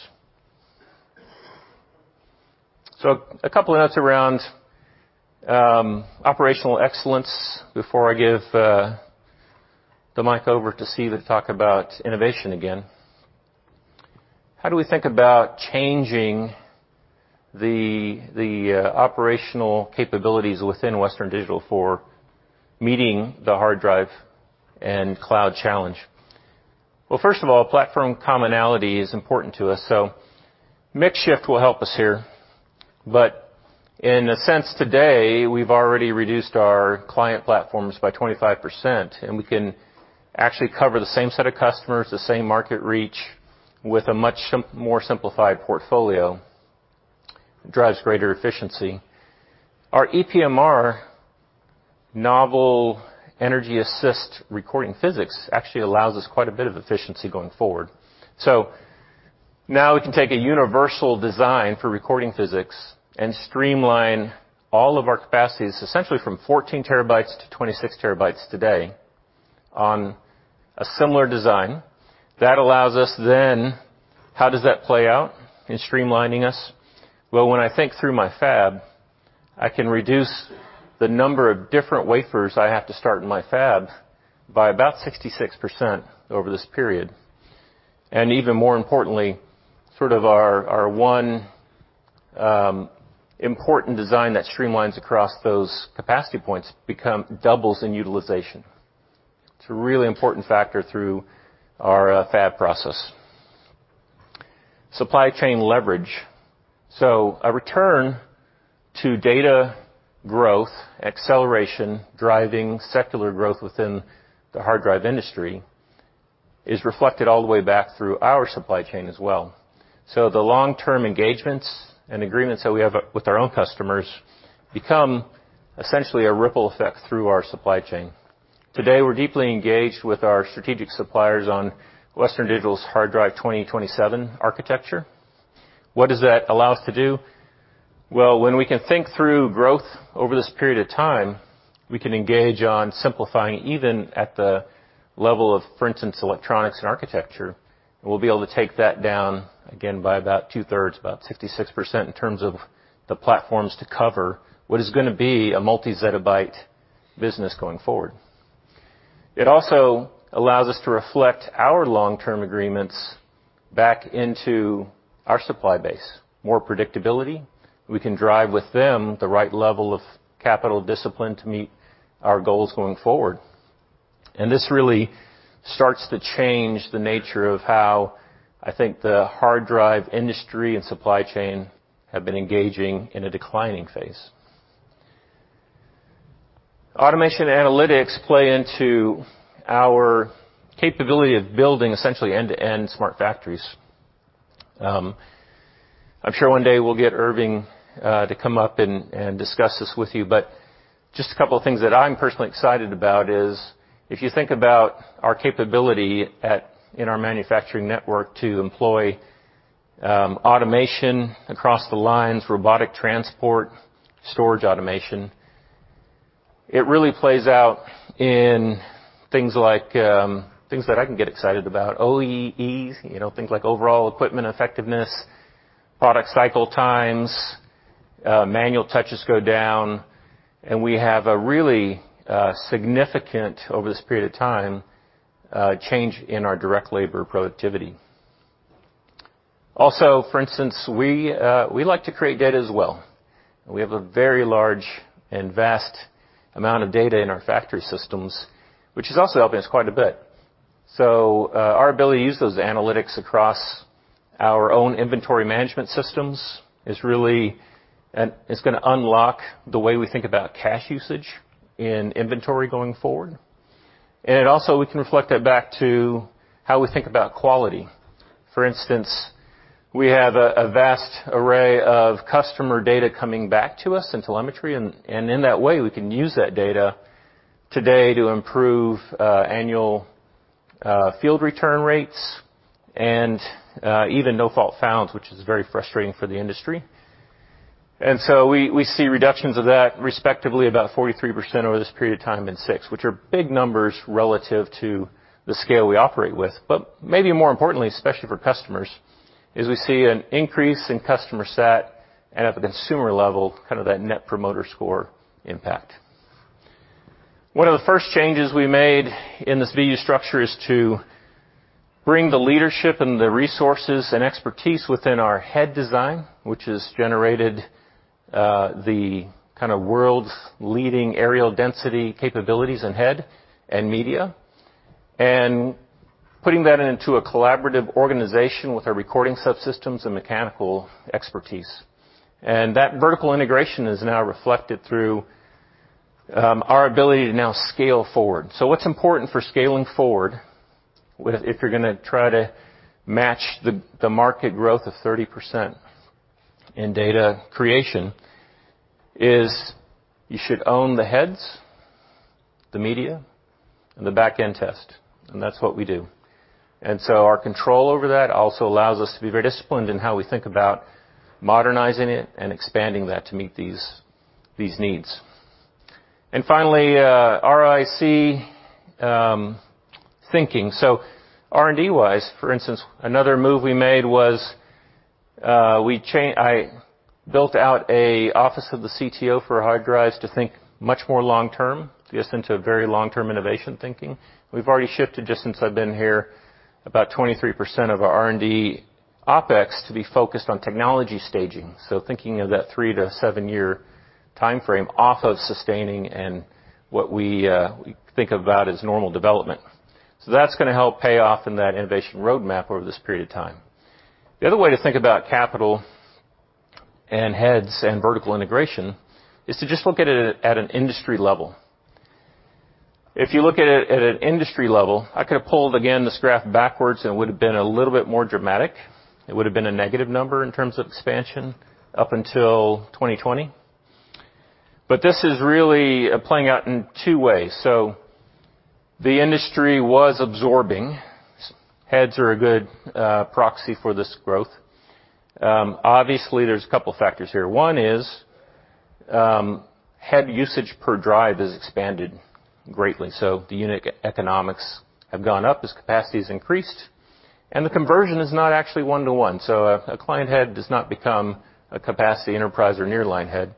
E: A couple of notes around operational excellence before I give the mic over to Siva Sivaram to talk about innovation again. How do we think about changing the operational capabilities within Western Digital for meeting the hard drive and cloud challenge? Well, first of all, platform commonality is important to us, so mix shift will help us here. In a sense, today, we have already reduced our client platforms by 25%, and we can actually cover the same set of customers, the same market reach with a much more simplified portfolio. It drives greater efficiency. Our EPMR novel energy assist recording physics actually allows us quite a bit of efficiency going forward. Now we can take a universal design for recording physics and streamline all of our capacities, essentially from 14 TB to 26 TB today, on a similar design. That allows us then. How does that play out in streamlining us? When I think through my fab, I can reduce the number of different wafers I have to start in my fab by about 66% over this period. Even more importantly, our one important design that streamlines across those capacity points become doubles in utilization. It's a really important factor through our fab process. Supply chain leverage. A return to data growth, acceleration, driving secular growth within the hard drive industry is reflected all the way back through our supply chain as well. The long-term engagements and agreements that we have with our own customers become essentially a ripple effect through our supply chain. Today, we're deeply engaged with our strategic suppliers on Western Digital's hard drive 2027 architecture. What does that allow us to do? Well, when we can think through growth over this period of time, we can engage on simplifying even at the level of, for instance, electronics and architecture. We'll be able to take that down again by about two-thirds, about 66% in terms of the platforms to cover what is gonna be a multi-zettabyte business going forward. It also allows us to reflect our long-term agreements back into our supply base. More predictability. We can drive with them the right level of capital discipline to meet our goals going forward. This really starts to change the nature of how I think the hard drive industry and supply chain have been engaging in a declining phase. Automation analytics play into our capability of building essentially end-to-end smart factories. I'm sure one day we'll get Irving to come up and discuss this with you, but just a couple of things that I'm personally excited about is if you think about our capability in our manufacturing network to employ automation across the lines, robotic transport, storage automation. It really plays out in things like things that I can get excited about, OEE, you know, things like overall equipment effectiveness, product cycle times, manual touches go down, and we have a really significant, over this period of time, change in our direct labor productivity. Also, for instance, we like to create data as well. We have a very large and vast amount of data in our factory systems, which is also helping us quite a bit. Our ability to use those analytics across our own inventory management systems is gonna unlock the way we think about cash usage in inventory going forward. It also, we can reflect that back to how we think about quality. For instance, we have a vast array of customer data coming back to us in telemetry, and in that way, we can use that data today to improve annual field return rates and even no-fault founds, which is very frustrating for the industry. We see reductions of that, respectively, about 43% over this period of time in six, which are big numbers relative to the scale we operate with. Maybe more importantly, especially for customers, is we see an increase in customer sat and at the consumer level, kind of that net promoter score impact. One of the first changes we made in this VU structure is to bring the leadership and the resources and expertise within our head design, which has generated the kind of world's leading areal density capabilities and head and media, and putting that into a collaborative organization with our recording subsystems and mechanical expertise. That vertical integration is now reflected through our ability to now scale forward. What's important for scaling forward with if you're gonna try to match the market growth of 30% in data creation is you should own the heads, the media, and the back-end test, and that's what we do. Our control over that also allows us to be very disciplined in how we think about modernizing it and expanding that to meet these needs. Finally, RIC thinking. R&D wise, for instance, another move we made was I built out an office of the CTO for hard drives to think much more long-term, to get us into a very long-term innovation thinking. We've already shifted just since I've been here, about 23% of our R&D OpEx to be focused on technology staging. Thinking of that three-seven-year timeframe off of sustaining and what we think about as normal development. That's gonna help pay off in that innovation roadmap over this period of time. The other way to think about capital and heads and vertical integration is to just look at it at an industry level. If you look at it at an industry level, I could have pulled again this graph backwards, and it would have been a little bit more dramatic. It would have been a negative number in terms of expansion up until 2020. This is really playing out in two ways. The industry was absorbing. Heads are a good proxy for this growth. Obviously, there's a couple factors here. One is, head usage per drive has expanded greatly, so the unit economics have gone up as capacity has increased, and the conversion is not actually one to one. A client head does not become a capacity enterprise or nearline head.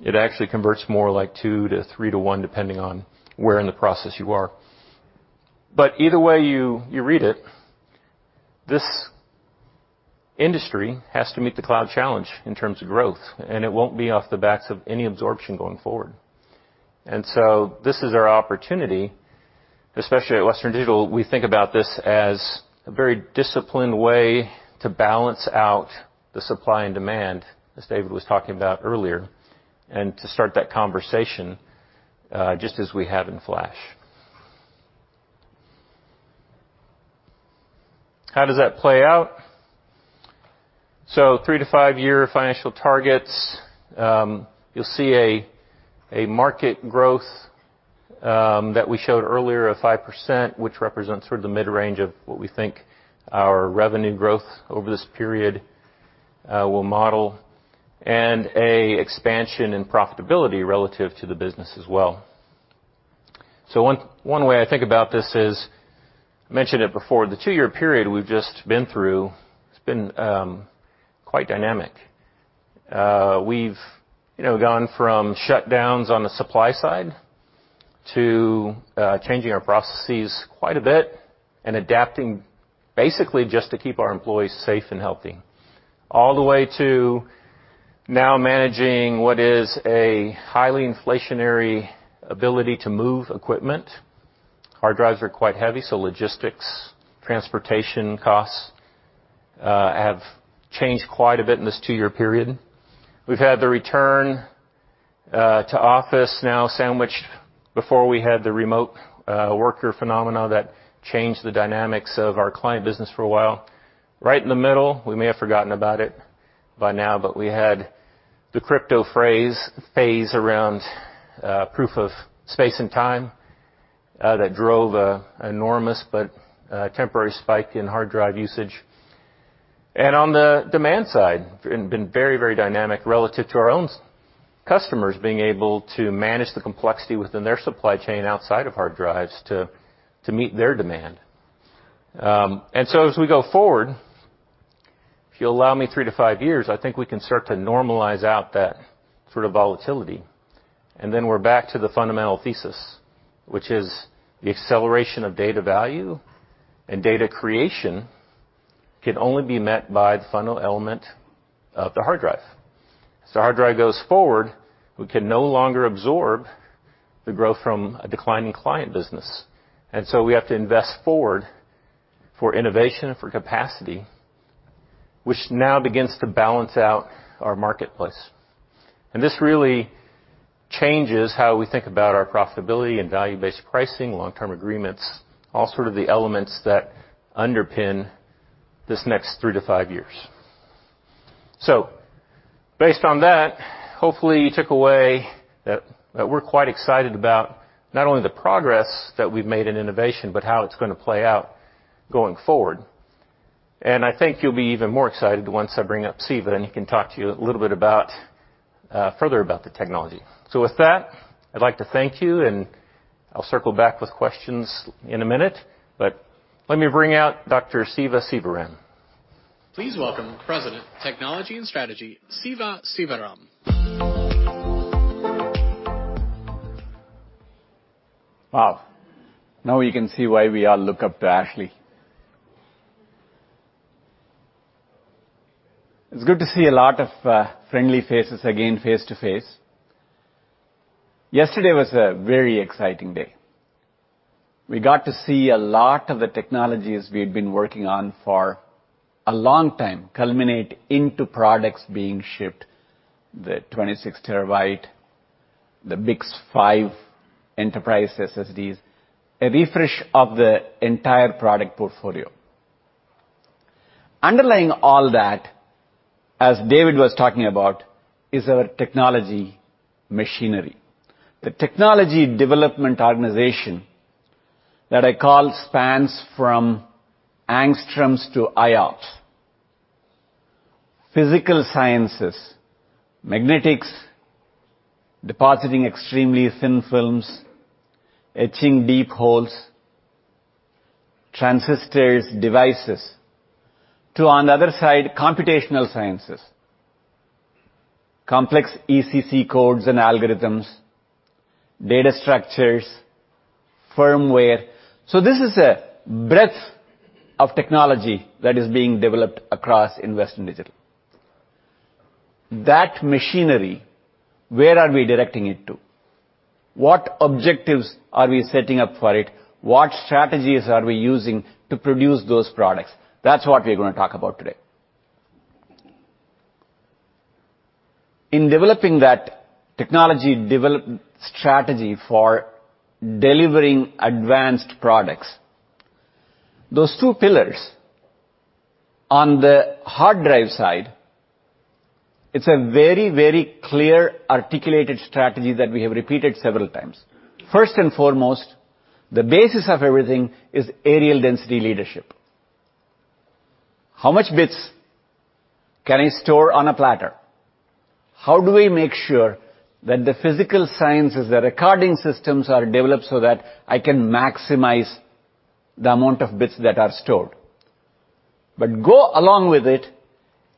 E: It actually converts more like two to three to one, depending on where in the process you are. Either way you read it, this industry has to meet the cloud challenge in terms of growth, and it won't be off the backs of any absorption going forward. This is our opportunity, especially at Western Digital. We think about this as a very disciplined way to balance out the supply and demand, as David was talking about earlier, and to start that conversation, just as we have in Flash. How does that play out? three-five-year financial targets, you'll see a market growth that we showed earlier of 5%, which represents sort of the mid-range of what we think our revenue growth over this period will model, and an expansion in profitability relative to the business as well. One way I think about this is, I mentioned it before, the two-year period we've just been through, it's been quite dynamic. We've, you know, gone from shutdowns on the supply side to changing our processes quite a bit and adapting basically just to keep our employees safe and healthy, all the way to now managing what is a highly inflationary ability to move equipment. Hard drives are quite heavy, so logistics, transportation costs have changed quite a bit in this two-year period. We've had the return to office now sandwiched before we had the remote worker phenomena that changed the dynamics of our client business for a while. Right in the middle, we may have forgotten about it by now, but we had the crypto phase around proof of space and time. That drove an enormous but temporary spike in hard drive usage. On the demand side, been very, very dynamic relative to our own customers being able to manage the complexity within their supply chain outside of hard drives to meet their demand. As we go forward, if you'll allow me three to five years, I think we can start to normalize out that sort of volatility. We're back to the fundamental thesis, which is the acceleration of data value and data creation can only be met by the final element of the hard drive. As the hard drive goes forward, we can no longer absorb the growth from a declining client business. We have to invest forward for innovation and for capacity, which now begins to balance out our marketplace. This really changes how we think about our profitability and value-based pricing, long-term agreements, all sort of the elements that underpin this next three-five years. Based on that, hopefully, you took away that we're quite excited about not only the progress that we've made in innovation, but how it's gonna play out going forward. I think you'll be even more excited once I bring up Siva and he can talk to you a little bit about further about the technology. With that, I'd like to thank you and I'll circle back with questions in a minute. Let me bring out Dr. Siva Sivaram.
A: Please welcome President, Technology and Strategy, Siva Sivaram.
D: Wow. Now you can see why we all look up to Ashley. It's good to see a lot of friendly faces again face to face. Yesterday was a very exciting day. We got to see a lot of the technologies we've been working on for a long time culminate into products being shipped. The 26 TB, the big five enterprise SSDs, a refresh of the entire product portfolio. Underlying all that, as David was talking about, is our technology machinery. The technology development organization that I call spans from angstroms to IOPS. Physical sciences, magnetics, depositing extremely thin films, etching deep holes, transistors, devices, to on the other side, computational sciences. Complex ECC codes and algorithms, data structures, firmware. This is a breadth of technology that is being developed across in Western Digital. That machinery, where are we directing it to? What objectives are we setting up for it? What strategies are we using to produce those products? That's what we're gonna talk about today. In developing that technology development strategy for delivering advanced products, those two pillars on the hard drive side, it's a very, very clearly articulated strategy that we have repeated several times. First and foremost, the basis of everything is areal density leadership. How much bits can I store on a platter? How do I make sure that the physical sciences, the recording systems are developed so that I can maximize the amount of bits that are stored? Go along with it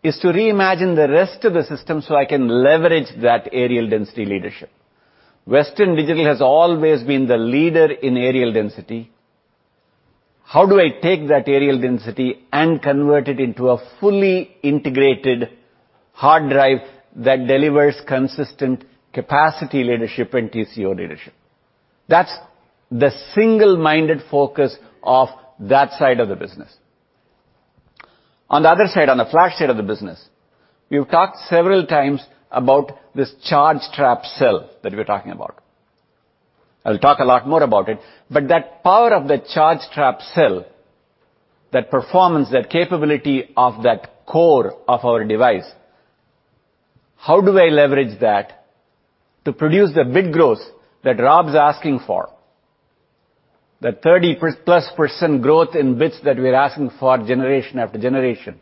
D: is to reimagine the rest of the system so I can leverage that areal density leadership. Western Digital has always been the leader in areal density. How do I take that areal density and convert it into a fully integrated hard drive that delivers consistent capacity leadership and TCO leadership? That's the single-minded focus of that side of the business. On the other side, on the flash side of the business, we've talked several times about this charge trap cell that we're talking about. I'll talk a lot more about it, but that power of the charge trap cell, that performance, that capability of that core of our device, how do I leverage that to produce the bit growth that Rob's asking for? The 30%+ growth in bits that we're asking for generation after generation.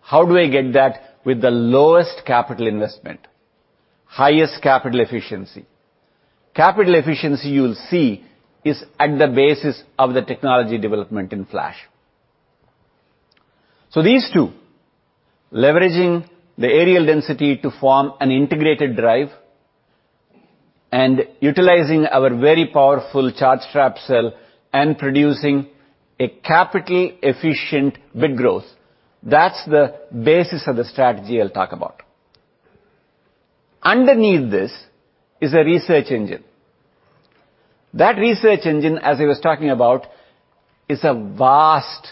D: How do I get that with the lowest capital investment, highest capital efficiency? Capital efficiency, you'll see, is at the basis of the technology development in flash. These two, leveraging the areal density to form an integrated drive and utilizing our very powerful charge trap cell and producing a capital efficient bit growth. That's the basis of the strategy I'll talk about. Underneath this is a research engine. That research engine, as I was talking about, is a vast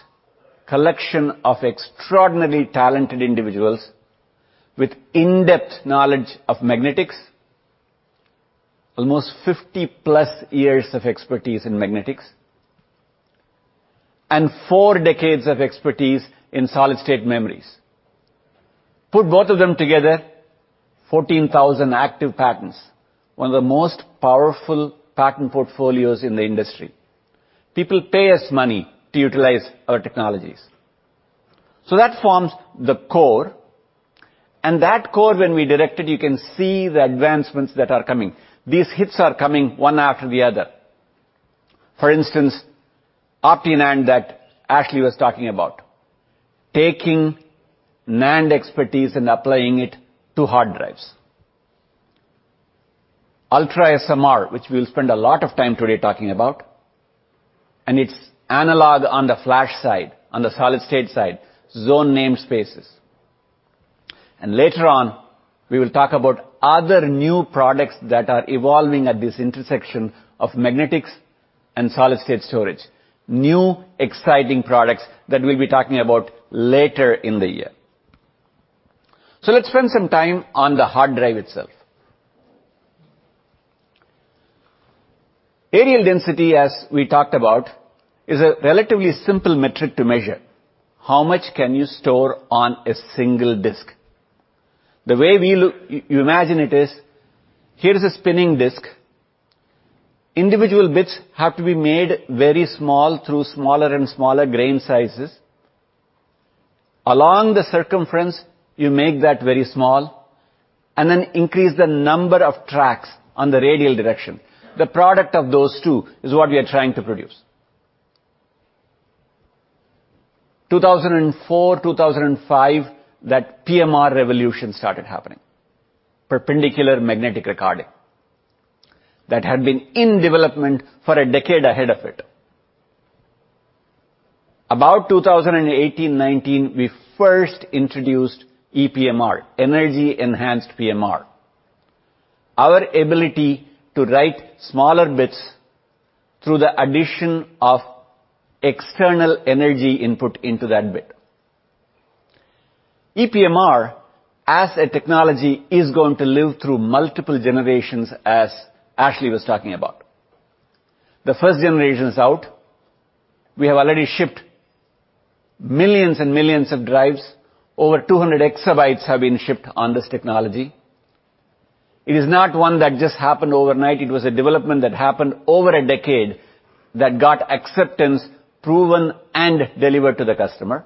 D: collection of extraordinarily talented individuals with in-depth knowledge of magnetics. Almost 50+ years of expertise in magnetics. Four decades of expertise in solid-state memories. Put both of them together, 14,000 active patents. One of the most powerful patent portfolios in the industry. People pay us money to utilize our technologies. That forms the core, and that core when we direct it, you can see the advancements that are coming. These hits are coming one after the other. For instance, OptiNAND that Ashley was talking about. Taking NAND expertise and applying it to hard drives. UltraSMR, which we'll spend a lot of time today talking about, and its analog on the flash side, on the solid-state side, Zoned Namespaces. Later on, we will talk about other new products that are evolving at this intersection of magnetics and solid state storage, new exciting products that we'll be talking about later in the year. Let's spend some time on the hard drive itself. Areal density, as we talked about, is a relatively simple metric to measure. How much can you store on a single disk? You imagine it is, here's a spinning disk. Individual bits have to be made very small through smaller and smaller grain sizes. Along the circumference, you make that very small, and then increase the number of tracks on the radial direction. The product of those two is what we are trying to produce. 2004, 2005, that PMR revolution started happening. Perpendicular magnetic recording. That had been in development for a decade ahead of it. About 2018, 2019, we first introduced ePMR, energy-assisted PMR. Our ability to write smaller bits through the addition of external energy input into that bit. ePMR, as a technology, is going to live through multiple generations, as Ashley was talking about. The first generation is out. We have already shipped millions and millions of drives. Over 200 EB have been shipped on this technology. It is not one that just happened overnight, it was a development that happened over a decade that got acceptance, proven, and delivered to the customer.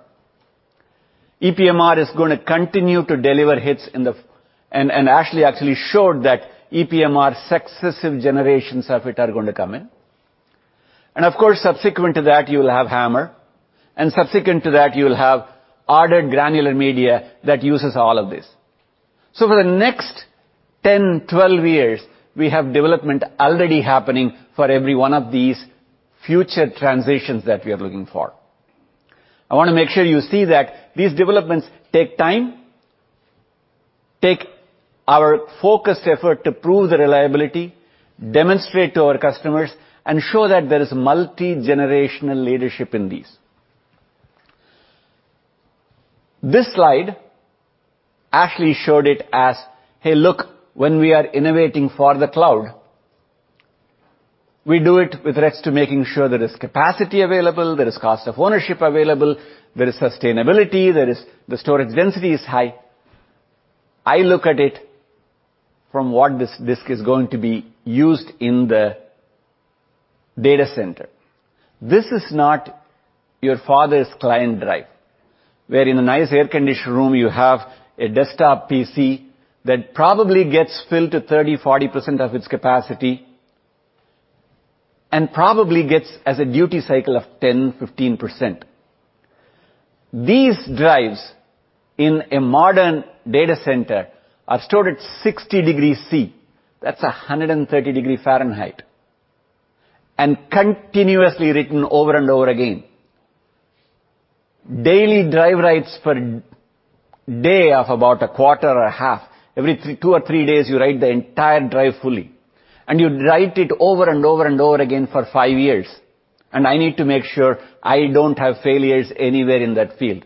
D: ePMR is gonna continue to deliver hits, and Ashley actually showed that ePMR's successive generations of it are going to come in. Of course, subsequent to that, you'll have HAMR. Subsequent to that you'll have ordered granular media that uses all of this. For the next 10, 12 years, we have development already happening for every one of these future transitions that we are looking for. I wanna make sure you see that these developments take time, take our focused effort to prove the reliability, demonstrate to our customers and show that there is multi-generational leadership in these. This slide, Ashley showed it as, "Hey, look, when we are innovating for the cloud, we do it with respect to making sure there is capacity available, there is cost of ownership available, there is sustainability, there is the storage density is high." I look at it from what this disk is going to be used in the data center. This is not your father's client drive. Where in a nice air-conditioned room, you have a desktop PC that probably gets filled to 30%-40% of its capacity, and probably gets as a duty cycle of 10%-15%. These drives in a modern data center are stored at 60 degrees C. That's 130 degrees Fahrenheit. Continuously written over and over again. Daily drive writes per day of about a quarter or a half. Every two or three days, you write the entire drive fully. You write it over and over and over again for five years. I need to make sure I don't have failures anywhere in that field.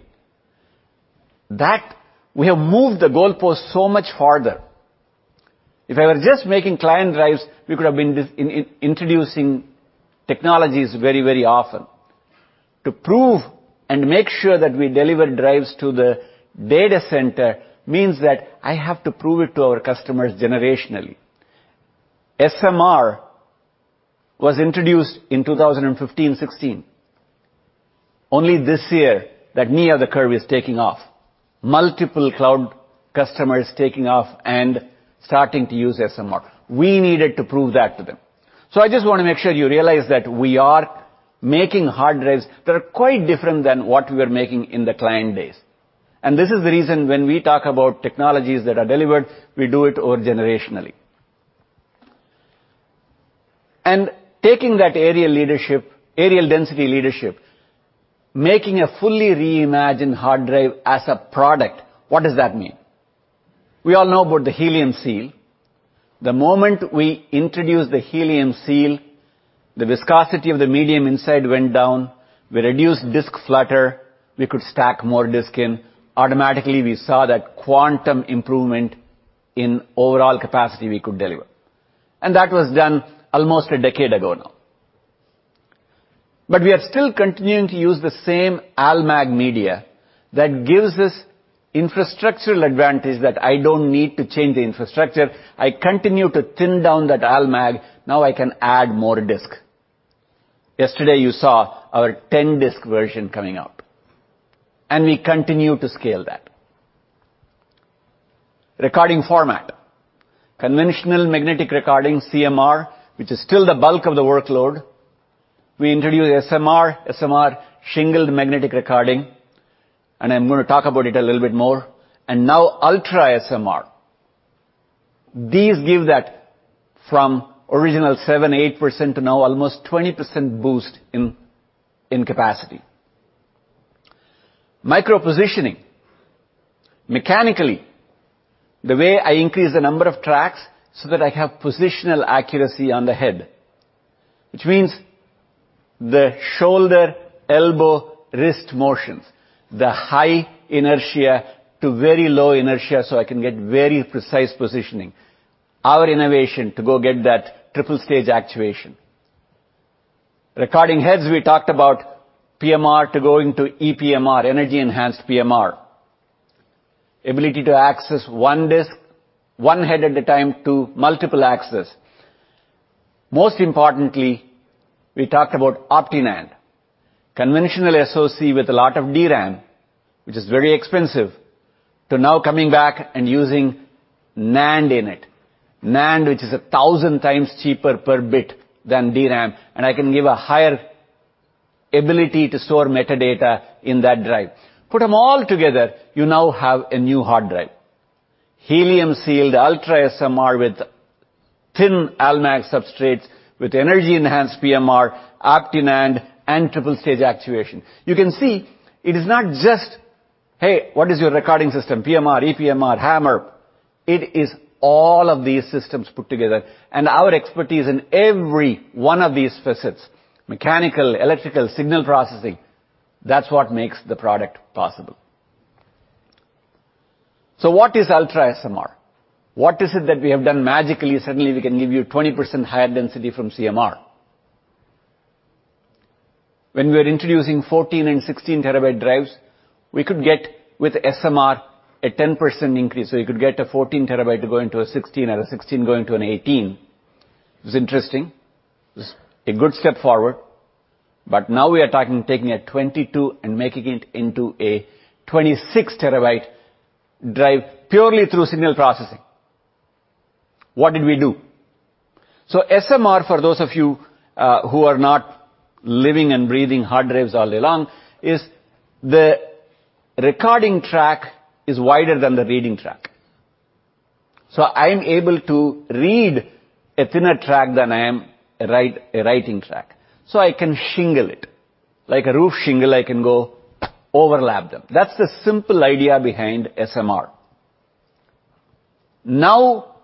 D: We have moved the goalpost so much farther. If I were just making client drives, we could have been introducing technologies very, very often. To prove and make sure that we deliver drives to the data center means that I have to prove it to our customers generationally. SMR was introduced in 2015, 2016. Only this year that knee of the curve is taking off. Multiple cloud customers taking off and starting to use SMR. We needed to prove that to them. I just wanna make sure you realize that we are making hard drives that are quite different than what we were making in the client days. This is the reason when we talk about technologies that are delivered, we do it over generationally. Taking that areal leadership, areal density leadership, making a fully reimagined hard drive as a product, what does that mean? We all know about the helium seal. The moment we introduced the helium seal, the viscosity of the medium inside went down. We reduced disk flutter, we could stack more disk in. Automatically, we saw that quantum improvement in overall capacity we could deliver. That was done almost a decade ago now. We are still continuing to use the same Al-Mg media that gives us infrastructural advantage that I don't need to change the infrastructure. I continue to thin down that Al-Mg. Now I can add more disk. Yesterday you saw our 10-disk version coming out, and we continue to scale that. Recording format. Conventional magnetic recording, CMR, which is still the bulk of the workload. We introduced SMR. SMR, shingled magnetic recording, and I'm gonna talk about it a little bit more. Now UltraSMR. These give that from original 7%-8% to now almost 20% boost in capacity. Micro positioning. Mechanically, the way I increase the number of tracks so that I have positional accuracy on the head, which means the shoulder, elbow, wrist motions, the high inertia to very low inertia, so I can get very precise positioning. Our innovation to go get that triple-stage actuation. Recording heads, we talked about PMR to going to EPMR, energy-enhanced PMR. Ability to access one disk, one head at a time to multiple access. Most importantly, we talked about OptiNAND. Conventional SoC with a lot of DRAM, which is very expensive, to now coming back and using NAND in it. NAND, which is a thousand times cheaper per bit than DRAM, and I can give a higher ability to store metadata in that drive. Put them all together, you now have a new hard drive. Helium sealed UltraSMR with thin Al-Mg substrates with energy-enhanced PMR, OptiNAND, and triple-stage actuation. You can see it is not just, "Hey, what is your recording system? PMR, EPMR, HAMR." It is all of these systems put together and our expertise in every one of these facets, mechanical, electrical, signal processing. That's what makes the product possible. What is UltraSMR? What is it that we have done magically, suddenly we can give you 20% higher density from CMR? When we are introducing 14 and 16 TB drives, we could get with SMR a 10% increase. You could get a 14 TB to going to a 16 or a 16 going to an 18. It's interesting. It's a good step forward. Now we are talking taking a 22 and making it into a 26 TB drive purely through signal processing. What did we do? SMR, for those of you who are not living and breathing hard drives all day long, is the recording track wider than the reading track. I'm able to read a thinner track than I am writing a track. I can shingle it. Like a roof shingle, I can go overlap them. That's the simple idea behind SMR. Now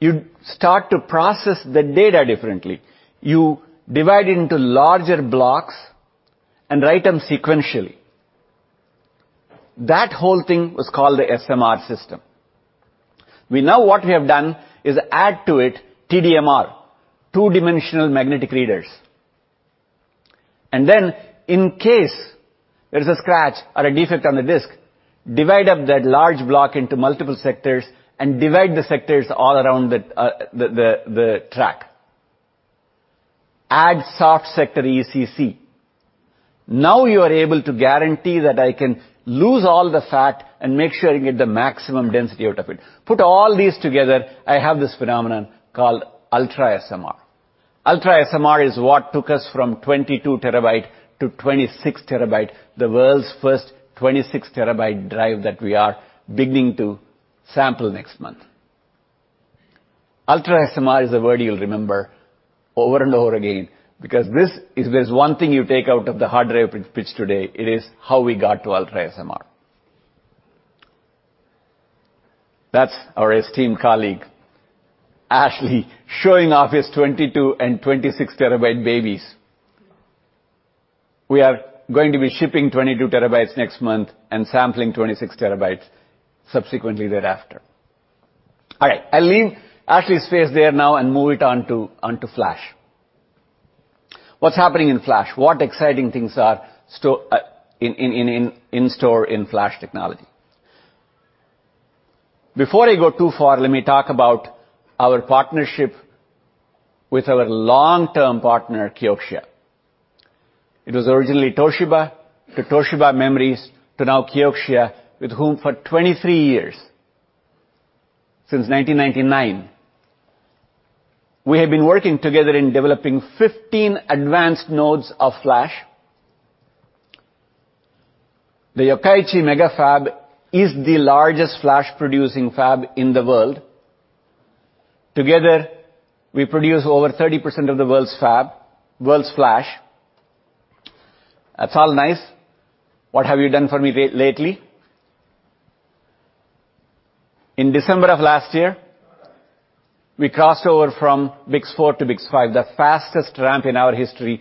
D: you start to process the data differently. You divide it into larger blocks and write them sequentially. That whole thing was called the SMR system. Now what we have done is add to it TDMR, two-dimensional magnetic recording. Then in case there's a scratch or a defect on the disk, divide up that large block into multiple sectors and divide the sectors all around the track. Add soft sector ECC. Now you are able to guarantee that I can lose all the fat and make sure you get the maximum density out of it. Put all these together, I have this phenomenon called UltraSMR. UltraSMR is what took us from 22 TB to 26 TB, the world's first 26 TB drive that we are beginning to sample next month. UltraSMR is a word you'll remember over and over again, because this is, there's one thing you take out of the hard drive pitch today, it is how we got to UltraSMR. That's our esteemed colleague, Ashley, showing off his 22 and 26 TB babies. We are going to be shipping 22 TB next month and sampling 26 TB subsequently thereafter. All right, I'll leave Ashley's face there now and move it on to flash. What's happening in flash? What exciting things are in store in flash technology? Before I go too far, let me talk about our partnership with our long-term partner, Kioxia. It was originally Toshiba, to Toshiba Memory, to now Kioxia, with whom for 23 years, since 1999, we have been working together in developing 15 advanced nodes of flash. The Yokkaichi Mega Fab is the largest flash-producing fab in the world. Together, we produce over 30% of the world's flash. That's all nice. What have you done for me lately? In December of last year, we crossed over from BiCS4 to BiCS5, the fastest ramp in our history,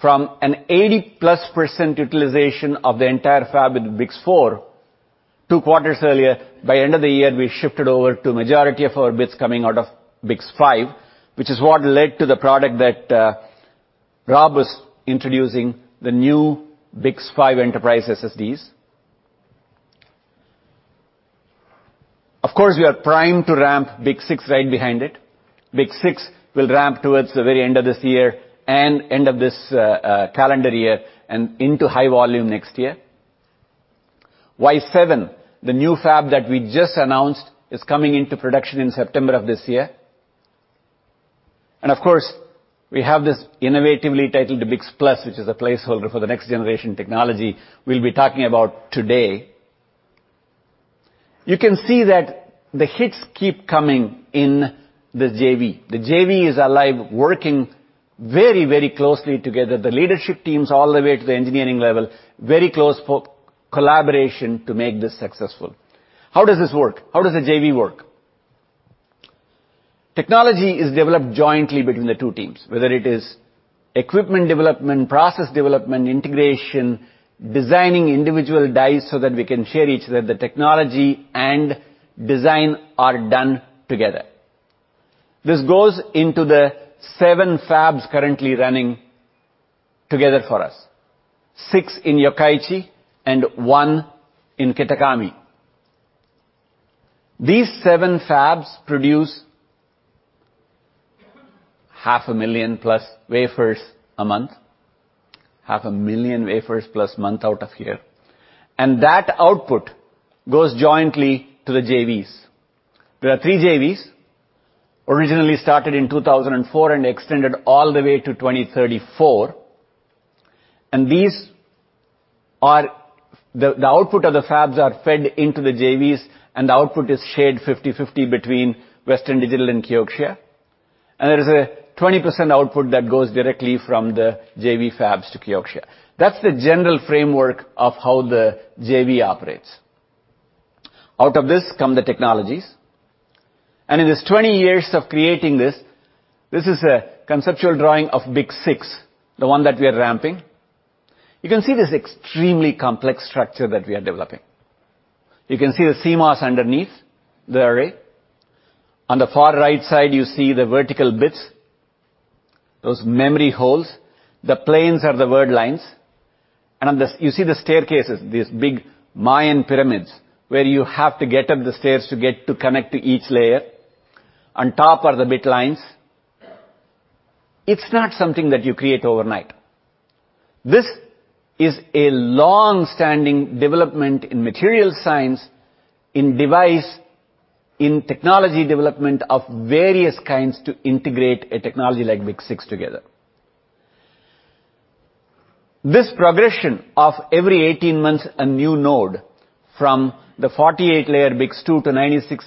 D: from an 80%+ utilization of the entire fab in BiCS4 two quarters earlier, by end of the year, we shifted over to majority of our bits coming out of BiCS5, which is what led to the product that Rob was introducing, the new BiCS5 enterprise SSDs. Of course, we are primed to ramp BiCS6 right behind it. BiCS6 will ramp towards the very end of this year and end of this calendar year and into high volume next year. Y7, the new fab that we just announced, is coming into production in September of this year. Of course, we have this innovatively titled BiCS+, which is a placeholder for the next generation technology we'll be talking about today. You can see that the hits keep coming in the JV. The JV is alive, working very, very closely together. The leadership teams all the way to the engineering level, very close for collaboration to make this successful. How does this work? How does the JV work? Technology is developed jointly between the two teams, whether it is equipment development, process development, integration, designing individual dies so that we can share each other. The technology and design are done together. This goes into the seven fabs currently running together for us, six in Yokkaichi and one in Kitakami. These seven fabs produce half a million-plus wafers a month, half a million wafers plus month out of here, and that output goes jointly to the JVs. There are three JVs, originally started in 2004 and extended all the way to 2034. These are... The output of the fabs are fed into the JVs, and the output is shared 50/50 between Western Digital and Kioxia. There is a 20% output that goes directly from the JV fabs to Kioxia. That's the general framework of how the JV operates. Out of this come the technologies. In this 20 years of creating this is a conceptual drawing of BiCS6, the one that we are ramping. You can see this extremely complex structure that we are developing. You can see the CMOS underneath the array. On the far right side, you see the vertical bits, those memory holes. The planes are the word lines. On this, you see the staircases, these big Mayan pyramids, where you have to get up the stairs to get to connect to each layer. On top are the bit lines. It's not something that you create overnight. This is a long-standing development in material science, in device, in technology development of various kinds to integrate a technology like BiCS6 together. This progression of every 18 months a new node from the 48-layer BiCS2 to 96,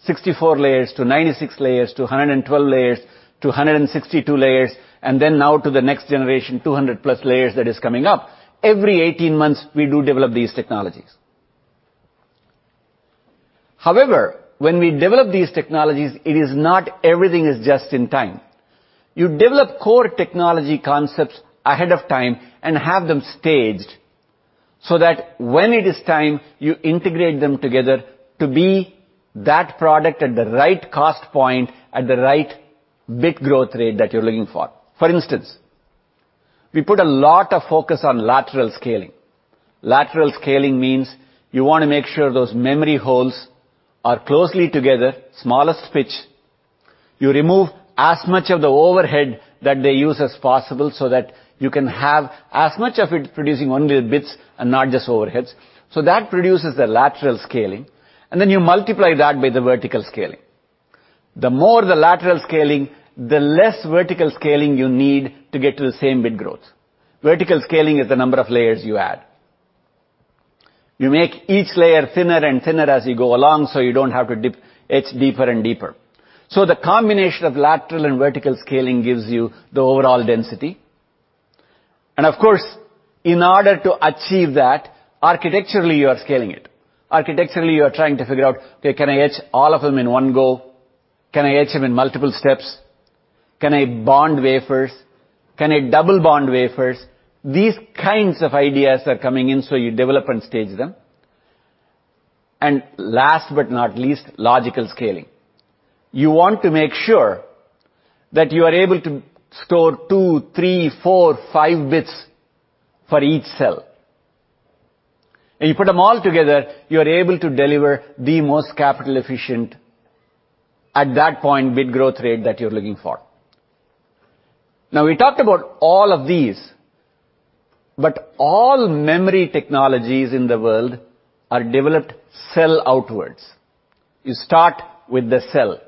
D: 64 layers to 96 layers to 112 layers to 162 layers, and then now to the next generation, 200+ layers that is coming up. Every 18 months, we do develop these technologies. However, when we develop these technologies, it is not everything is just in time. You develop core technology concepts ahead of time and have them staged so that when it is time, you integrate them together to be that product at the right cost point, at the right bit growth rate that you're looking for. For instance, we put a lot of focus on lateral scaling. Lateral scaling means you wanna make sure those memory holes are closely together, smallest pitch. You remove as much of the overhead that they use as possible so that you can have as much of it producing only the bits and not just overheads. So that produces the lateral scaling, and then you multiply that by the vertical scaling. The more the lateral scaling, the less vertical scaling you need to get to the same bit growth. Vertical scaling is the number of layers you add. You make each layer thinner and thinner as you go along, so you don't have to etch deeper and deeper. So the combination of lateral and vertical scaling gives you the overall density. Of course, in order to achieve that, architecturally, you are scaling it. Architecturally, you are trying to figure out, "Okay, can I etch all of them in one go? Can I etch them in multiple steps? Can I bond wafers? Can I double bond wafers?" These kinds of ideas are coming in, so you develop and stage them. Last but not least, logical scaling. You want to make sure that you are able to store two, three, four, five bits for each cell. You put them all together, you are able to deliver the most capital efficient, at that point, bit growth rate that you're looking for. Now, we talked about all of these, but all memory technologies in the world are developed cell outwards. You start with the cell.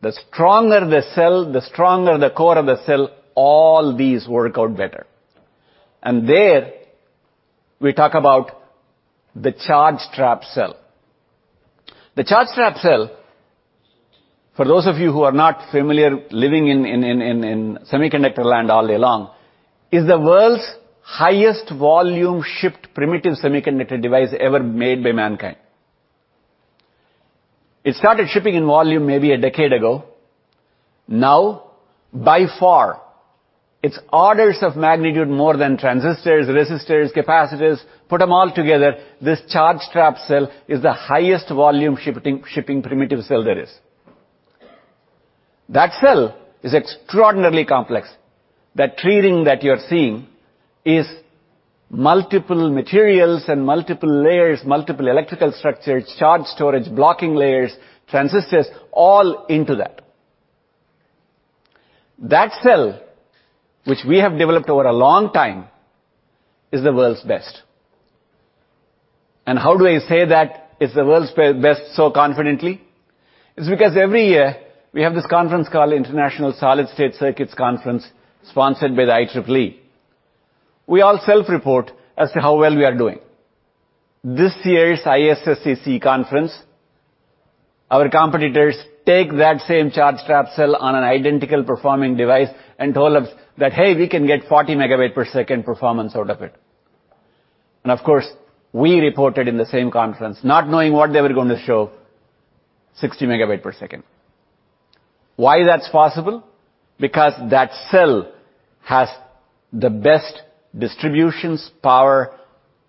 D: The stronger the cell, the stronger the core of the cell, all these work out better. There we talk about the charge trap cell. The charge trap cell, for those of you who are not familiar living in semiconductor land all day long, is the world's highest volume shipped primitive semiconductor device ever made by mankind. It started shipping in volume maybe a decade ago. Now, by far, it's orders of magnitude more than transistors, resistors, capacitors. Put them all together, this charge trap cell is the highest volume shipping primitive cell there is. That cell is extraordinarily complex. That 3D that you're seeing is multiple materials and multiple layers, multiple electrical structures, charge storage, blocking layers, transistors, all into that. That cell, which we have developed over a long time, is the world's best. How do I say that it's the world's best so confidently? It's because every year we have this conference called International Solid-State Circuits Conference, sponsored by the IEEE. We all self-report as to how well we are doing. This year's ISSCC conference, our competitors take that same charge trap cell on an identical performing device and told us that, "Hey, we can get 40 MB/s performance out of it." Of course, we reported in the same conference, not knowing what they were gonna show, 60 MB/s. Why that's possible? Because that cell has the best distributions power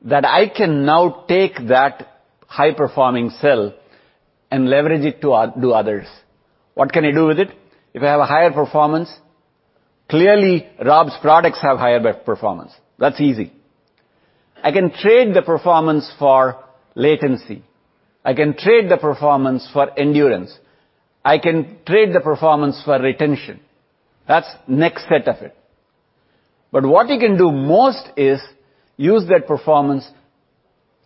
D: that I can now take that high-performing cell and leverage it to do others. What can I do with it? If I have a higher performance, clearly Rob's products have higher performance. That's easy. I can trade the performance for latency. I can trade the performance for endurance. I can trade the performance for retention. That's next set of it. What you can do most is use that performance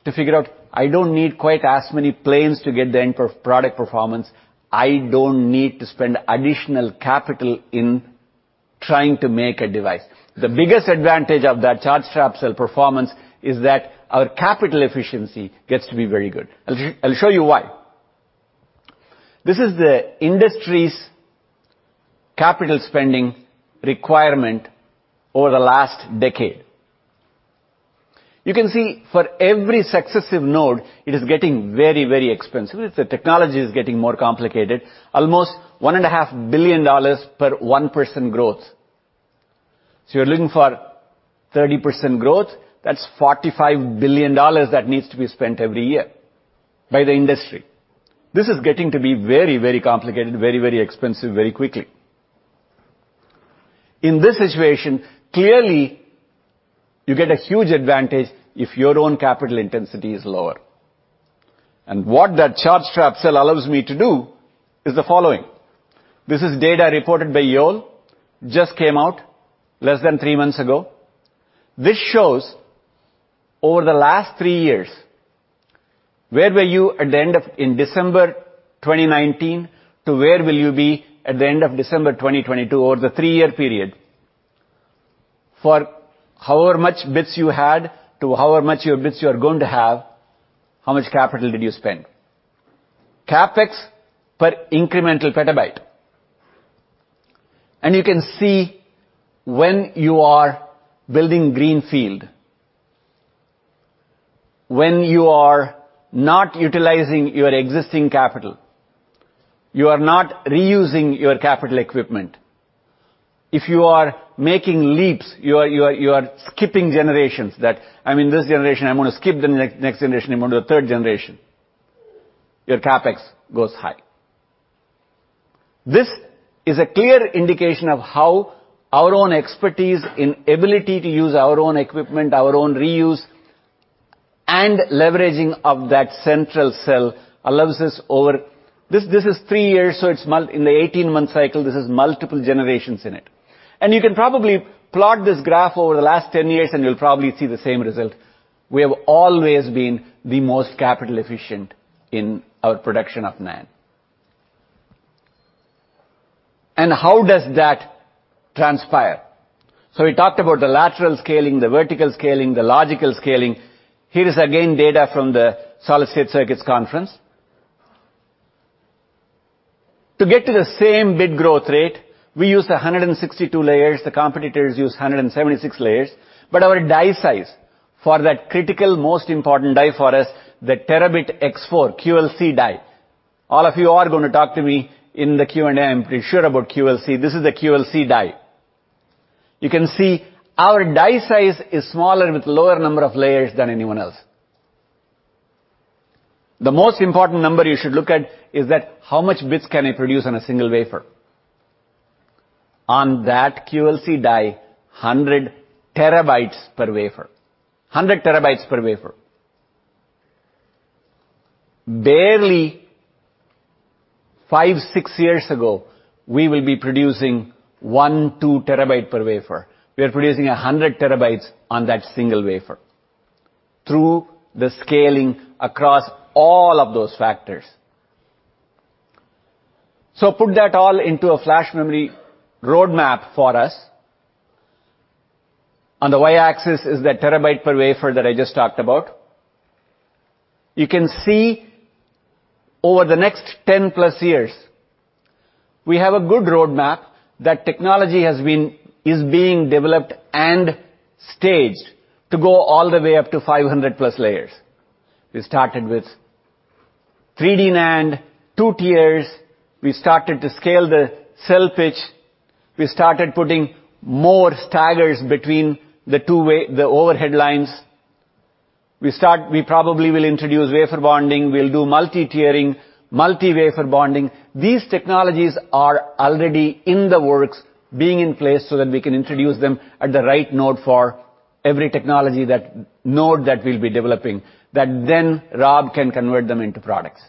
D: to figure out, I don't need quite as many planes to get the end per-product performance. I don't need to spend additional capital in trying to make a device. The biggest advantage of that charge trap cell performance is that our capital efficiency gets to be very good. I'll show you why. This is the industry's capital spending requirement over the last decade. You can see for every successive node, it is getting very, very expensive. It's that the technology is getting more complicated. Almost $1.5 billion per 1% growth. You're looking for 30% growth. That's $45 billion that needs to be spent every year by the industry. This is getting to be very, very complicated, very, very expensive, very quickly. In this situation, clearly, you get a huge advantage if your own capital intensity is lower. What that charge trap cell allows me to do is the following. This is data reported by Yole, just came out less than three months ago. This shows over the last three years, where were you in December 2019, to where will you be at the end of December 2022 over the three-year period. For however much bits you had to however much your bits you are going to have, how much capital did you spend? CapEx per incremental petabyte. You can see when you are building greenfield, when you are not utilizing your existing capital, you are not reusing your capital equipment. If you are making leaps, you are skipping generations, I'm in this generation, I'm gonna skip the next generation, I'm going to the third generation, your CapEx goes high. This is a clear indication of how our own expertise and ability to use our own equipment, our own reuse, and leveraging of that central cell allows us. This is three years, so it's in the 18-month cycle, this is multiple generations in it. You can probably plot this graph over the last 10 years, and you'll probably see the same result. We have always been the most capital efficient in our production of NAND. How does that transpire? We talked about the lateral scaling, the vertical scaling, the logical scaling. Here is again data from the Solid-State Circuits Conference. To get to the same bit growth rate, we used 162 layers. The competitors used 176 layers. Our die size for that critical most important die for us, the Terabit X4 QLC die. All of you are gonna talk to me in the Q&A, I'm pretty sure, about QLC. This is a QLC die. You can see our die size is smaller with lower number of layers than anyone else. The most important number you should look at is that how much bits can it produce on a single wafer. On that QLC die, 100 TB per wafer. 100 TB per wafer. Barely five, six years ago, we will be producing one, 2 TB per wafer. We are producing 100 TB on that single wafer through the scaling across all of those factors. Put that all into a flash memory roadmap for us. On the y-axis is the terabyte per wafer that I just talked about. You can see over the next 10+ years. We have a good roadmap that technology is being developed and staged to go all the way up to 500+ layers. We started with 3D NAND, two tiers. We started to scale the cell pitch. We started putting more staggers between the overhead lines. We probably will introduce wafer bonding, we'll do multi-tiering, multi-wafer bonding. These technologies are already in the works, being in place so that we can introduce them at the right node for every node that we'll be developing, that then Rob can convert them into products.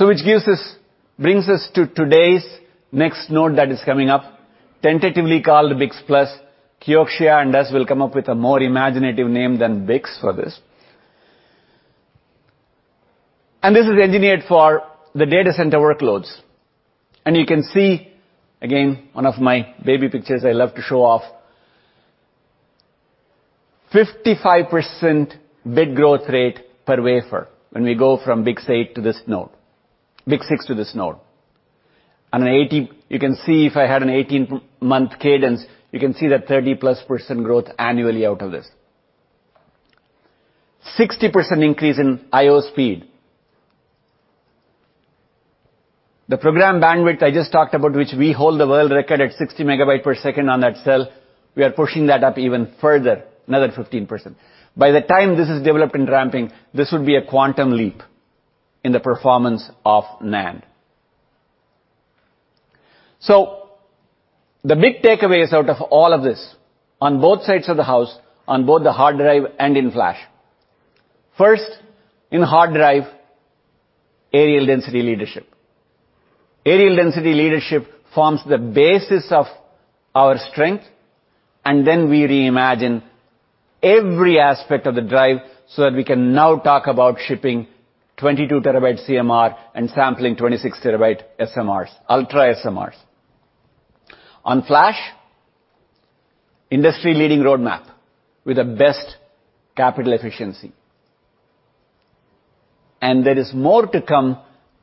D: Which brings us to today's next node that is coming up, tentatively called BiCS+. Kioxia and us will come up with a more imaginative name than BiCS for this. This is engineered for the data center workloads. You can see, again, one of my baby pictures I love to show off. 55% bit growth rate per wafer when we go from BiCS6 to this node. You can see if I had an 18-month cadence, you can see that 30%+ growth annually out of this. 60% increase in I/O speed. The program bandwidth I just talked about, which we hold the world record at 60 MB/s on that cell, we are pushing that up even further, another 15%. By the time this is developed and ramping, this would be a quantum leap in the performance of NAND. The big takeaways out of all of this, on both sides of the house, on both the hard drive and in flash. First, in hard drive, areal density leadership. Areal density leadership forms the basis of our strength, and then we reimagine every aspect of the drive so that we can now talk about shipping 22 TB CMR and sampling 26 TB SMRs, UltraSMRs. On flash, industry-leading roadmap with the best capital efficiency. There is more to come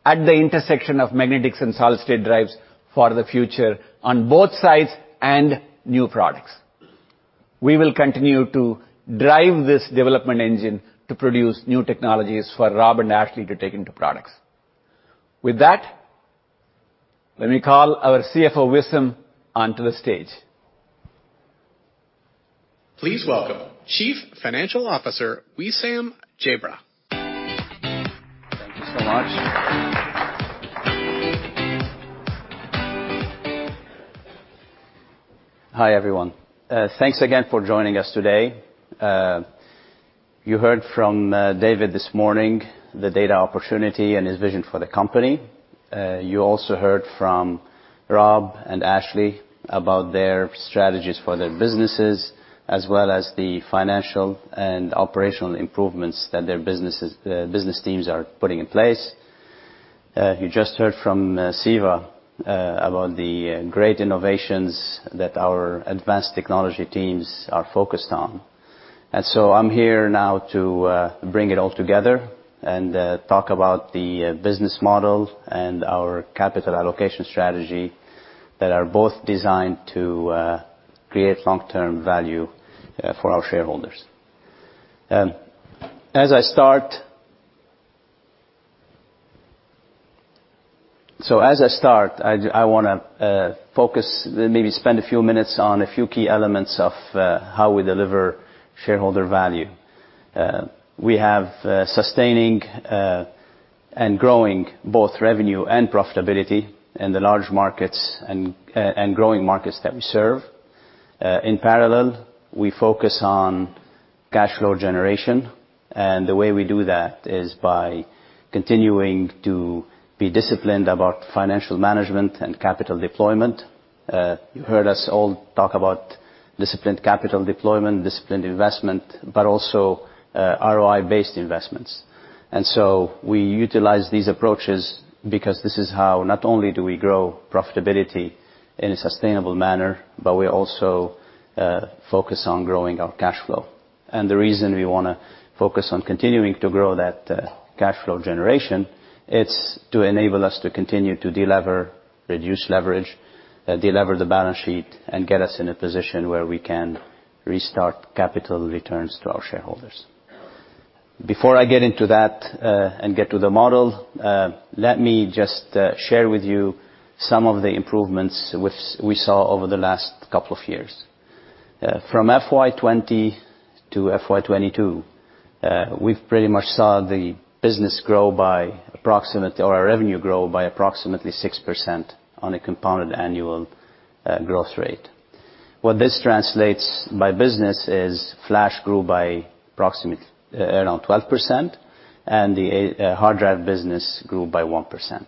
D: at the intersection of magnetics and solid-state drives for the future on both sides and new products. We will continue to drive this development engine to produce new technologies for Rob and Ashley to take into products. With that, let me call our CFO, Wissam, onto the stage.
A: Please welcome Chief Financial Officer, Wissam Jabre.
F: Thank you so much. Hi, everyone. Thanks again for joining us today. You heard from David this morning, the data opportunity and his vision for the company. You also heard from Rob and Ashley about their strategies for their businesses, as well as the financial and operational improvements that their business teams are putting in place. You just heard from Siva about the great innovations that our advanced technology teams are focused on. I'm here now to bring it all together and talk about the business model and our capital allocation strategy that are both designed to create long-term value for our shareholders. As I start, I wanna focus, maybe spend a few minutes on a few key elements of how we deliver shareholder value. We have sustaining and growing both revenue and profitability in the large markets and growing markets that we serve. In parallel, we focus on cash flow generation, and the way we do that is by continuing to be disciplined about financial management and capital deployment. You heard us all talk about disciplined capital deployment, disciplined investment, but also ROI-based investments. We utilize these approaches because this is how not only do we grow profitability in a sustainable manner, but we also focus on growing our cash flow. The reason we wanna focus on continuing to grow that cash flow generation, it's to enable us to continue to delever, reduce leverage, delever the balance sheet, and get us in a position where we can restart capital returns to our shareholders. Before I get into that and get to the model, let me just share with you some of the improvements which we saw over the last couple of years. From FY 2020 to FY 2022, we've pretty much saw our revenue grow by approximately 6% on a compounded annual growth rate. What this translates by business is flash grew by approximately around 12%, and the hard drive business grew by 1%.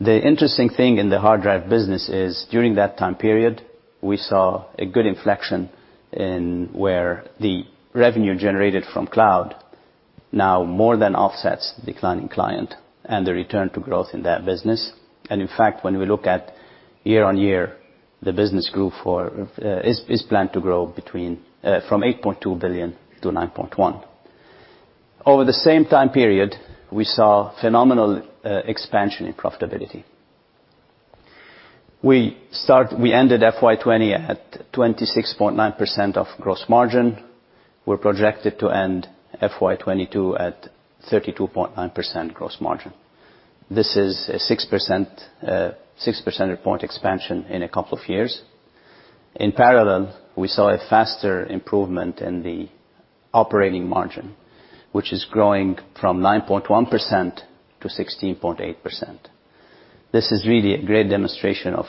F: The interesting thing in the hard drive business is during that time period, we saw a good inflection in where the revenue generated from cloud now more than offsets the declining client and the return to growth in that business. In fact, when we look at year-on-year, the business is planned to grow from $8.2 billion-$9.1 billion. Over the same time period, we saw phenomenal expansion in profitability. We ended FY 2020 at 26.9% gross margin. We're projected to end FY 2022 at 32.9% gross margin. This is a six percentage point expansion in a couple of years. In parallel, we saw a faster improvement in the operating margin, which is growing from 9.1% to 16.8%. This is really a great demonstration of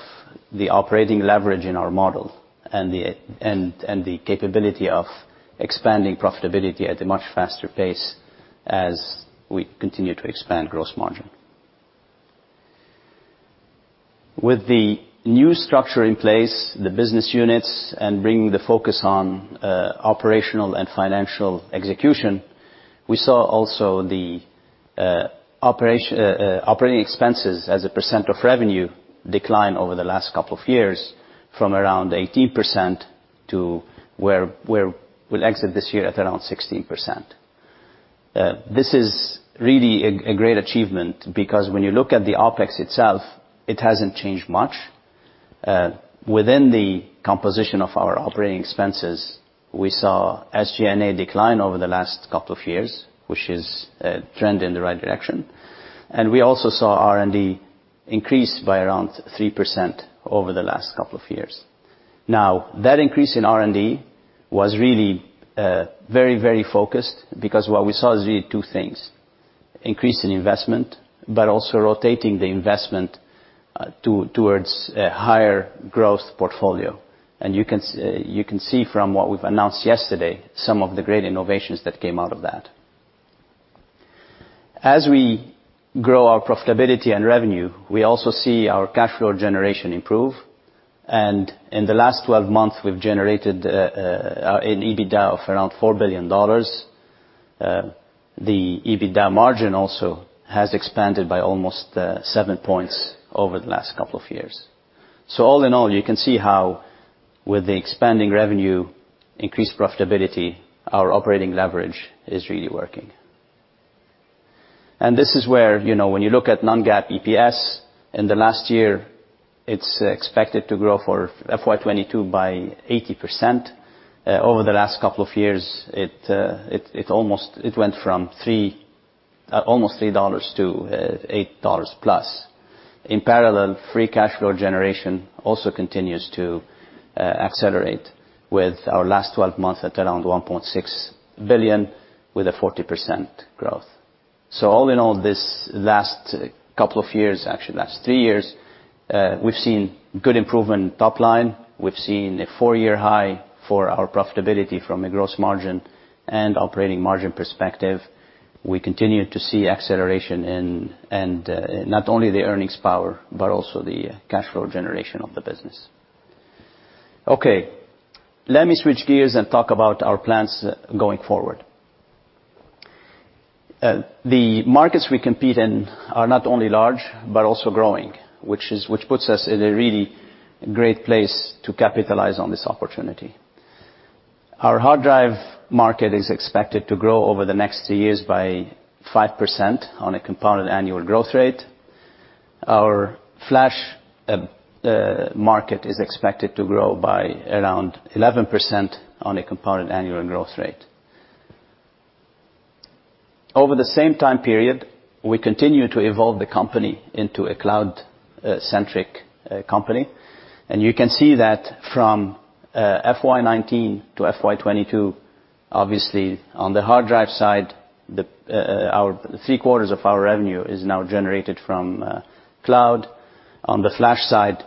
F: the operating leverage in our model and the capability of expanding profitability at a much faster pace as we continue to expand gross margin. With the new structure in place, the business units, and bringing the focus on operational and financial execution, we saw also the operating expenses as a percent of revenue decline over the last couple of years from around 18% to where we'll exit this year at around 16%. This is really a great achievement because when you look at the OpEx itself, it hasn't changed much. Within the composition of our operating expenses, we saw SG&A decline over the last couple of years, which is a trend in the right direction. We also saw R&D increase by around 3% over the last couple of years. Now, that increase in R&D was really very, very focused because what we saw is really two things: increase in investment, but also rotating the investment towards a higher growth portfolio. You can see from what we've announced yesterday some of the great innovations that came out of that. As we grow our profitability and revenue, we also see our cash flow generation improve. In the last 12 months, we've generated an EBITDA of around $4 billion. The EBITDA margin also has expanded by almost seven points over the last couple of years. All in all, you can see how with the expanding revenue, increased profitability, our operating leverage is really working. This is where, you know, when you look at non-GAAP EPS, in the last year, it's expected to grow for FY 2022 by 80%. Over the last couple of years, it went from almost $3-$8+. In parallel, free cash flow generation also continues to accelerate with our last 12 months at around $1.6 billion with a 40% growth. All in all, this last couple of years, actually last three years, we've seen good improvement top line. We've seen a four-year high for our profitability from a gross margin and operating margin perspective. We continue to see acceleration in not only the earnings power, but also the cash flow generation of the business. Okay, let me switch gears and talk about our plans going forward. The markets we compete in are not only large, but also growing, which puts us in a really great place to capitalize on this opportunity. Our hard drive market is expected to grow over the next 3 years by 5% on a compound annual growth rate. Our flash market is expected to grow by around 11% on a compound annual growth rate. Over the same time period, we continue to evolve the company into a cloud-centric company. You can see that from FY 2019 to FY 2022, obviously on the hard drive side, our three-quarters of our revenue is now generated from cloud. On the flash side,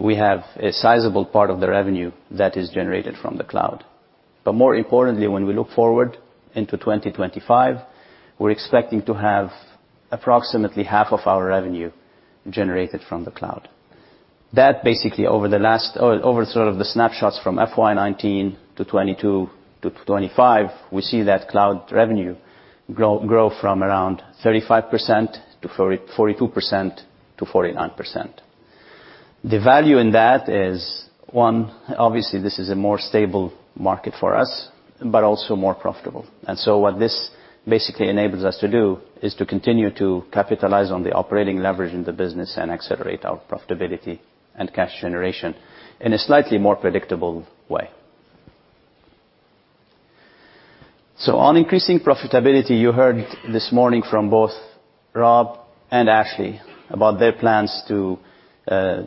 F: we have a sizable part of the revenue that is generated from the cloud. More importantly, when we look forward into 2025, we're expecting to have approximately half of our revenue generated from the cloud. That basically over the last or over sort of the snapshots from FY 2019 to 2022 to 2025, we see that cloud revenue grow from around 35% to 40, 42% to 49%. The value in that is, one, obviously this is a more stable market for us, but also more profitable. What this basically enables us to do is to continue to capitalize on the operating leverage in the business and accelerate our profitability and cash generation in a slightly more predictable way. On increasing profitability, you heard this morning from both Rob Soderbery and Ashley Gorakhpurwalla about their plans to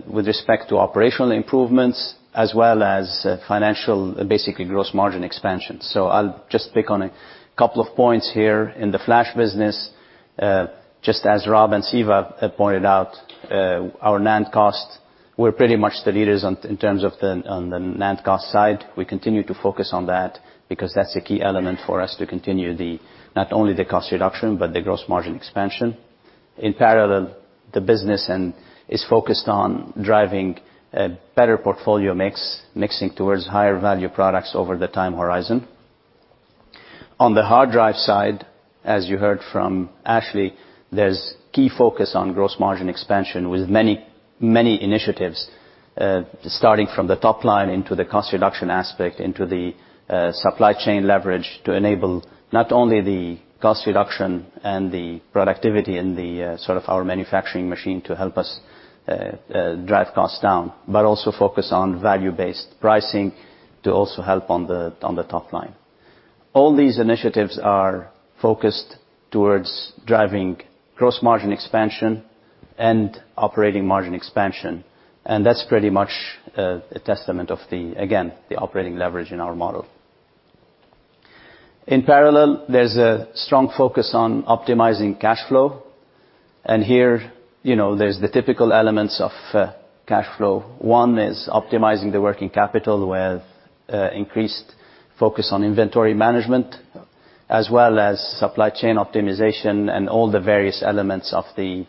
F: with respect to operational improvements as well as financial, basically gross margin expansion. I'll just pick on a couple of points here in the flash business. Just as Rob and Siva have pointed out, our NAND costs, we're pretty much the leaders on, in terms of the, on the NAND cost side. We continue to focus on that because that's a key element for us to continue the, not only the cost reduction, but the gross margin expansion. In parallel, the business is focused on driving a better portfolio mix towards higher value products over the time horizon. On the hard drive side, as you heard from Ashley, there's key focus on gross margin expansion with many initiatives, starting from the top line into the cost reduction aspect, into the supply chain leverage to enable not only the cost reduction and the productivity in the sort of our manufacturing machine to help us drive costs down, but also focus on value-based pricing to also help on the top line. All these initiatives are focused towards driving gross margin expansion and operating margin expansion, and that's pretty much a testament of the, again, the operating leverage in our model. In parallel, there's a strong focus on optimizing cash flow. Here, you know, there's the typical elements of cash flow. One is optimizing the working capital with increased focus on inventory management, as well as supply chain optimization and all the various elements of the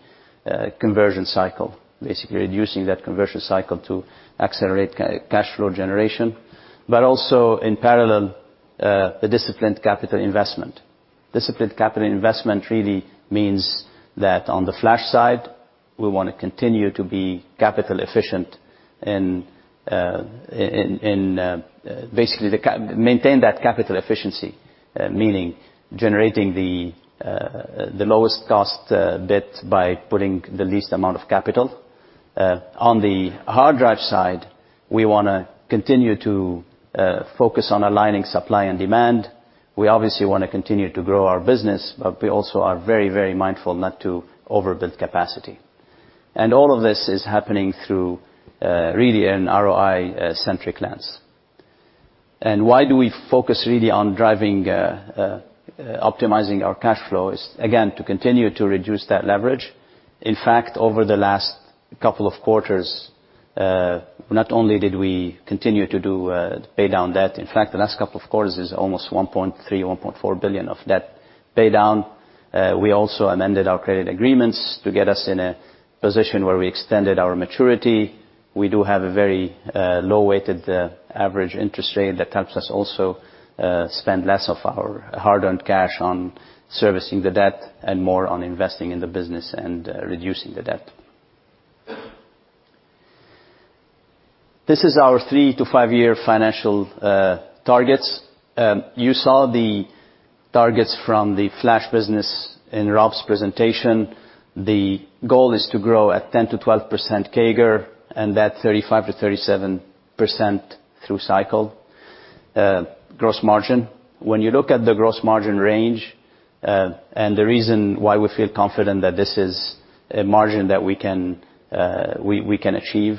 F: conversion cycle. Basically reducing that conversion cycle to accelerate cash flow generation, but also in parallel, the disciplined capital investment. Disciplined capital investment really means that on the flash side, we wanna continue to be capital efficient and basically maintain that capital efficiency, meaning generating the lowest cost bit by putting the least amount of capital. On the hard drive side, we wanna continue to focus on aligning supply and demand. We obviously wanna continue to grow our business, but we also are very, very mindful not to overbuild capacity. All of this is happening through really an ROI-centric lens. Why do we focus really on driving optimizing our cash flow is, again, to continue to reduce that leverage. In fact, over the last couple of quarters, not only did we continue to pay down debt, in fact, the last couple of quarters is almost $1.3 billion-$1.4 billion of debt pay down. We also amended our credit agreements to get us in a position where we extended our maturity. We do have a very low-weighted average interest rate that helps us also spend less of our hard-earned cash on servicing the debt and more on investing in the business and reducing the debt. This is our three- to five-year financial targets. You saw the targets from the flash business in Rob's presentation. The goal is to grow at 10%-12% CAGR, and that 35%-37% through cycle gross margin. When you look at the gross margin range, and the reason why we feel confident that this is a margin that we can, we can achieve,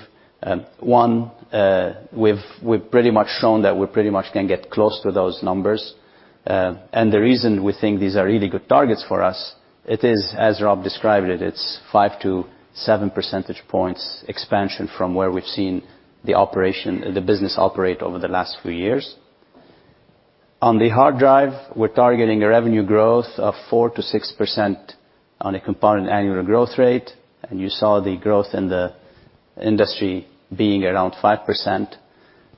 F: one, we've pretty much shown that we pretty much can get close to those numbers. The reason we think these are really good targets for us, it is, as Rob described it's 5-7 percentage points expansion from where we've seen the business operate over the last few years. On the hard drive, we're targeting a revenue growth of 4%-6% on a compound annual growth rate, and you saw the growth in the industry being around 5%.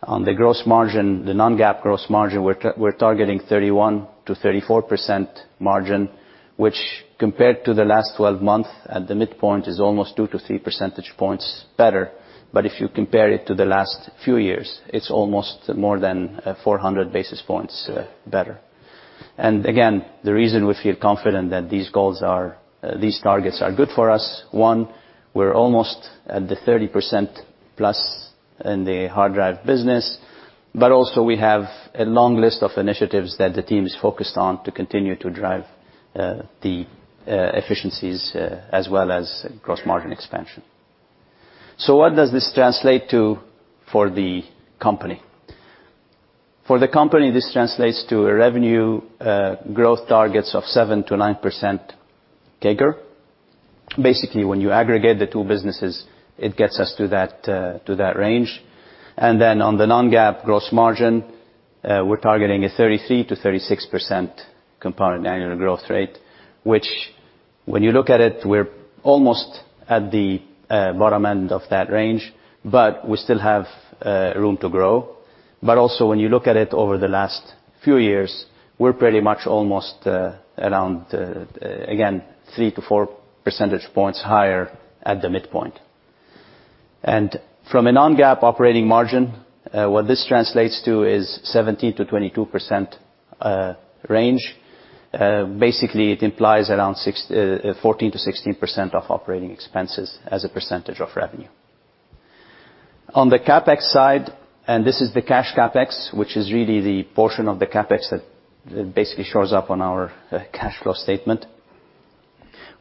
F: On the gross margin, the non-GAAP gross margin, we're targeting 31%-34% margin, which compared to the last 12 months at the midpoint, is almost 2-3 percentage points better. If you compare it to the last few years, it's almost more than 400 basis points better. Again, the reason we feel confident that these targets are good for us, one, we're almost at the 30%+ in the hard drive business, but also we have a long list of initiatives that the team is focused on to continue to drive the efficiencies as well as gross margin expansion. What does this translate to for the company? For the company, this translates to a revenue growth targets of 7%-9% CAGR. Basically, when you aggregate the two businesses, it gets us to that range. Then on the non-GAAP gross margin, we're targeting a 33%-36% compound annual growth rate, which when you look at it, we're almost at the bottom end of that range, but we still have room to grow. Also, when you look at it over the last few years, we're pretty much almost around again 3-4 percentage points higher at the midpoint. From a non-GAAP operating margin, what this translates to is 17%-22% range. Basically, it implies around fourteen to sixteen percent of operating expenses as a percentage of revenue. On the CapEx side, this is the cash CapEx, which is really the portion of the CapEx that basically shows up on our cash flow statement.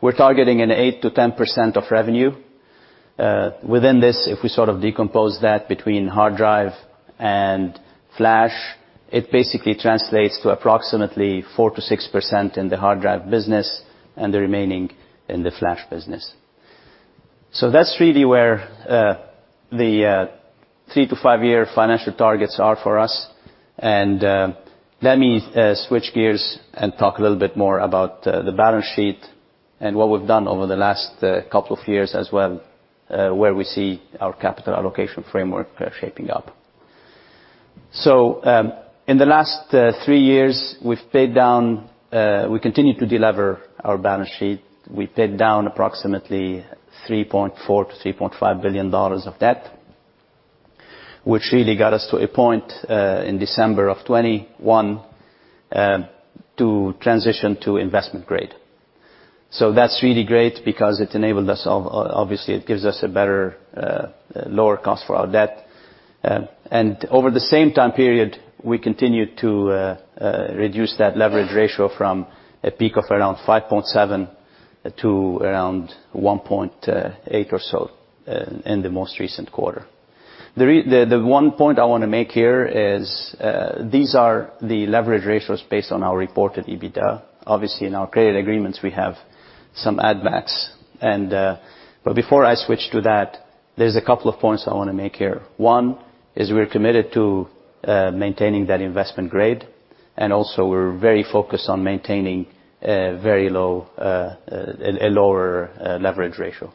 F: We're targeting 8%-10% of revenue. Within this, if we sort of decompose that between hard drive and flash, it basically translates to approximately 4%-6% in the hard drive business and the remaining in the flash business. That's really where the three- to five-year financial targets are for us. Let me switch gears and talk a little bit more about the balance sheet. What we've done over the last couple of years as well, where we see our capital allocation framework shaping up. In the last three years, we continued to delever our balance sheet. We paid down approximately $3.4 billion-$3.5 billion of debt, which really got us to a point in December of 2021 to transition to investment grade. That's really great because it enabled us obviously it gives us a better lower cost for our debt. Over the same time period, we continued to reduce that leverage ratio from a peak of around 5.7 to around 1.8 or so in the most recent quarter. The one point I wanna make here is these are the leverage ratios based on our reported EBITDA. Obviously, in our credit agreements, we have some add backs and. Before I switch to that, there's a couple of points I wanna make here. One is we're committed to maintaining that investment grade, and also we're very focused on maintaining a lower leverage ratio.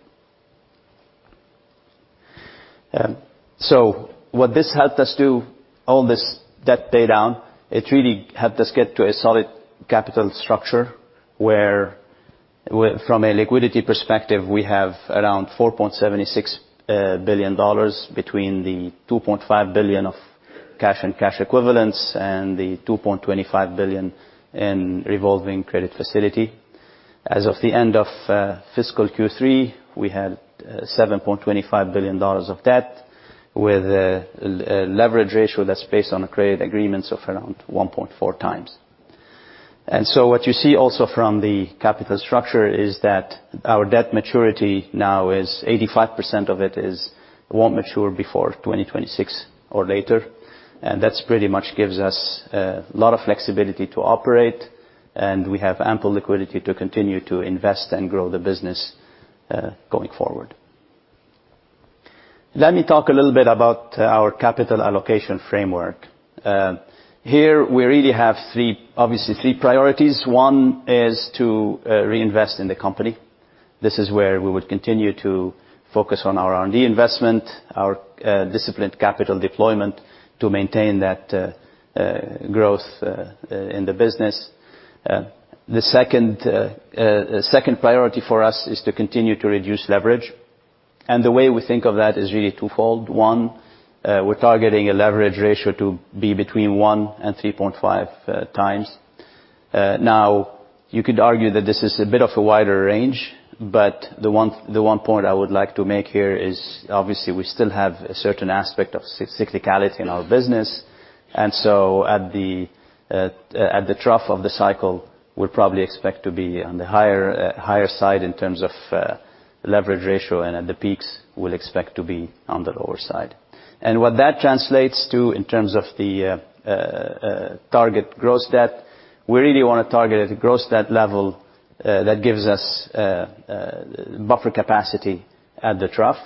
F: What this helped us do, all this debt pay down, it really helped us get to a solid capital structure, where from a liquidity perspective, we have around $4.76 billion between the $2.5 billion of cash and cash equivalents and the $2.25 billion in revolving credit facility. As of the end of fiscal Q3, we had $7.25 billion of debt with a leverage ratio that's based on the credit agreements of around 1.4x. What you see also from the capital structure is that our debt maturity now is 85% of it won't mature before 2026 or later. That's pretty much gives us a lot of flexibility to operate, and we have ample liquidity to continue to invest and grow the business, going forward. Let me talk a little bit about our capital allocation framework. Here, we really have three priorities. One is to reinvest in the company. This is where we would continue to focus on our R&D investment, our disciplined capital deployment to maintain that growth in the business. The second priority for us is to continue to reduce leverage. The way we think of that is really twofold. One, we're targeting a leverage ratio to be between one and 3.5x. Now, you could argue that this is a bit of a wider range, but the one point I would like to make here is obviously we still have a certain aspect of cyclicality in our business. At the trough of the cycle, we'll probably expect to be on the higher side in terms of leverage ratio, and at the peaks, we'll expect to be on the lower side. What that translates to in terms of the target gross debt, we really want to target a gross debt level that gives us buffer capacity at the trough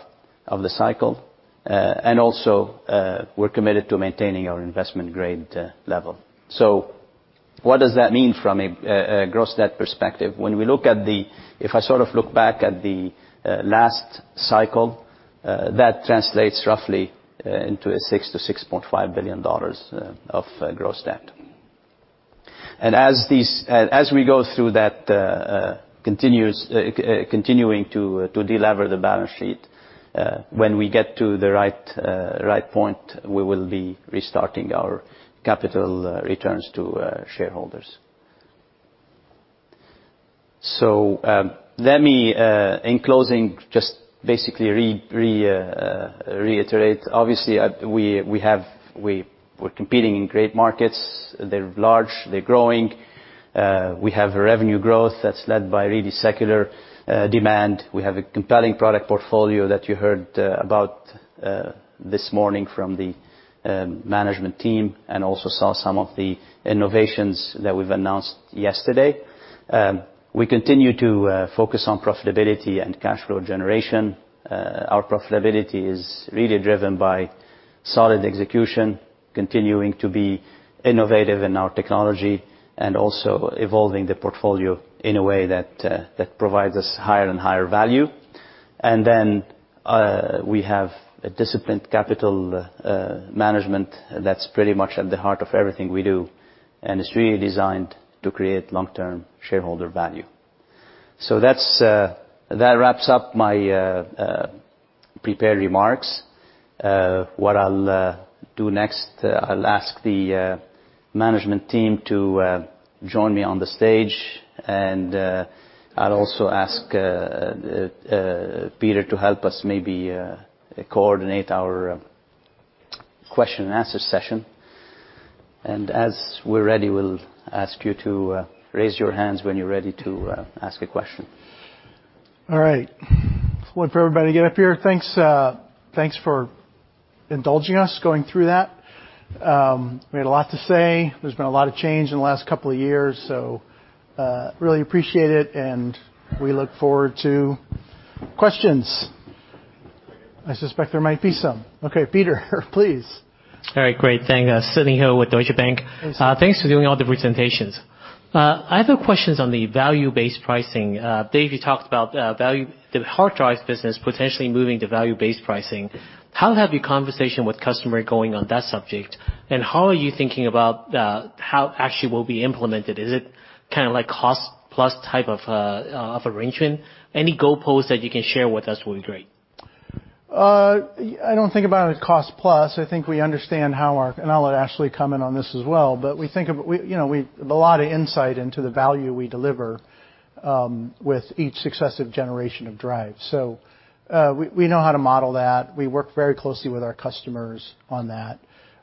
F: of the cycle, and also, we're committed to maintaining our investment grade level. What does that mean from a gross debt perspective? When we look at the. If I sort of look back at the last cycle, that translates roughly into a $6 billion-$6.5 billion of gross debt. As we go through that, continuing to delever the balance sheet, when we get to the right point, we will be restarting our capital returns to shareholders. Let me in closing just basically reiterate. Obviously, we're competing in great markets. They're large, they're growing. We have revenue growth that's led by really secular demand. We have a compelling product portfolio that you heard about this morning from the management team and also saw some of the innovations that we've announced yesterday. We continue to focus on profitability and cash flow generation. Our profitability is really driven by solid execution, continuing to be innovative in our technology, and also evolving the portfolio in a way that provides us higher and higher value. We have a disciplined capital management that's pretty much at the heart of everything we do, and it's really designed to create long-term shareholder value. That wraps up my prepared remarks. What I'll do next, I'll ask the management team to join me on the stage, and I'll also ask Peter to help us maybe coordinate our question and answer session. As we're ready, we'll ask you to raise your hands when you're ready to ask a question.
B: All right. Wait for everybody to get up here. Thanks for indulging us going through that. We had a lot to say. There's been a lot of change in the last couple of years, so really appreciate it and we look forward to questions. I suspect there might be some. Okay, Peter, please.
G: All right, great. Thank you. Sidney Ho with Deutsche Bank.
B: Thanks.
G: Thanks for doing all the presentations. I have questions on the value-based pricing. David, you talked about the hard drives business potentially moving to value-based pricing.
B: Mm-hmm.
G: How have your conversations with customers been going on that subject, and how are you thinking about how it actually will be implemented? Is it kind of like cost-plus type of arrangement? Any goalposts that you can share with us will be great.
B: I don't think about it as cost plus. I think we understand. I'll let Ashley come in on this as well, but you know, we have a lot of insight into the value we deliver with each successive generation of drives. We know how to model that. We work very closely with our customers on that.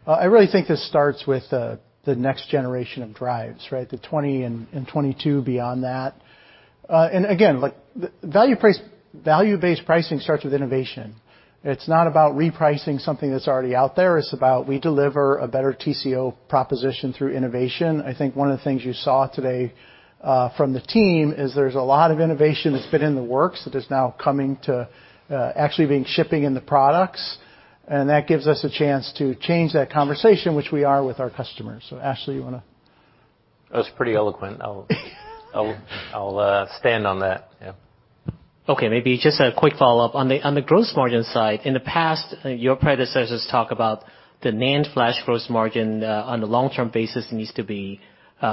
B: I really think this starts with the next generation of drives, right? The 20 and 22 beyond that. Again, look, value-based pricing starts with innovation. It's not about repricing something that's already out there. It's about we deliver a better TCO proposition through innovation. I think one of the things you saw today from the team is there's a lot of innovation that's been in the works that is now coming to actually being shipped in the products. That gives us a chance to change that conversation, which we are with our customers. Ashley, you wanna?
C: That was pretty eloquent. I'll stand on that. Yeah.
G: Okay. Maybe just a quick follow-up. On the gross margin side, in the past, your predecessors talk about the NAND Flash gross margin on the long-term basis needs to be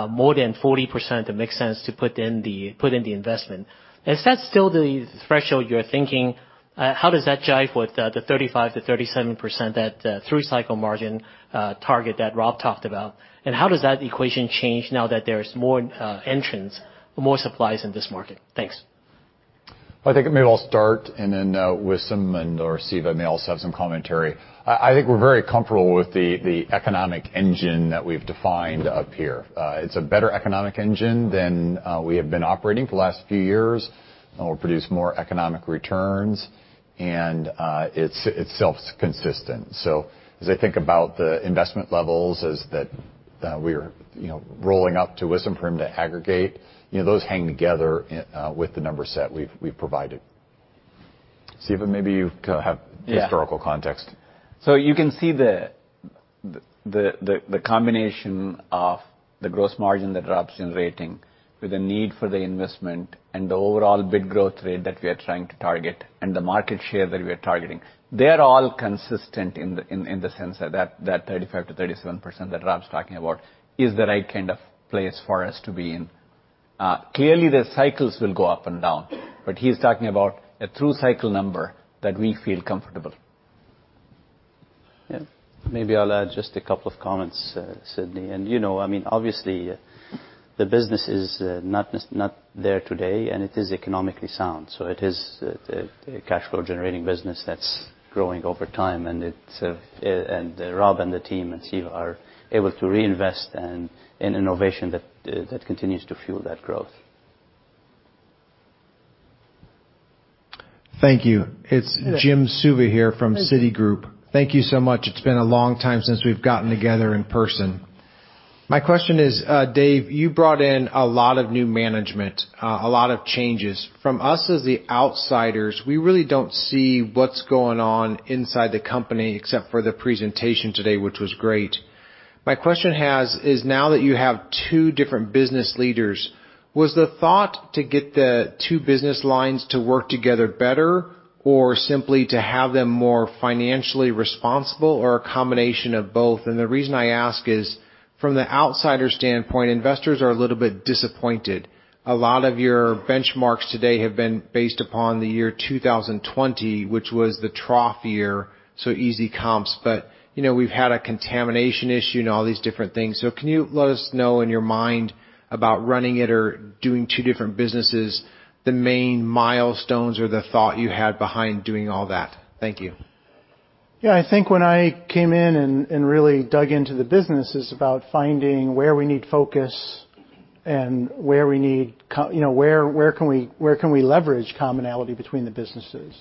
G: more than 40% to make sense to put in the investment. Is that still the threshold you're thinking? How does that jive with the 35%-37% that through cycle margin target that Rob talked about? How does that equation change now that there's more entrants, more suppliers in this market? Thanks.
C: I think maybe I'll start and then Wissam and/or Siva may also have some commentary. I think we're very comfortable with the economic engine that we've defined up here. It's a better economic engine than we have been operating for the last few years, will produce more economic returns, and it's self-consistent. As I think about the investment levels as that, we're you know, rolling up to Wissam for him to aggregate, you know, those hang together with the number set we've provided. Siva, maybe you
D: Yeah.
C: Historical context.
D: You can see the combination of the gross margin that Rob's generating with the need for the investment and the overall bit growth rate that we are trying to target and the market share that we are targeting. They're all consistent in the sense that 35%-37% that Rob's talking about is the right kind of place for us to be in. Clearly, the cycles will go up and down, but he's talking about a through cycle number that we feel comfortable.
F: Yeah. Maybe I'll add just a couple of comments, Sidney. You know, I mean, obviously, the business is not there today, and it is economically sound. It is a cash flow generating business that's growing over time, and it's, and Rob and the team and Siva are able to reinvest in innovation that that continues to fuel that growth.
H: Thank you. It's Jim Suva here from Citigroup.
F: Mm-hmm.
H: Thank you so much. It's been a long time since we've gotten together in person. My question is, Dave, you brought in a lot of new management, a lot of changes. From us as the outsiders, we really don't see what's going on inside the company except for the presentation today, which was great. My question is now that you have two different business leaders, was the thought to get the two business lines to work together better or simply to have them more financially responsible or a combination of both? The reason I ask is, from the outsider standpoint, investors are a little bit disappointed. A lot of your benchmarks today have been based upon the year 2020, which was the trough year, so easy comps. You know, we've had a contamination issue and all these different things. Can you let us know in your mind about running it or doing two different businesses, the main milestones or the thought you had behind doing all that?
B: Thank you. Yeah. I think when I came in and really dug into the business, it's about finding where we need focus and where we need you know, where we can leverage commonality between the businesses?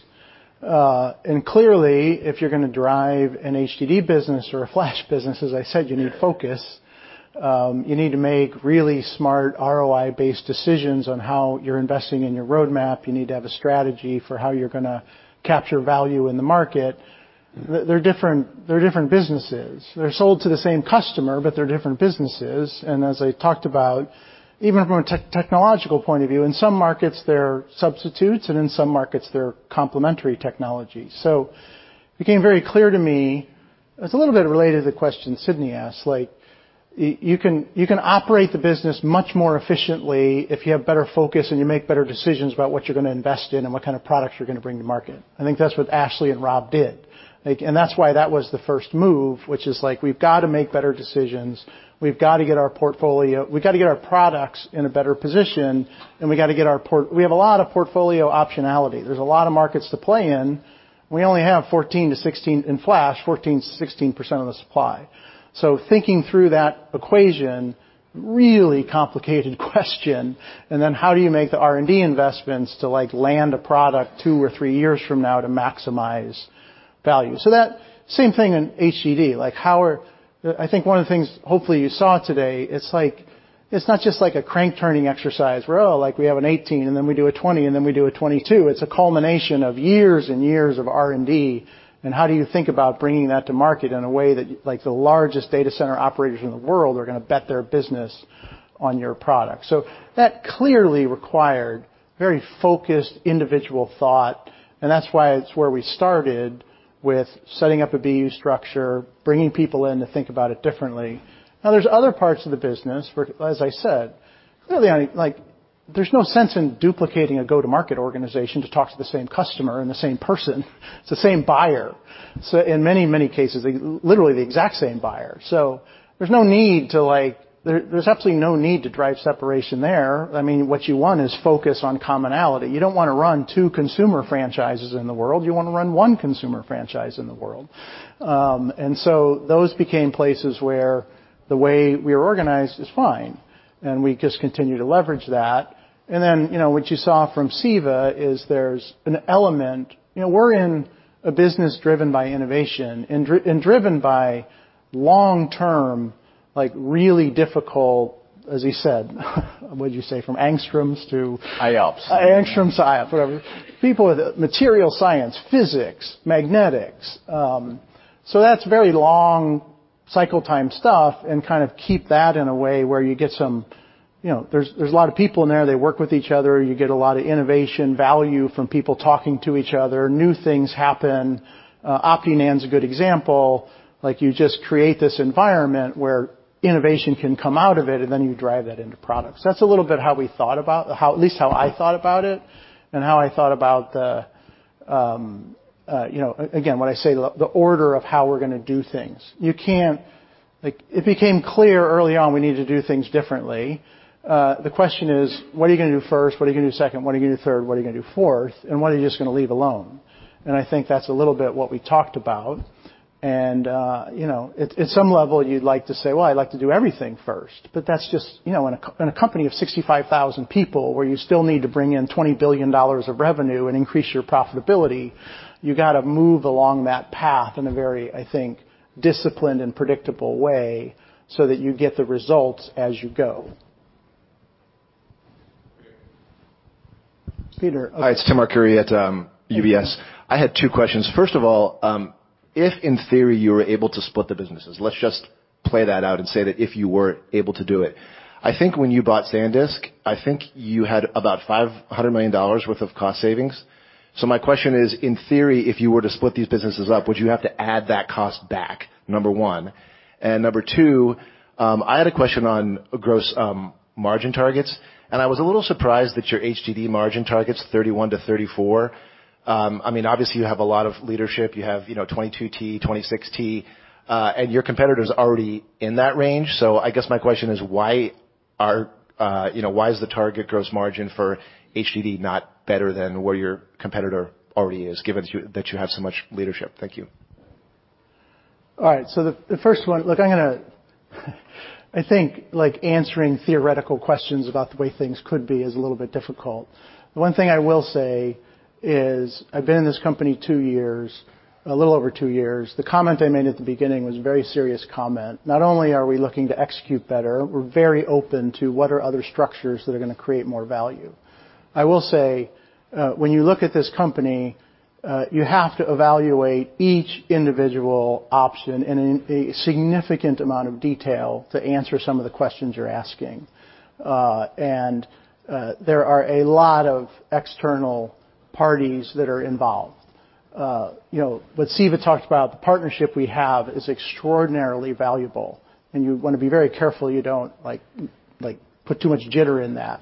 B: Clearly, if you're gonna drive an HDD business or a Flash business, as I said, you need focus. You need to make really smart ROI-based decisions on how you're investing in your roadmap. You need to have a strategy for how you're gonna capture value in the market. They're different businesses. They're sold to the same customer, but they're different businesses. As I talked about, even from a technological point of view, in some markets, they're substitutes, and in some markets, they're complementary technologies. It became very clear to me, it's a little bit related to the question Sidney asked, like you can operate the business much more efficiently if you have better focus and you make better decisions about what you're gonna invest in and what kind of products you're gonna bring to market. I think that's what Ashley and Rob did. Like, that's why that was the first move, which is like, we've got to make better decisions. We've got to get our portfolio. We've got to get our products in a better position, and we got to get our portfolio. We have a lot of portfolio optionality. There's a lot of markets to play in. We only have 14-16, in Flash, 14%-16% of the supply. Thinking through that equation, really complicated question, and then how do you make the R&D investments to, like, land a product two or three years from now to maximize value. That same thing in HDD, like I think one of the things hopefully you saw today, it's like it's not just like a crank-turning exercise where, oh, like we have an 18 and then we do a 20 and then we do a 22. It's a culmination of years and years of R&D, and how do you think about bringing that to market in a way that like the largest data center operators in the world are going to bet their business on your product. That clearly required very focused individual thought, and that's why it's where we started with setting up a BU structure, bringing people in to think about it differently. Now, there's other parts of the business, for, as I said, clearly, I mean, like there's no sense in duplicating a go-to-market organization to talk to the same customer and the same person. It's the same buyer. In many, many cases, literally the exact same buyer. There's no need to like, there's absolutely no need to drive separation there. I mean, what you want is focus on commonality. You don't want to run two consumer franchises in the world. You want to run one consumer franchise in the world. Those became places where the way we are organized is fine, and we just continue to leverage that. Then, you know, what you saw from Siva is there's an element. You know, we're in a business driven by innovation and driven by long-term, like really difficult, as he said, what did you say? From angstroms to-
E: IOPS.
B: Angstroms, IOPS, whatever. People with material science, physics, magnetics, so that's very long cycle time stuff and kind of keep that in a way where you get some. You know, there's a lot of people in there. They work with each other. You get a lot of innovation value from people talking to each other. New things happen. OptiNAND is a good example. Like, you just create this environment where innovation can come out of it, and then you drive that into products. That's a little bit how we thought about how, at least how I thought about it and how I thought about it again when I say the order of how we're gonna do things. You can't. Like, it became clear early on we need to do things differently. The question is, what are you gonna do first? What are you gonna do second? What are you gonna do third? What are you gonna do fourth? What are you just gonna leave alone? I think that's a little bit what we talked about. You know, at some level, you'd like to say, "Well, I'd like to do everything first." But that's just, you know, in a company of 65,000 people where you still need to bring in $20 billion of revenue and increase your profitability, you gotta move along that path in a very, I think, disciplined and predictable way so that you get the results as you go. Peter.
I: Hi, it's Tim Arcuri at UBS. I had two questions. First of all, if in theory you were able to split the businesses, let's just play that out and say that if you were able to do it. I think when you bought SanDisk, I think you had about $500 million worth of cost savings. So my question is, in theory, if you were to split these businesses up, would you have to add that cost back? Number one. Number two, I had a question on gross margin targets, and I was a little surprised that your HDD margin target is 31%-34%. I mean, obviously you have a lot of leadership. You have, you know, 22 T, 26 T, and your competitor's already in that range. I guess my question is, you know, why is the target gross margin for HDD not better than where your competitor already is, given that you have so much leadership? Thank you.
B: All right, the first one. Look, I think like answering theoretical questions about the way things could be is a little bit difficult. The one thing I will say is I've been in this company two years, a little over two years. The comment I made at the beginning was a very serious comment. Not only are we looking to execute better, we're very open to what are other structures that are gonna create more value. I will say, when you look at this company, you have to evaluate each individual option in a significant amount of detail to answer some of the questions you're asking. And there are a lot of external parties that are involved. You know, what Siva talked about, the partnership we have is extraordinarily valuable, and you wanna be very careful you don't like put too much jitter in that.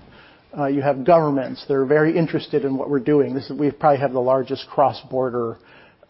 B: You have governments that are very interested in what we're doing. We probably have the largest cross-border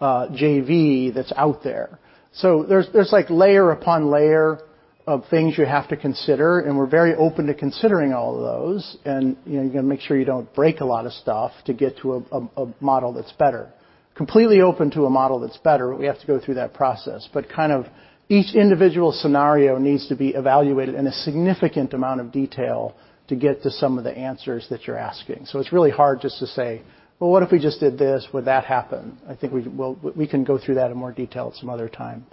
B: JV that's out there. There's like layer upon layer of things you have to consider, and we're very open to considering all of those. You know, you gotta make sure you don't break a lot of stuff to get to a model that's better. Completely open to a model that's better, but we have to go through that process. Kind of each individual scenario needs to be evaluated in a significant amount of detail to get to some of the answers that you're asking. It's really hard just to say, "Well, what if we just did this? Would that happen?" I think we can go through that in more detail some other time.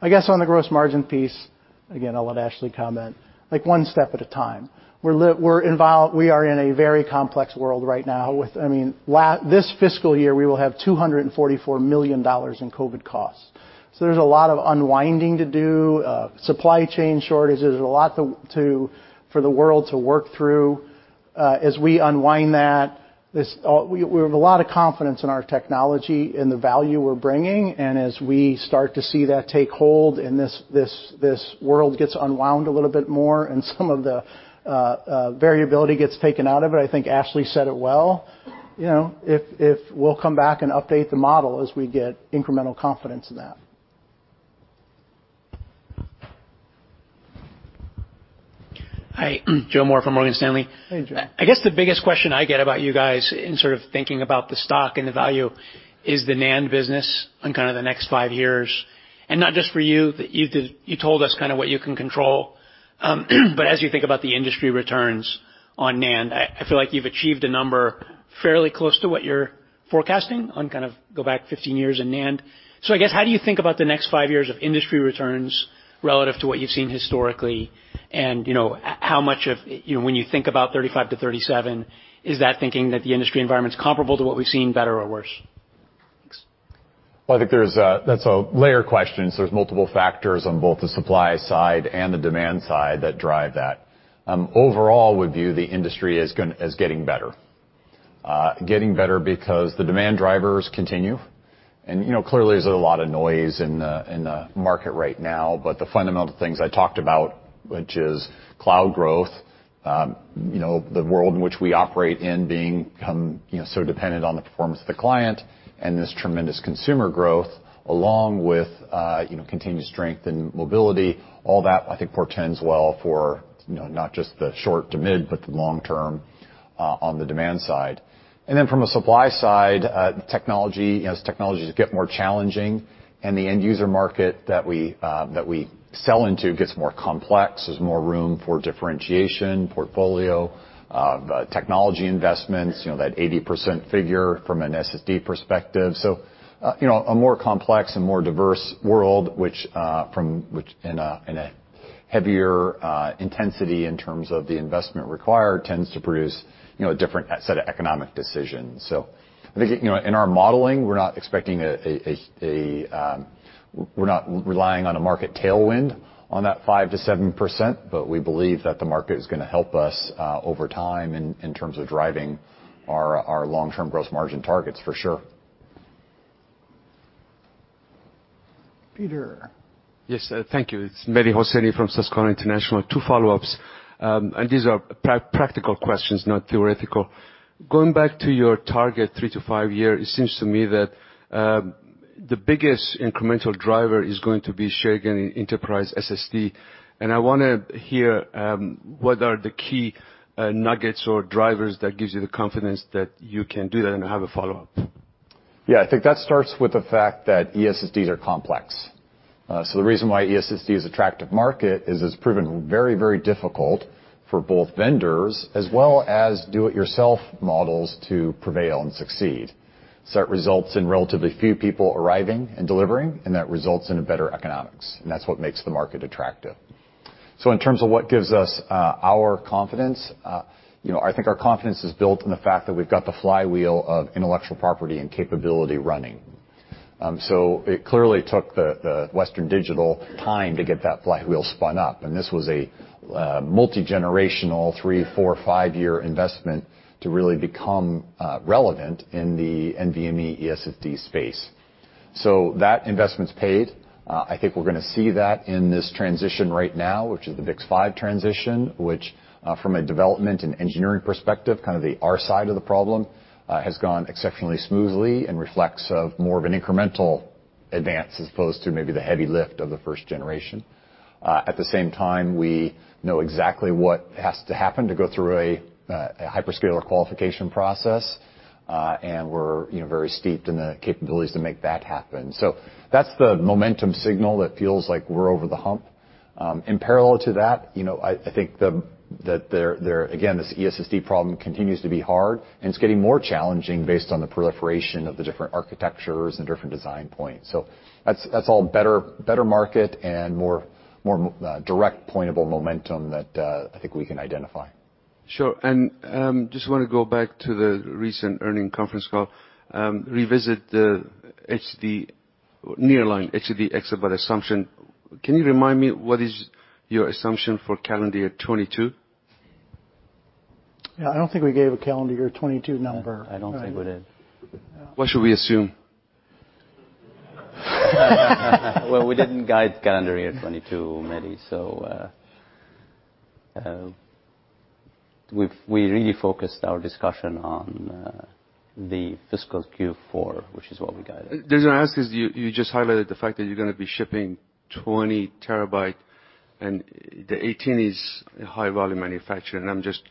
B: I guess on the gross margin piece, again, I'll let Ashley comment. Like, one step at a time. We are in a very complex world right now with, I mean, this fiscal year, we will have $244 million in COVID costs. There's a lot of unwinding to do, supply chain shortages. There's a lot to for the world to work through. As we unwind that, we have a lot of confidence in our technology and the value we're bringing. As we start to see that take hold and this world gets unwound a little bit more and some of the variability gets taken out of it, I think Ashley said it well. You know, if we'll come back and update the model as we get incremental confidence in that.
J: Hi. Joe Moore from Morgan Stanley.
B: Hey, Joe.
J: I guess the biggest question I get about you guys in sort of thinking about the stock and the value is the NAND business on kind of the next five years, and not just for you told us kind of what you can control. As you think about the industry returns on NAND, I feel like you've achieved a number fairly close to what your Forecasting on kind of go back 15 years in NAND. I guess, how do you think about the next five years of industry returns relative to what you've seen historically? You know, how much of, you know, when you think about 35-37, is that thinking that the industry environment's comparable to what we've seen better or worse? Thanks.
C: Well, I think there's, that's a layer question, so there's multiple factors on both the supply side and the demand side that drive that. Overall, we view the industry as getting better because the demand drivers continue. You know, clearly, there's a lot of noise in the market right now, but the fundamental things I talked about, which is cloud growth, you know, the world in which we operate in becoming, you know, so dependent on the performance of the client and this tremendous consumer growth along with, you know, continued strength in mobility, all that I think portends well for, you know, not just the short to mid, but the long term on the demand side. From a supply side, technology, you know, as technologies get more challenging and the end user market that we sell into gets more complex, there's more room for differentiation, portfolio, technology investments, you know, that 80% figure from an SSD perspective. You know, a more complex and more diverse world which in a heavier intensity in terms of the investment required tends to produce, you know, a different set of economic decisions. I think, you know, in our modeling, we're not expecting, we're not relying on a market tailwind on that 5%-7%, but we believe that the market is gonna help us over time in terms of driving our long-term gross margin targets for sure.
B: Peter.
K: Yes, thank you. It's Mehdi Hosseini from Susquehanna International Group. Two follow-ups. These are practical questions, not theoretical. Going back to your target three-five year, it seems to me that the biggest incremental driver is going to be share gain in enterprise SSD. I wanna hear what are the key nuggets or drivers that gives you the confidence that you can do that, and I have a follow-up.
C: Yeah. I think that starts with the fact that eSSDs are complex. The reason why eSSD is attractive market is it's proven very, very difficult for both vendors as well as do-it-yourself models to prevail and succeed. It results in relatively few people arriving and delivering, and that results in a better economics, and that's what makes the market attractive. In terms of what gives us our confidence, you know, I think our confidence is built in the fact that we've got the flywheel of intellectual property and capability running. It clearly took the Western Digital time to get that flywheel spun up, and this was a multi-generational three-, four-, five-year investment to really become relevant in the NVMe eSSD space. That investment's paid. I think we're gonna see that in this transition right now, which is the BiCS5 transition, which, from a development and engineering perspective, kind of our side of the problem, has gone exceptionally smoothly and reflects more of an incremental advance as opposed to maybe the heavy lift of the first generation. At the same time, we know exactly what has to happen to go through a hyperscaler qualification process, and we're, you know, very steeped in the capabilities to make that happen. That's the momentum signal that feels like we're over the hump. In parallel to that, you know, I think that there, again, this eSSD problem continues to be hard, and it's getting more challenging based on the proliferation of the different architectures and different design points. That's all better market and more direct point of momentum that I think we can identify.
K: Sure. Just wanna go back to the recent earnings conference call, revisit the HDD nearline exabyte assumption. Can you remind me what is your assumption for calendar year 2022?
B: Yeah, I don't think we gave a calendar year 2022 number.
F: I don't think we did.
K: What should we assume?
F: Well, we didn't guide calendar year 2022, Mehdi. We've really focused our discussion on the fiscal Q4, which is what we guided.
K: The reason I ask is you just highlighted the fact that you're gonna be shipping 20 TB and the 18 is high-volume manufacture, and I'm just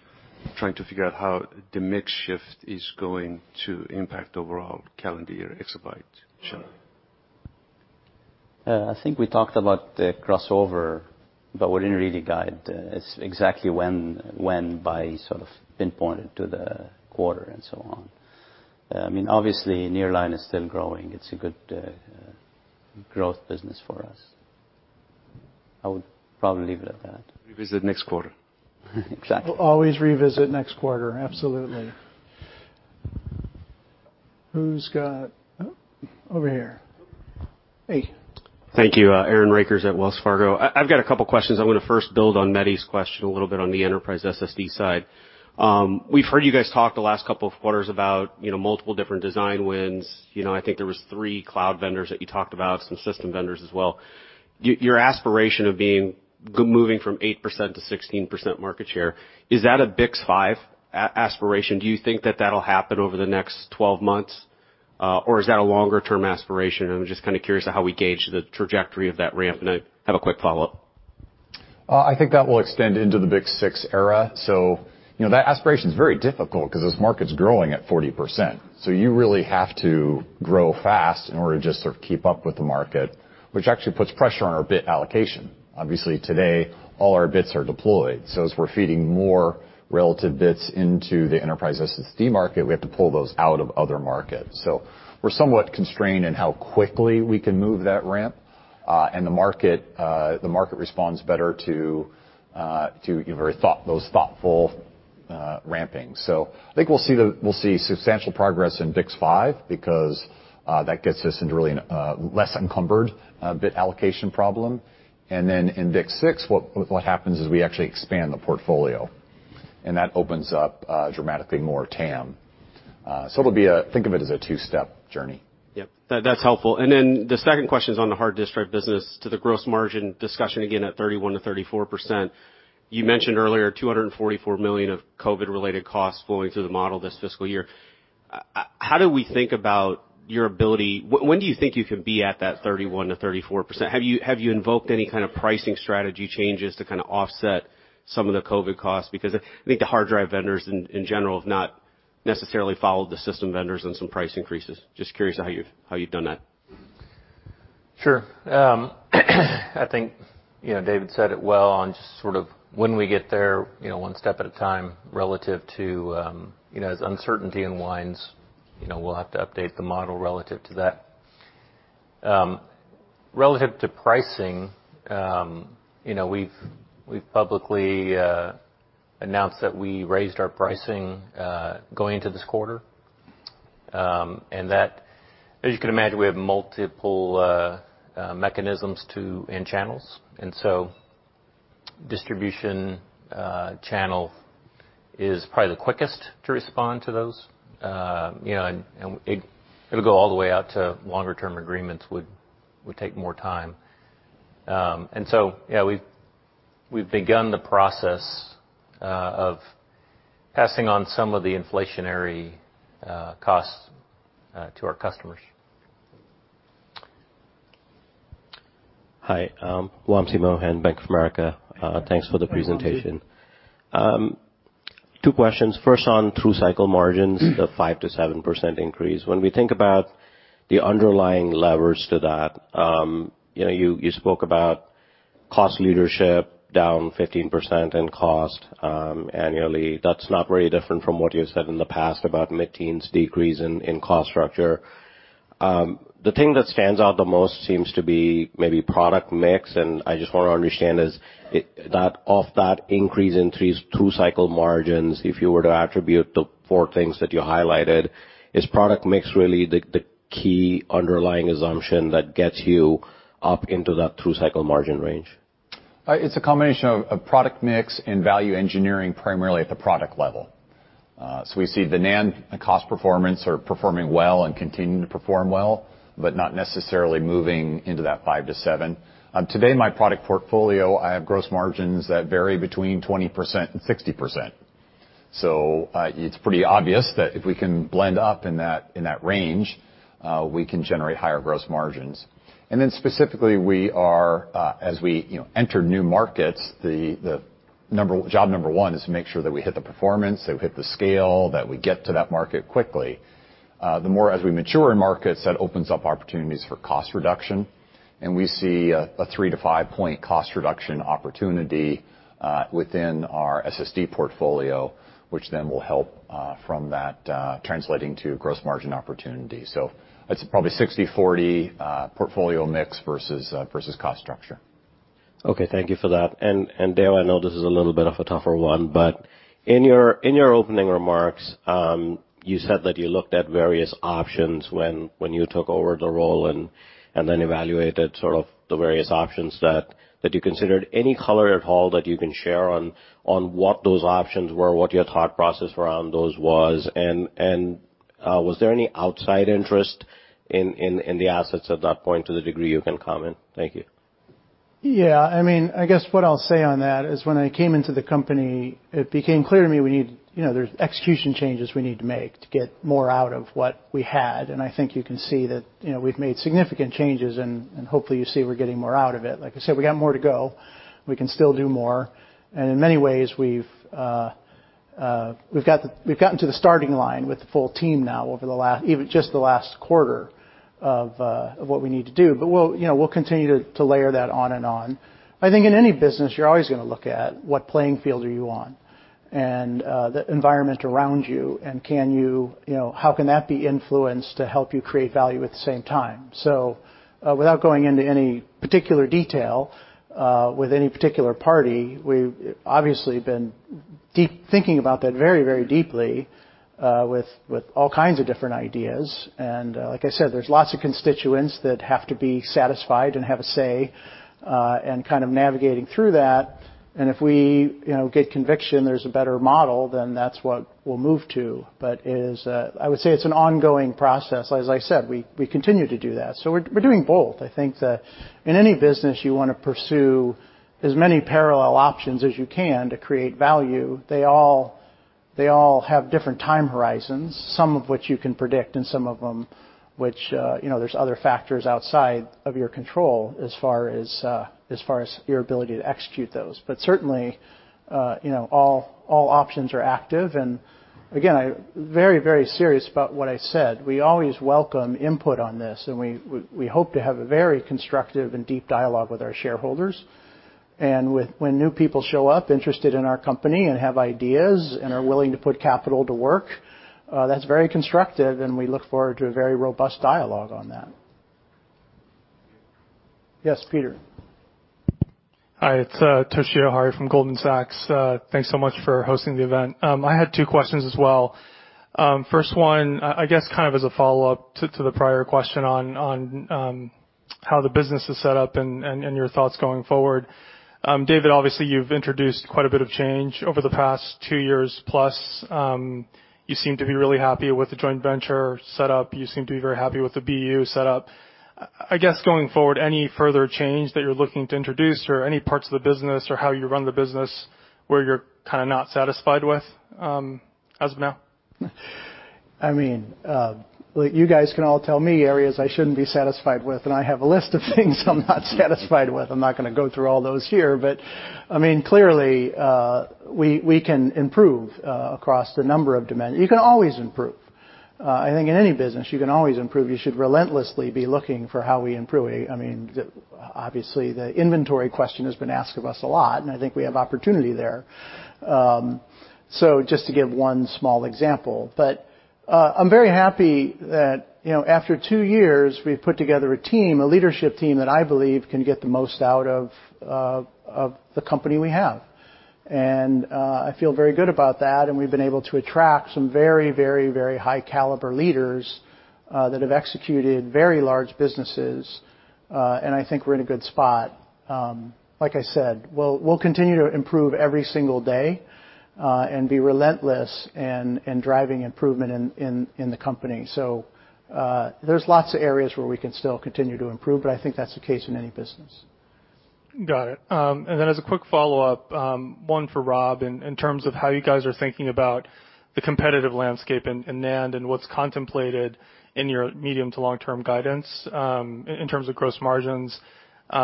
K: trying to figure out how the mix shift is going to impact overall calendar year exabyte share.
F: I think we talked about the crossover, but we didn't really guide exactly when by sort of pinpointed to the quarter and so on. I mean, obviously, nearline is still growing. It's a good growth business for us. I would probably leave it at that.
K: Revisit next quarter.
F: Exactly.
B: We'll always revisit next quarter. Absolutely. Who's got. Over here. Hey.
L: Thank you. Aaron Rakers at Wells Fargo. I've got a couple questions. I wanna first build on Mehdi's question a little bit on the enterprise SSD side. We've heard you guys talk the last couple of quarters about, you know, multiple different design wins. You know, I think there was three cloud vendors that you talked about, some system vendors as well. Your aspiration of moving from 8% to 16% market share, is that a BiCS5 aspiration? Do you think that that'll happen over the next 12 months, or is that a longer term aspiration? I'm just kinda curious to how we gauge the trajectory of that ramp, and I have a quick follow-up.
C: I think that will extend into the BiCS6 era. You know, that aspiration is very difficult 'cause this market's growing at 40%. You really have to grow fast in order to just sort of keep up with the market, which actually puts pressure on our bit allocation. Obviously, today, all our bits are deployed. As we're feeding more relative bits into the enterprise SSD market, we have to pull those out of other markets. We're somewhat constrained in how quickly we can move that ramp. The market responds better to either those thoughtful rampings. I think we'll see substantial progress in BiCS5 because that gets us into really a less encumbered bit allocation problem. In BiCS6, what happens is we actually expand the portfolio, and that opens up dramatically more TAM. Think of it as a two-step journey.
L: Yep. That, that's helpful. Then the second question is on the hard disk drive business to the gross margin discussion again at 31%-34%. You mentioned earlier $244 million of COVID-related costs flowing through the model this fiscal year. How do we think about your ability, when do you think you can be at that 31%-34%? Have you invoked any kind of pricing strategy changes to kind of offset some of the COVID costs? Because I think the hard drive vendors in general have not necessarily followed the system vendors on some price increases. Just curious how you've done that.
E: Sure. I think, you know, David said it well on just sort of when we get there, you know, one step at a time relative to, you know, as uncertainty unwinds, you know, we'll have to update the model relative to that. Relative to pricing, you know, we've publicly announced that we raised our pricing going into this quarter. That, as you can imagine, we have multiple mechanisms and channels. Distribution channel is probably the quickest to respond to those. You know, it'll go all the way out to longer-term agreements would take more time. We've begun the process of passing on some of the inflationary costs to our customers.
M: Hi, Wamsi Mohan, Bank of America. Thanks for the presentation. Two questions. First, on through-cycle margins, the 5%-7% increase. When we think about the underlying levers to that, you know, you spoke about cost leadership down 15% in cost annually. That's not very different from what you've said in the past about mid-teens decrease in cost structure. The thing that stands out the most seems to be maybe product mix, and I just want to understand is that of that increase in through-cycle margins, if you were to attribute the four things that you highlighted, is product mix really the key underlying assumption that gets you up into that through-cycle margin range?
C: It's a combination of product mix and value engineering primarily at the product level. We see the NAND and cost performance are performing well and continuing to perform well, but not necessarily moving into that five-seven. Today, my product portfolio, I have gross margins that vary between 20% and 60%. It's pretty obvious that if we can blend up in that range, we can generate higher gross margins. Specifically, we are as we, you know, enter new markets, the number, job number one is to make sure that we hit the performance, that we hit the scale, that we get to that market quickly. The more as we mature in markets, that opens up opportunities for cost reduction, and we see a 3%-5% cost reduction opportunity within our SSD portfolio, which then will help from that translating to gross margin opportunity. It's probably 60/40 portfolio mix versus cost structure.
M: Okay. Thank you for that. Dave, I know this is a little bit of a tougher one, but in your opening remarks, you said that you looked at various options when you took over the role and then evaluated sort of the various options that you considered. Any color at all that you can share on what those options were, what your thought process around those was? Was there any outside interest in the assets at that point to the degree you can comment? Thank you.
B: I mean, I guess what I'll say on that is when I came into the company, it became clear to me we need you know, there's execution changes we need to make to get more out of what we had. I think you can see that, you know, we've made significant changes, and hopefully you see we're getting more out of it. Like I said, we got more to go. We can still do more. In many ways, we've gotten to the starting line with the full team now over the last even just the last quarter of what we need to do. We'll, you know, we'll continue to layer that on and on. I think in any business, you're always gonna look at what playing field are you on and the environment around you, and can you know, how can that be influenced to help you create value at the same time? Without going into any particular detail with any particular party, we've obviously been thinking about that very, very deeply with all kinds of different ideas. Like I said, there's lots of constituents that have to be satisfied and have a say, and kind of navigating through that. If we, you know, get conviction there's a better model, then that's what we'll move to. I would say it's an ongoing process. As I said, we continue to do that. We're doing both. I think that in any business you wanna pursue as many parallel options as you can to create value. They all have different time horizons, some of which you can predict and some of them which, you know, there's other factors outside of your control as far as your ability to execute those. Certainly, you know, all options are active. Again, I'm very serious about what I said. We always welcome input on this, and we hope to have a very constructive and deep dialogue with our shareholders. When new people show up interested in our company and have ideas and are willing to put capital to work, that's very constructive, and we look forward to a very robust dialogue on that. Yes, Peter.
N: Hi, it's Toshiya Hari from Goldman Sachs. Thanks so much for hosting the event. I had two questions as well. First one, I guess kind of as a follow-up to the prior question on how the business is set up and your thoughts going forward. David, obviously you've introduced quite a bit of change over the past two years plus. You seem to be really happy with the joint venture set up. You seem to be very happy with the BU set up. I guess going forward, any further change that you're looking to introduce or any parts of the business or how you run the business where you're kind of not satisfied with as of now?
B: I mean, look, you guys can all tell me areas I shouldn't be satisfied with, and I have a list of things I'm not satisfied with. I'm not gonna go through all those here, but I mean, clearly, we can improve across a number of dimensions. You can always improve. I think in any business you can always improve. You should relentlessly be looking for how we improve. I mean, obviously, the inventory question has been asked of us a lot, and I think we have opportunity there. Just to give one small example. I'm very happy that, you know, after two years, we've put together a team, a leadership team that I believe can get the most out of of the company we have. I feel very good about that, and we've been able to attract some very high caliber leaders that have executed very large businesses. I think we're in a good spot. Like I said, we'll continue to improve every single day, and be relentless in driving improvement in the company. There's lots of areas where we can still continue to improve, but I think that's the case in any business.
N: Got it. As a quick follow-up, one for Rob in terms of how you guys are thinking about the competitive landscape in NAND and what's contemplated in your medium to long-term guidance in terms of gross margins. You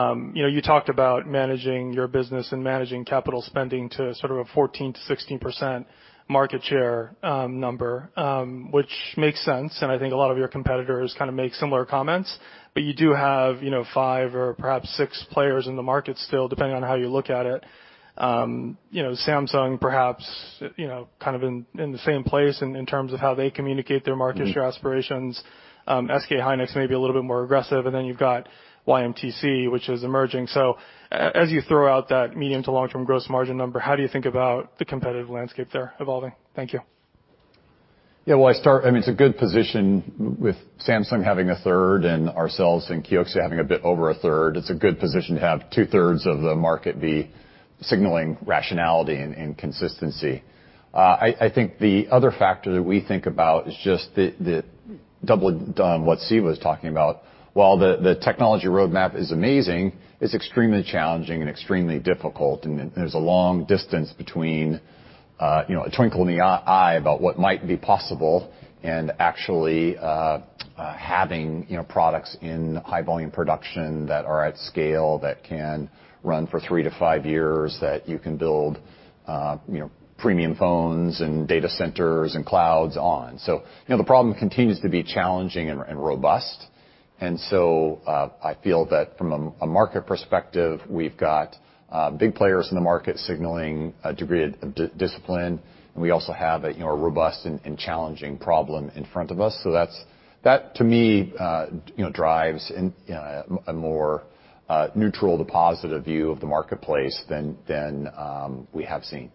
N: know, you talked about managing your business and managing capital spending to sort of a 14%-16% market share number, which makes sense, and I think a lot of your competitors kind of make similar comments. You do have, you know, five or perhaps six players in the market still, depending on how you look at it. You know, Samsung perhaps, you know, kind of in the same place in terms of how they communicate their market share aspirations. SK hynix may be a little bit more aggressive, and then you've got YMTC, which is emerging. As you throw out that medium to long-term gross margin number, how do you think about the competitive landscape there evolving? Thank you.
C: Well, I mean, it's a good position with Samsung having 1/3 and ourselves and Kioxia having a bit over 1/3. It's a good position to have 2/3 of the market be signaling rationality and consistency. I think the other factor that we think about is just the double down what Siva was talking about. While the technology roadmap is amazing, it's extremely challenging and extremely difficult, and there's a long distance between, you know, a twinkle in the eye about what might be possible and actually having, you know, products in high volume production that are at scale that can run for three-five years, that you can build, you know, premium phones and data centers and clouds on. You know, the problem continues to be challenging and robust. I feel that from a market perspective, we've got big players in the market signaling a degree of discipline, and we also have, you know, a robust and challenging problem in front of us. That to me, you know, drives in a more neutral to positive view of the marketplace than we have seen.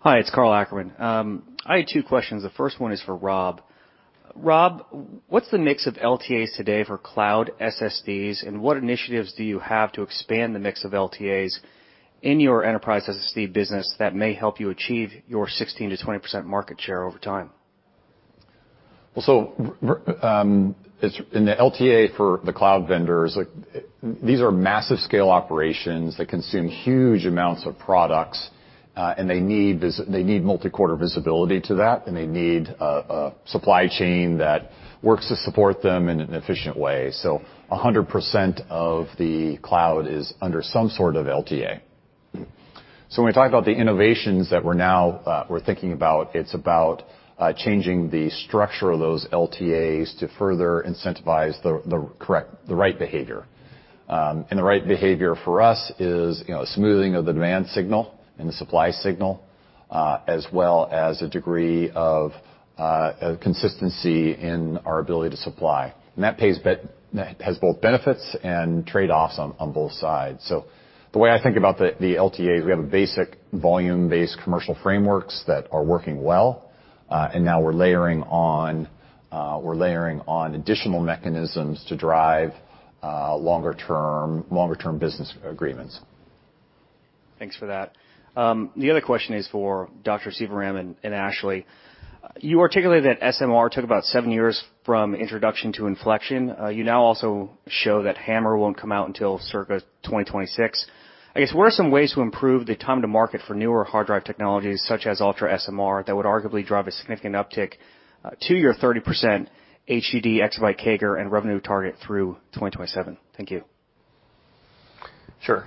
O: Hi, it's Karl Ackerman. I had two questions. The first one is for Rob. Rob, what's the mix of LTAs today for cloud SSDs, and what initiatives do you have to expand the mix of LTAs in your enterprise SSD business that may help you achieve your 16%-20% market share over time?
C: It's in the LTA for the cloud vendors, like, these are massive scale operations that consume huge amounts of products, and they need multi-quarter visibility to that, and they need a supply chain that works to support them in an efficient way. 100% of the cloud is under some sort of LTA. When we talk about the innovations that we're thinking about, it's about changing the structure of those LTAs to further incentivize the right behavior. The right behavior for us is, you know, smoothing of the demand signal and the supply signal, as well as a degree of consistency in our ability to supply. That has both benefits and trade-offs on both sides. The way I think about the LTAs, we have a basic volume-based commercial frameworks that are working well, and now we're layering on additional mechanisms to drive longer term business agreements.
O: Thanks for that. The other question is for Dr. Siva Sivaram and Ashley. You articulated that SMR took about seven years from introduction to inflection. You now also show that HAMR won't come out until circa 2026. I guess, what are some ways to improve the time to market for newer hard drive technologies, such as UltraSMR, that would arguably drive a significant uptick to your 30% HDD exabyte CAGR and revenue target through 2027? Thank you.
E: Sure.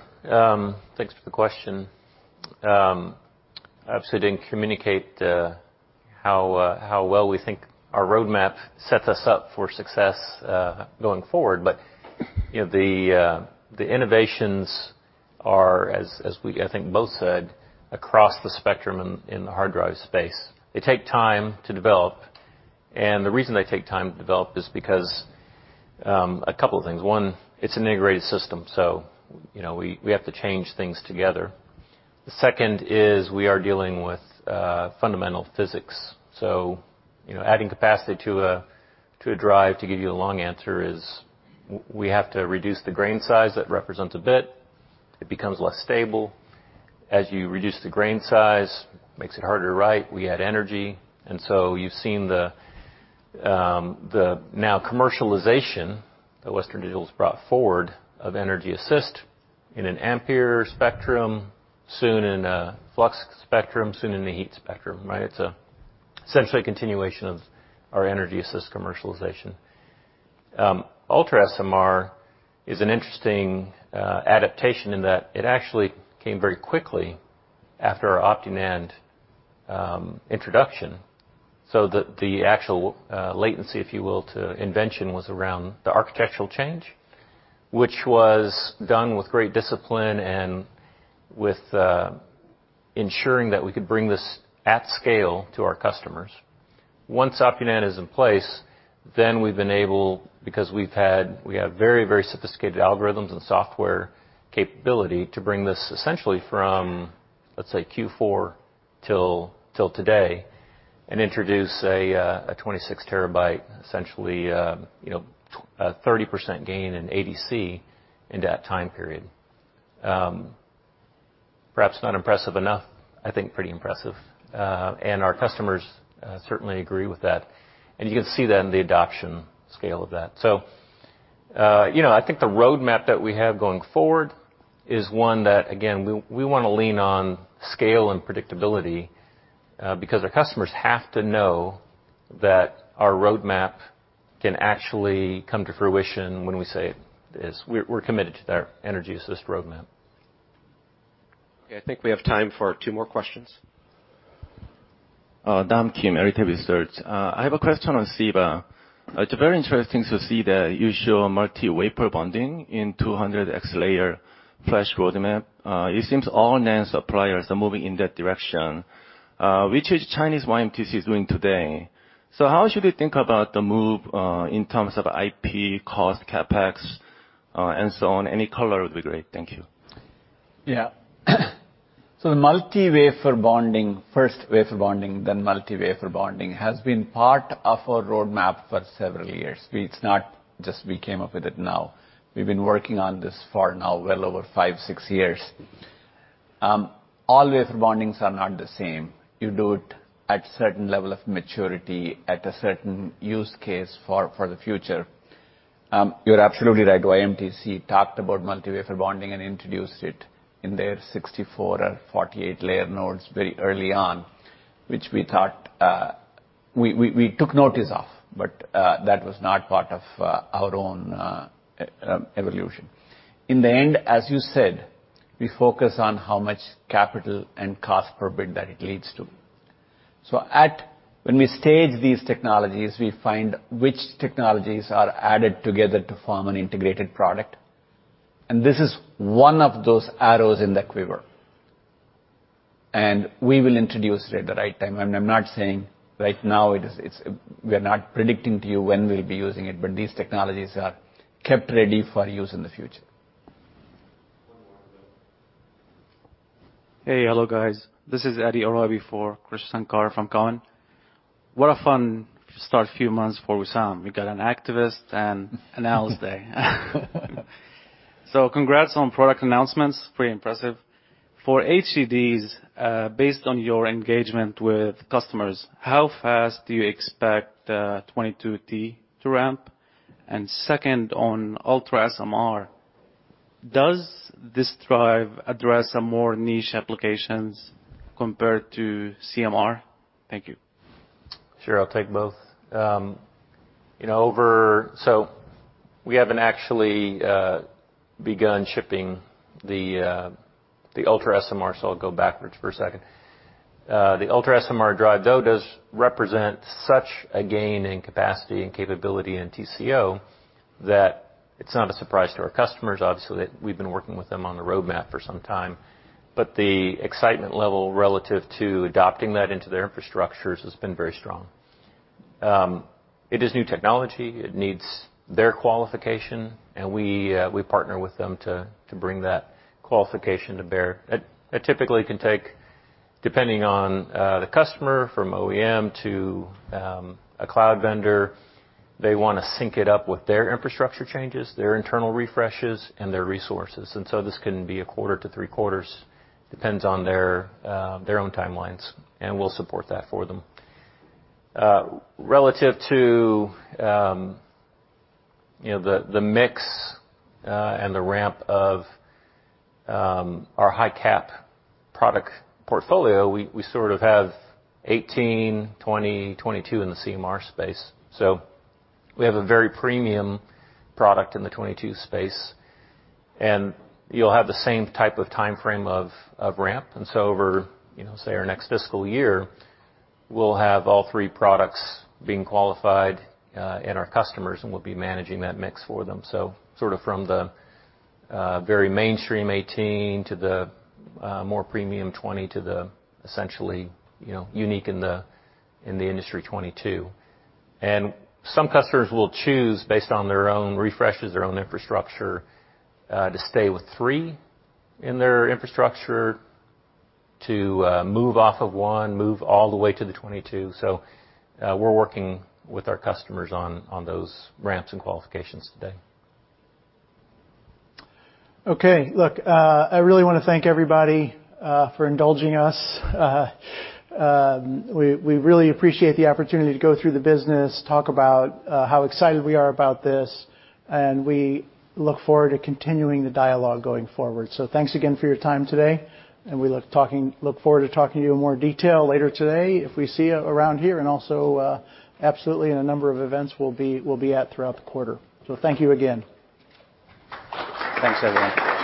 E: Thanks for the question. Obviously didn't communicate how well we think our roadmap sets us up for success going forward. You know, the innovations are, as we, I think, both said, across the spectrum in the hard drive space. They take time to develop. The reason they take time to develop is because a couple of things. One, it's an integrated system, so you know, we have to change things together. The second is we are dealing with fundamental physics. You know, adding capacity to a drive, to give you a long answer is we have to reduce the grain size that represents a bit. It becomes less stable. As you reduce the grain size, makes it harder to write, we add energy. You've seen the now commercialization that Western Digital's brought forward of energy assist in an ePMR spectrum, soon in an Flux spectrum, soon in the HAMR spectrum, right? It's essentially a continuation of our energy assist commercialization. UltraSMR is an interesting adaptation in that it actually came very quickly after our OptiNAND introduction, so the actual latency, if you will, to invention was around the architectural change, which was done with great discipline and with ensuring that we could bring this at scale to our customers. Once OptiNAND is in place, then we've been able because we've had... We have very, very sophisticated algorithms and software capability to bring this essentially from, let's say, Q4 till today and introduce a 26 TB, essentially, you know, a 30% gain in ADC in that time period. Perhaps not impressive enough, I think pretty impressive. Our customers certainly agree with that. You can see that in the adoption scale of that. I think the roadmap that we have going forward is one that, again, we wanna lean on scale and predictability, because our customers have to know that our roadmap can actually come to fruition when we say it is. We're committed to that energy assist roadmap.
B: Okay, I think we have time for two more questions.
P: Dom Kim, IT Research. I have a question on Siva. It's very interesting to see that you show multi-wafer bonding in 200+ layer flash roadmap. It seems all NAND suppliers are moving in that direction, which Chinese YMTC is doing today. How should we think about the move in terms of IP, cost, CapEx, and so on? Any color would be great. Thank you.
D: Yeah. Multi-wafer bonding, first wafer bonding, then multi-wafer bonding, has been part of our roadmap for several years. It's not just we came up with it now. We've been working on this for now well over five, six years. All wafer bondings are not the same. You do it at certain level of maturity, at a certain use case for the future. You're absolutely right. YMTC talked about multi-wafer bonding and introduced it in their 64 or 48 layer nodes very early on, which we thought, we took notice of, but, that was not part of our own evolution. In the end, as you said, we focus on how much capital and cost per bit that it leads to. When we stage these technologies, we find which technologies are added together to form an integrated product, and this is one of those arrows in the quiver. We will introduce it at the right time. I'm not saying right now it is. We're not predicting to you when we'll be using it, but these technologies are kept ready for use in the future.
B: One more.
Q: Hey. Hello, guys. This is Eddy Orabi for Krish Sankar from Cowen. What a fun start few months for Wissam. We got an activist and an analyst day. Congrats on product announcements. Pretty impressive. For HDDs, based on your engagement with customers, how fast do you expect 22T to ramp? And second, on UltraSMR, does this drive address some more niche applications compared to CMR? Thank you.
E: Sure, I'll take both. You know, we haven't actually begun shipping the UltraSMR, so I'll go backwards for a second. The UltraSMR drive, though, does represent such a gain in capacity and capability in TCO that it's not a surprise to our customers, obviously, that we've been working with them on the roadmap for some time. The excitement level relative to adopting that into their infrastructures has been very strong. It is new technology. It needs their qualification, and we partner with them to bring that qualification to bear. It typically can take, depending on the customer, from OEM to a cloud vendor. They want to sync it up with their infrastructure changes, their internal refreshes, and their resources. This can be a quarter to three quarters, depends on their own timelines, and we'll support that for them. Relative to, you know, the mix and the ramp of our high cap product portfolio, we sort of have 18, 20, 22 in the CMR space. We have a very premium product in the 22 space, and you'll have the same type of timeframe of ramp. Over, you know, say our next fiscal year, we'll have all three products being qualified in our customers, and we'll be managing that mix for them. Sort of from the very mainstream 18 to the more premium 20 to the essentially, you know, unique in the industry 22. Some customers will choose based on their own refreshes, their own infrastructure, to stay with three in their infrastructure, to move off of one, move all the way to the 22. We're working with our customers on those ramps and qualifications today.
B: Okay. Look, I really wanna thank everybody for indulging us. We really appreciate the opportunity to go through the business, talk about how excited we are about this, and we look forward to continuing the dialogue going forward. Thanks again for your time today, and we look forward to talking to you in more detail later today if we see you around here and also absolutely in a number of events we'll be at throughout the quarter. Thank you again.
E: Thanks, everyone.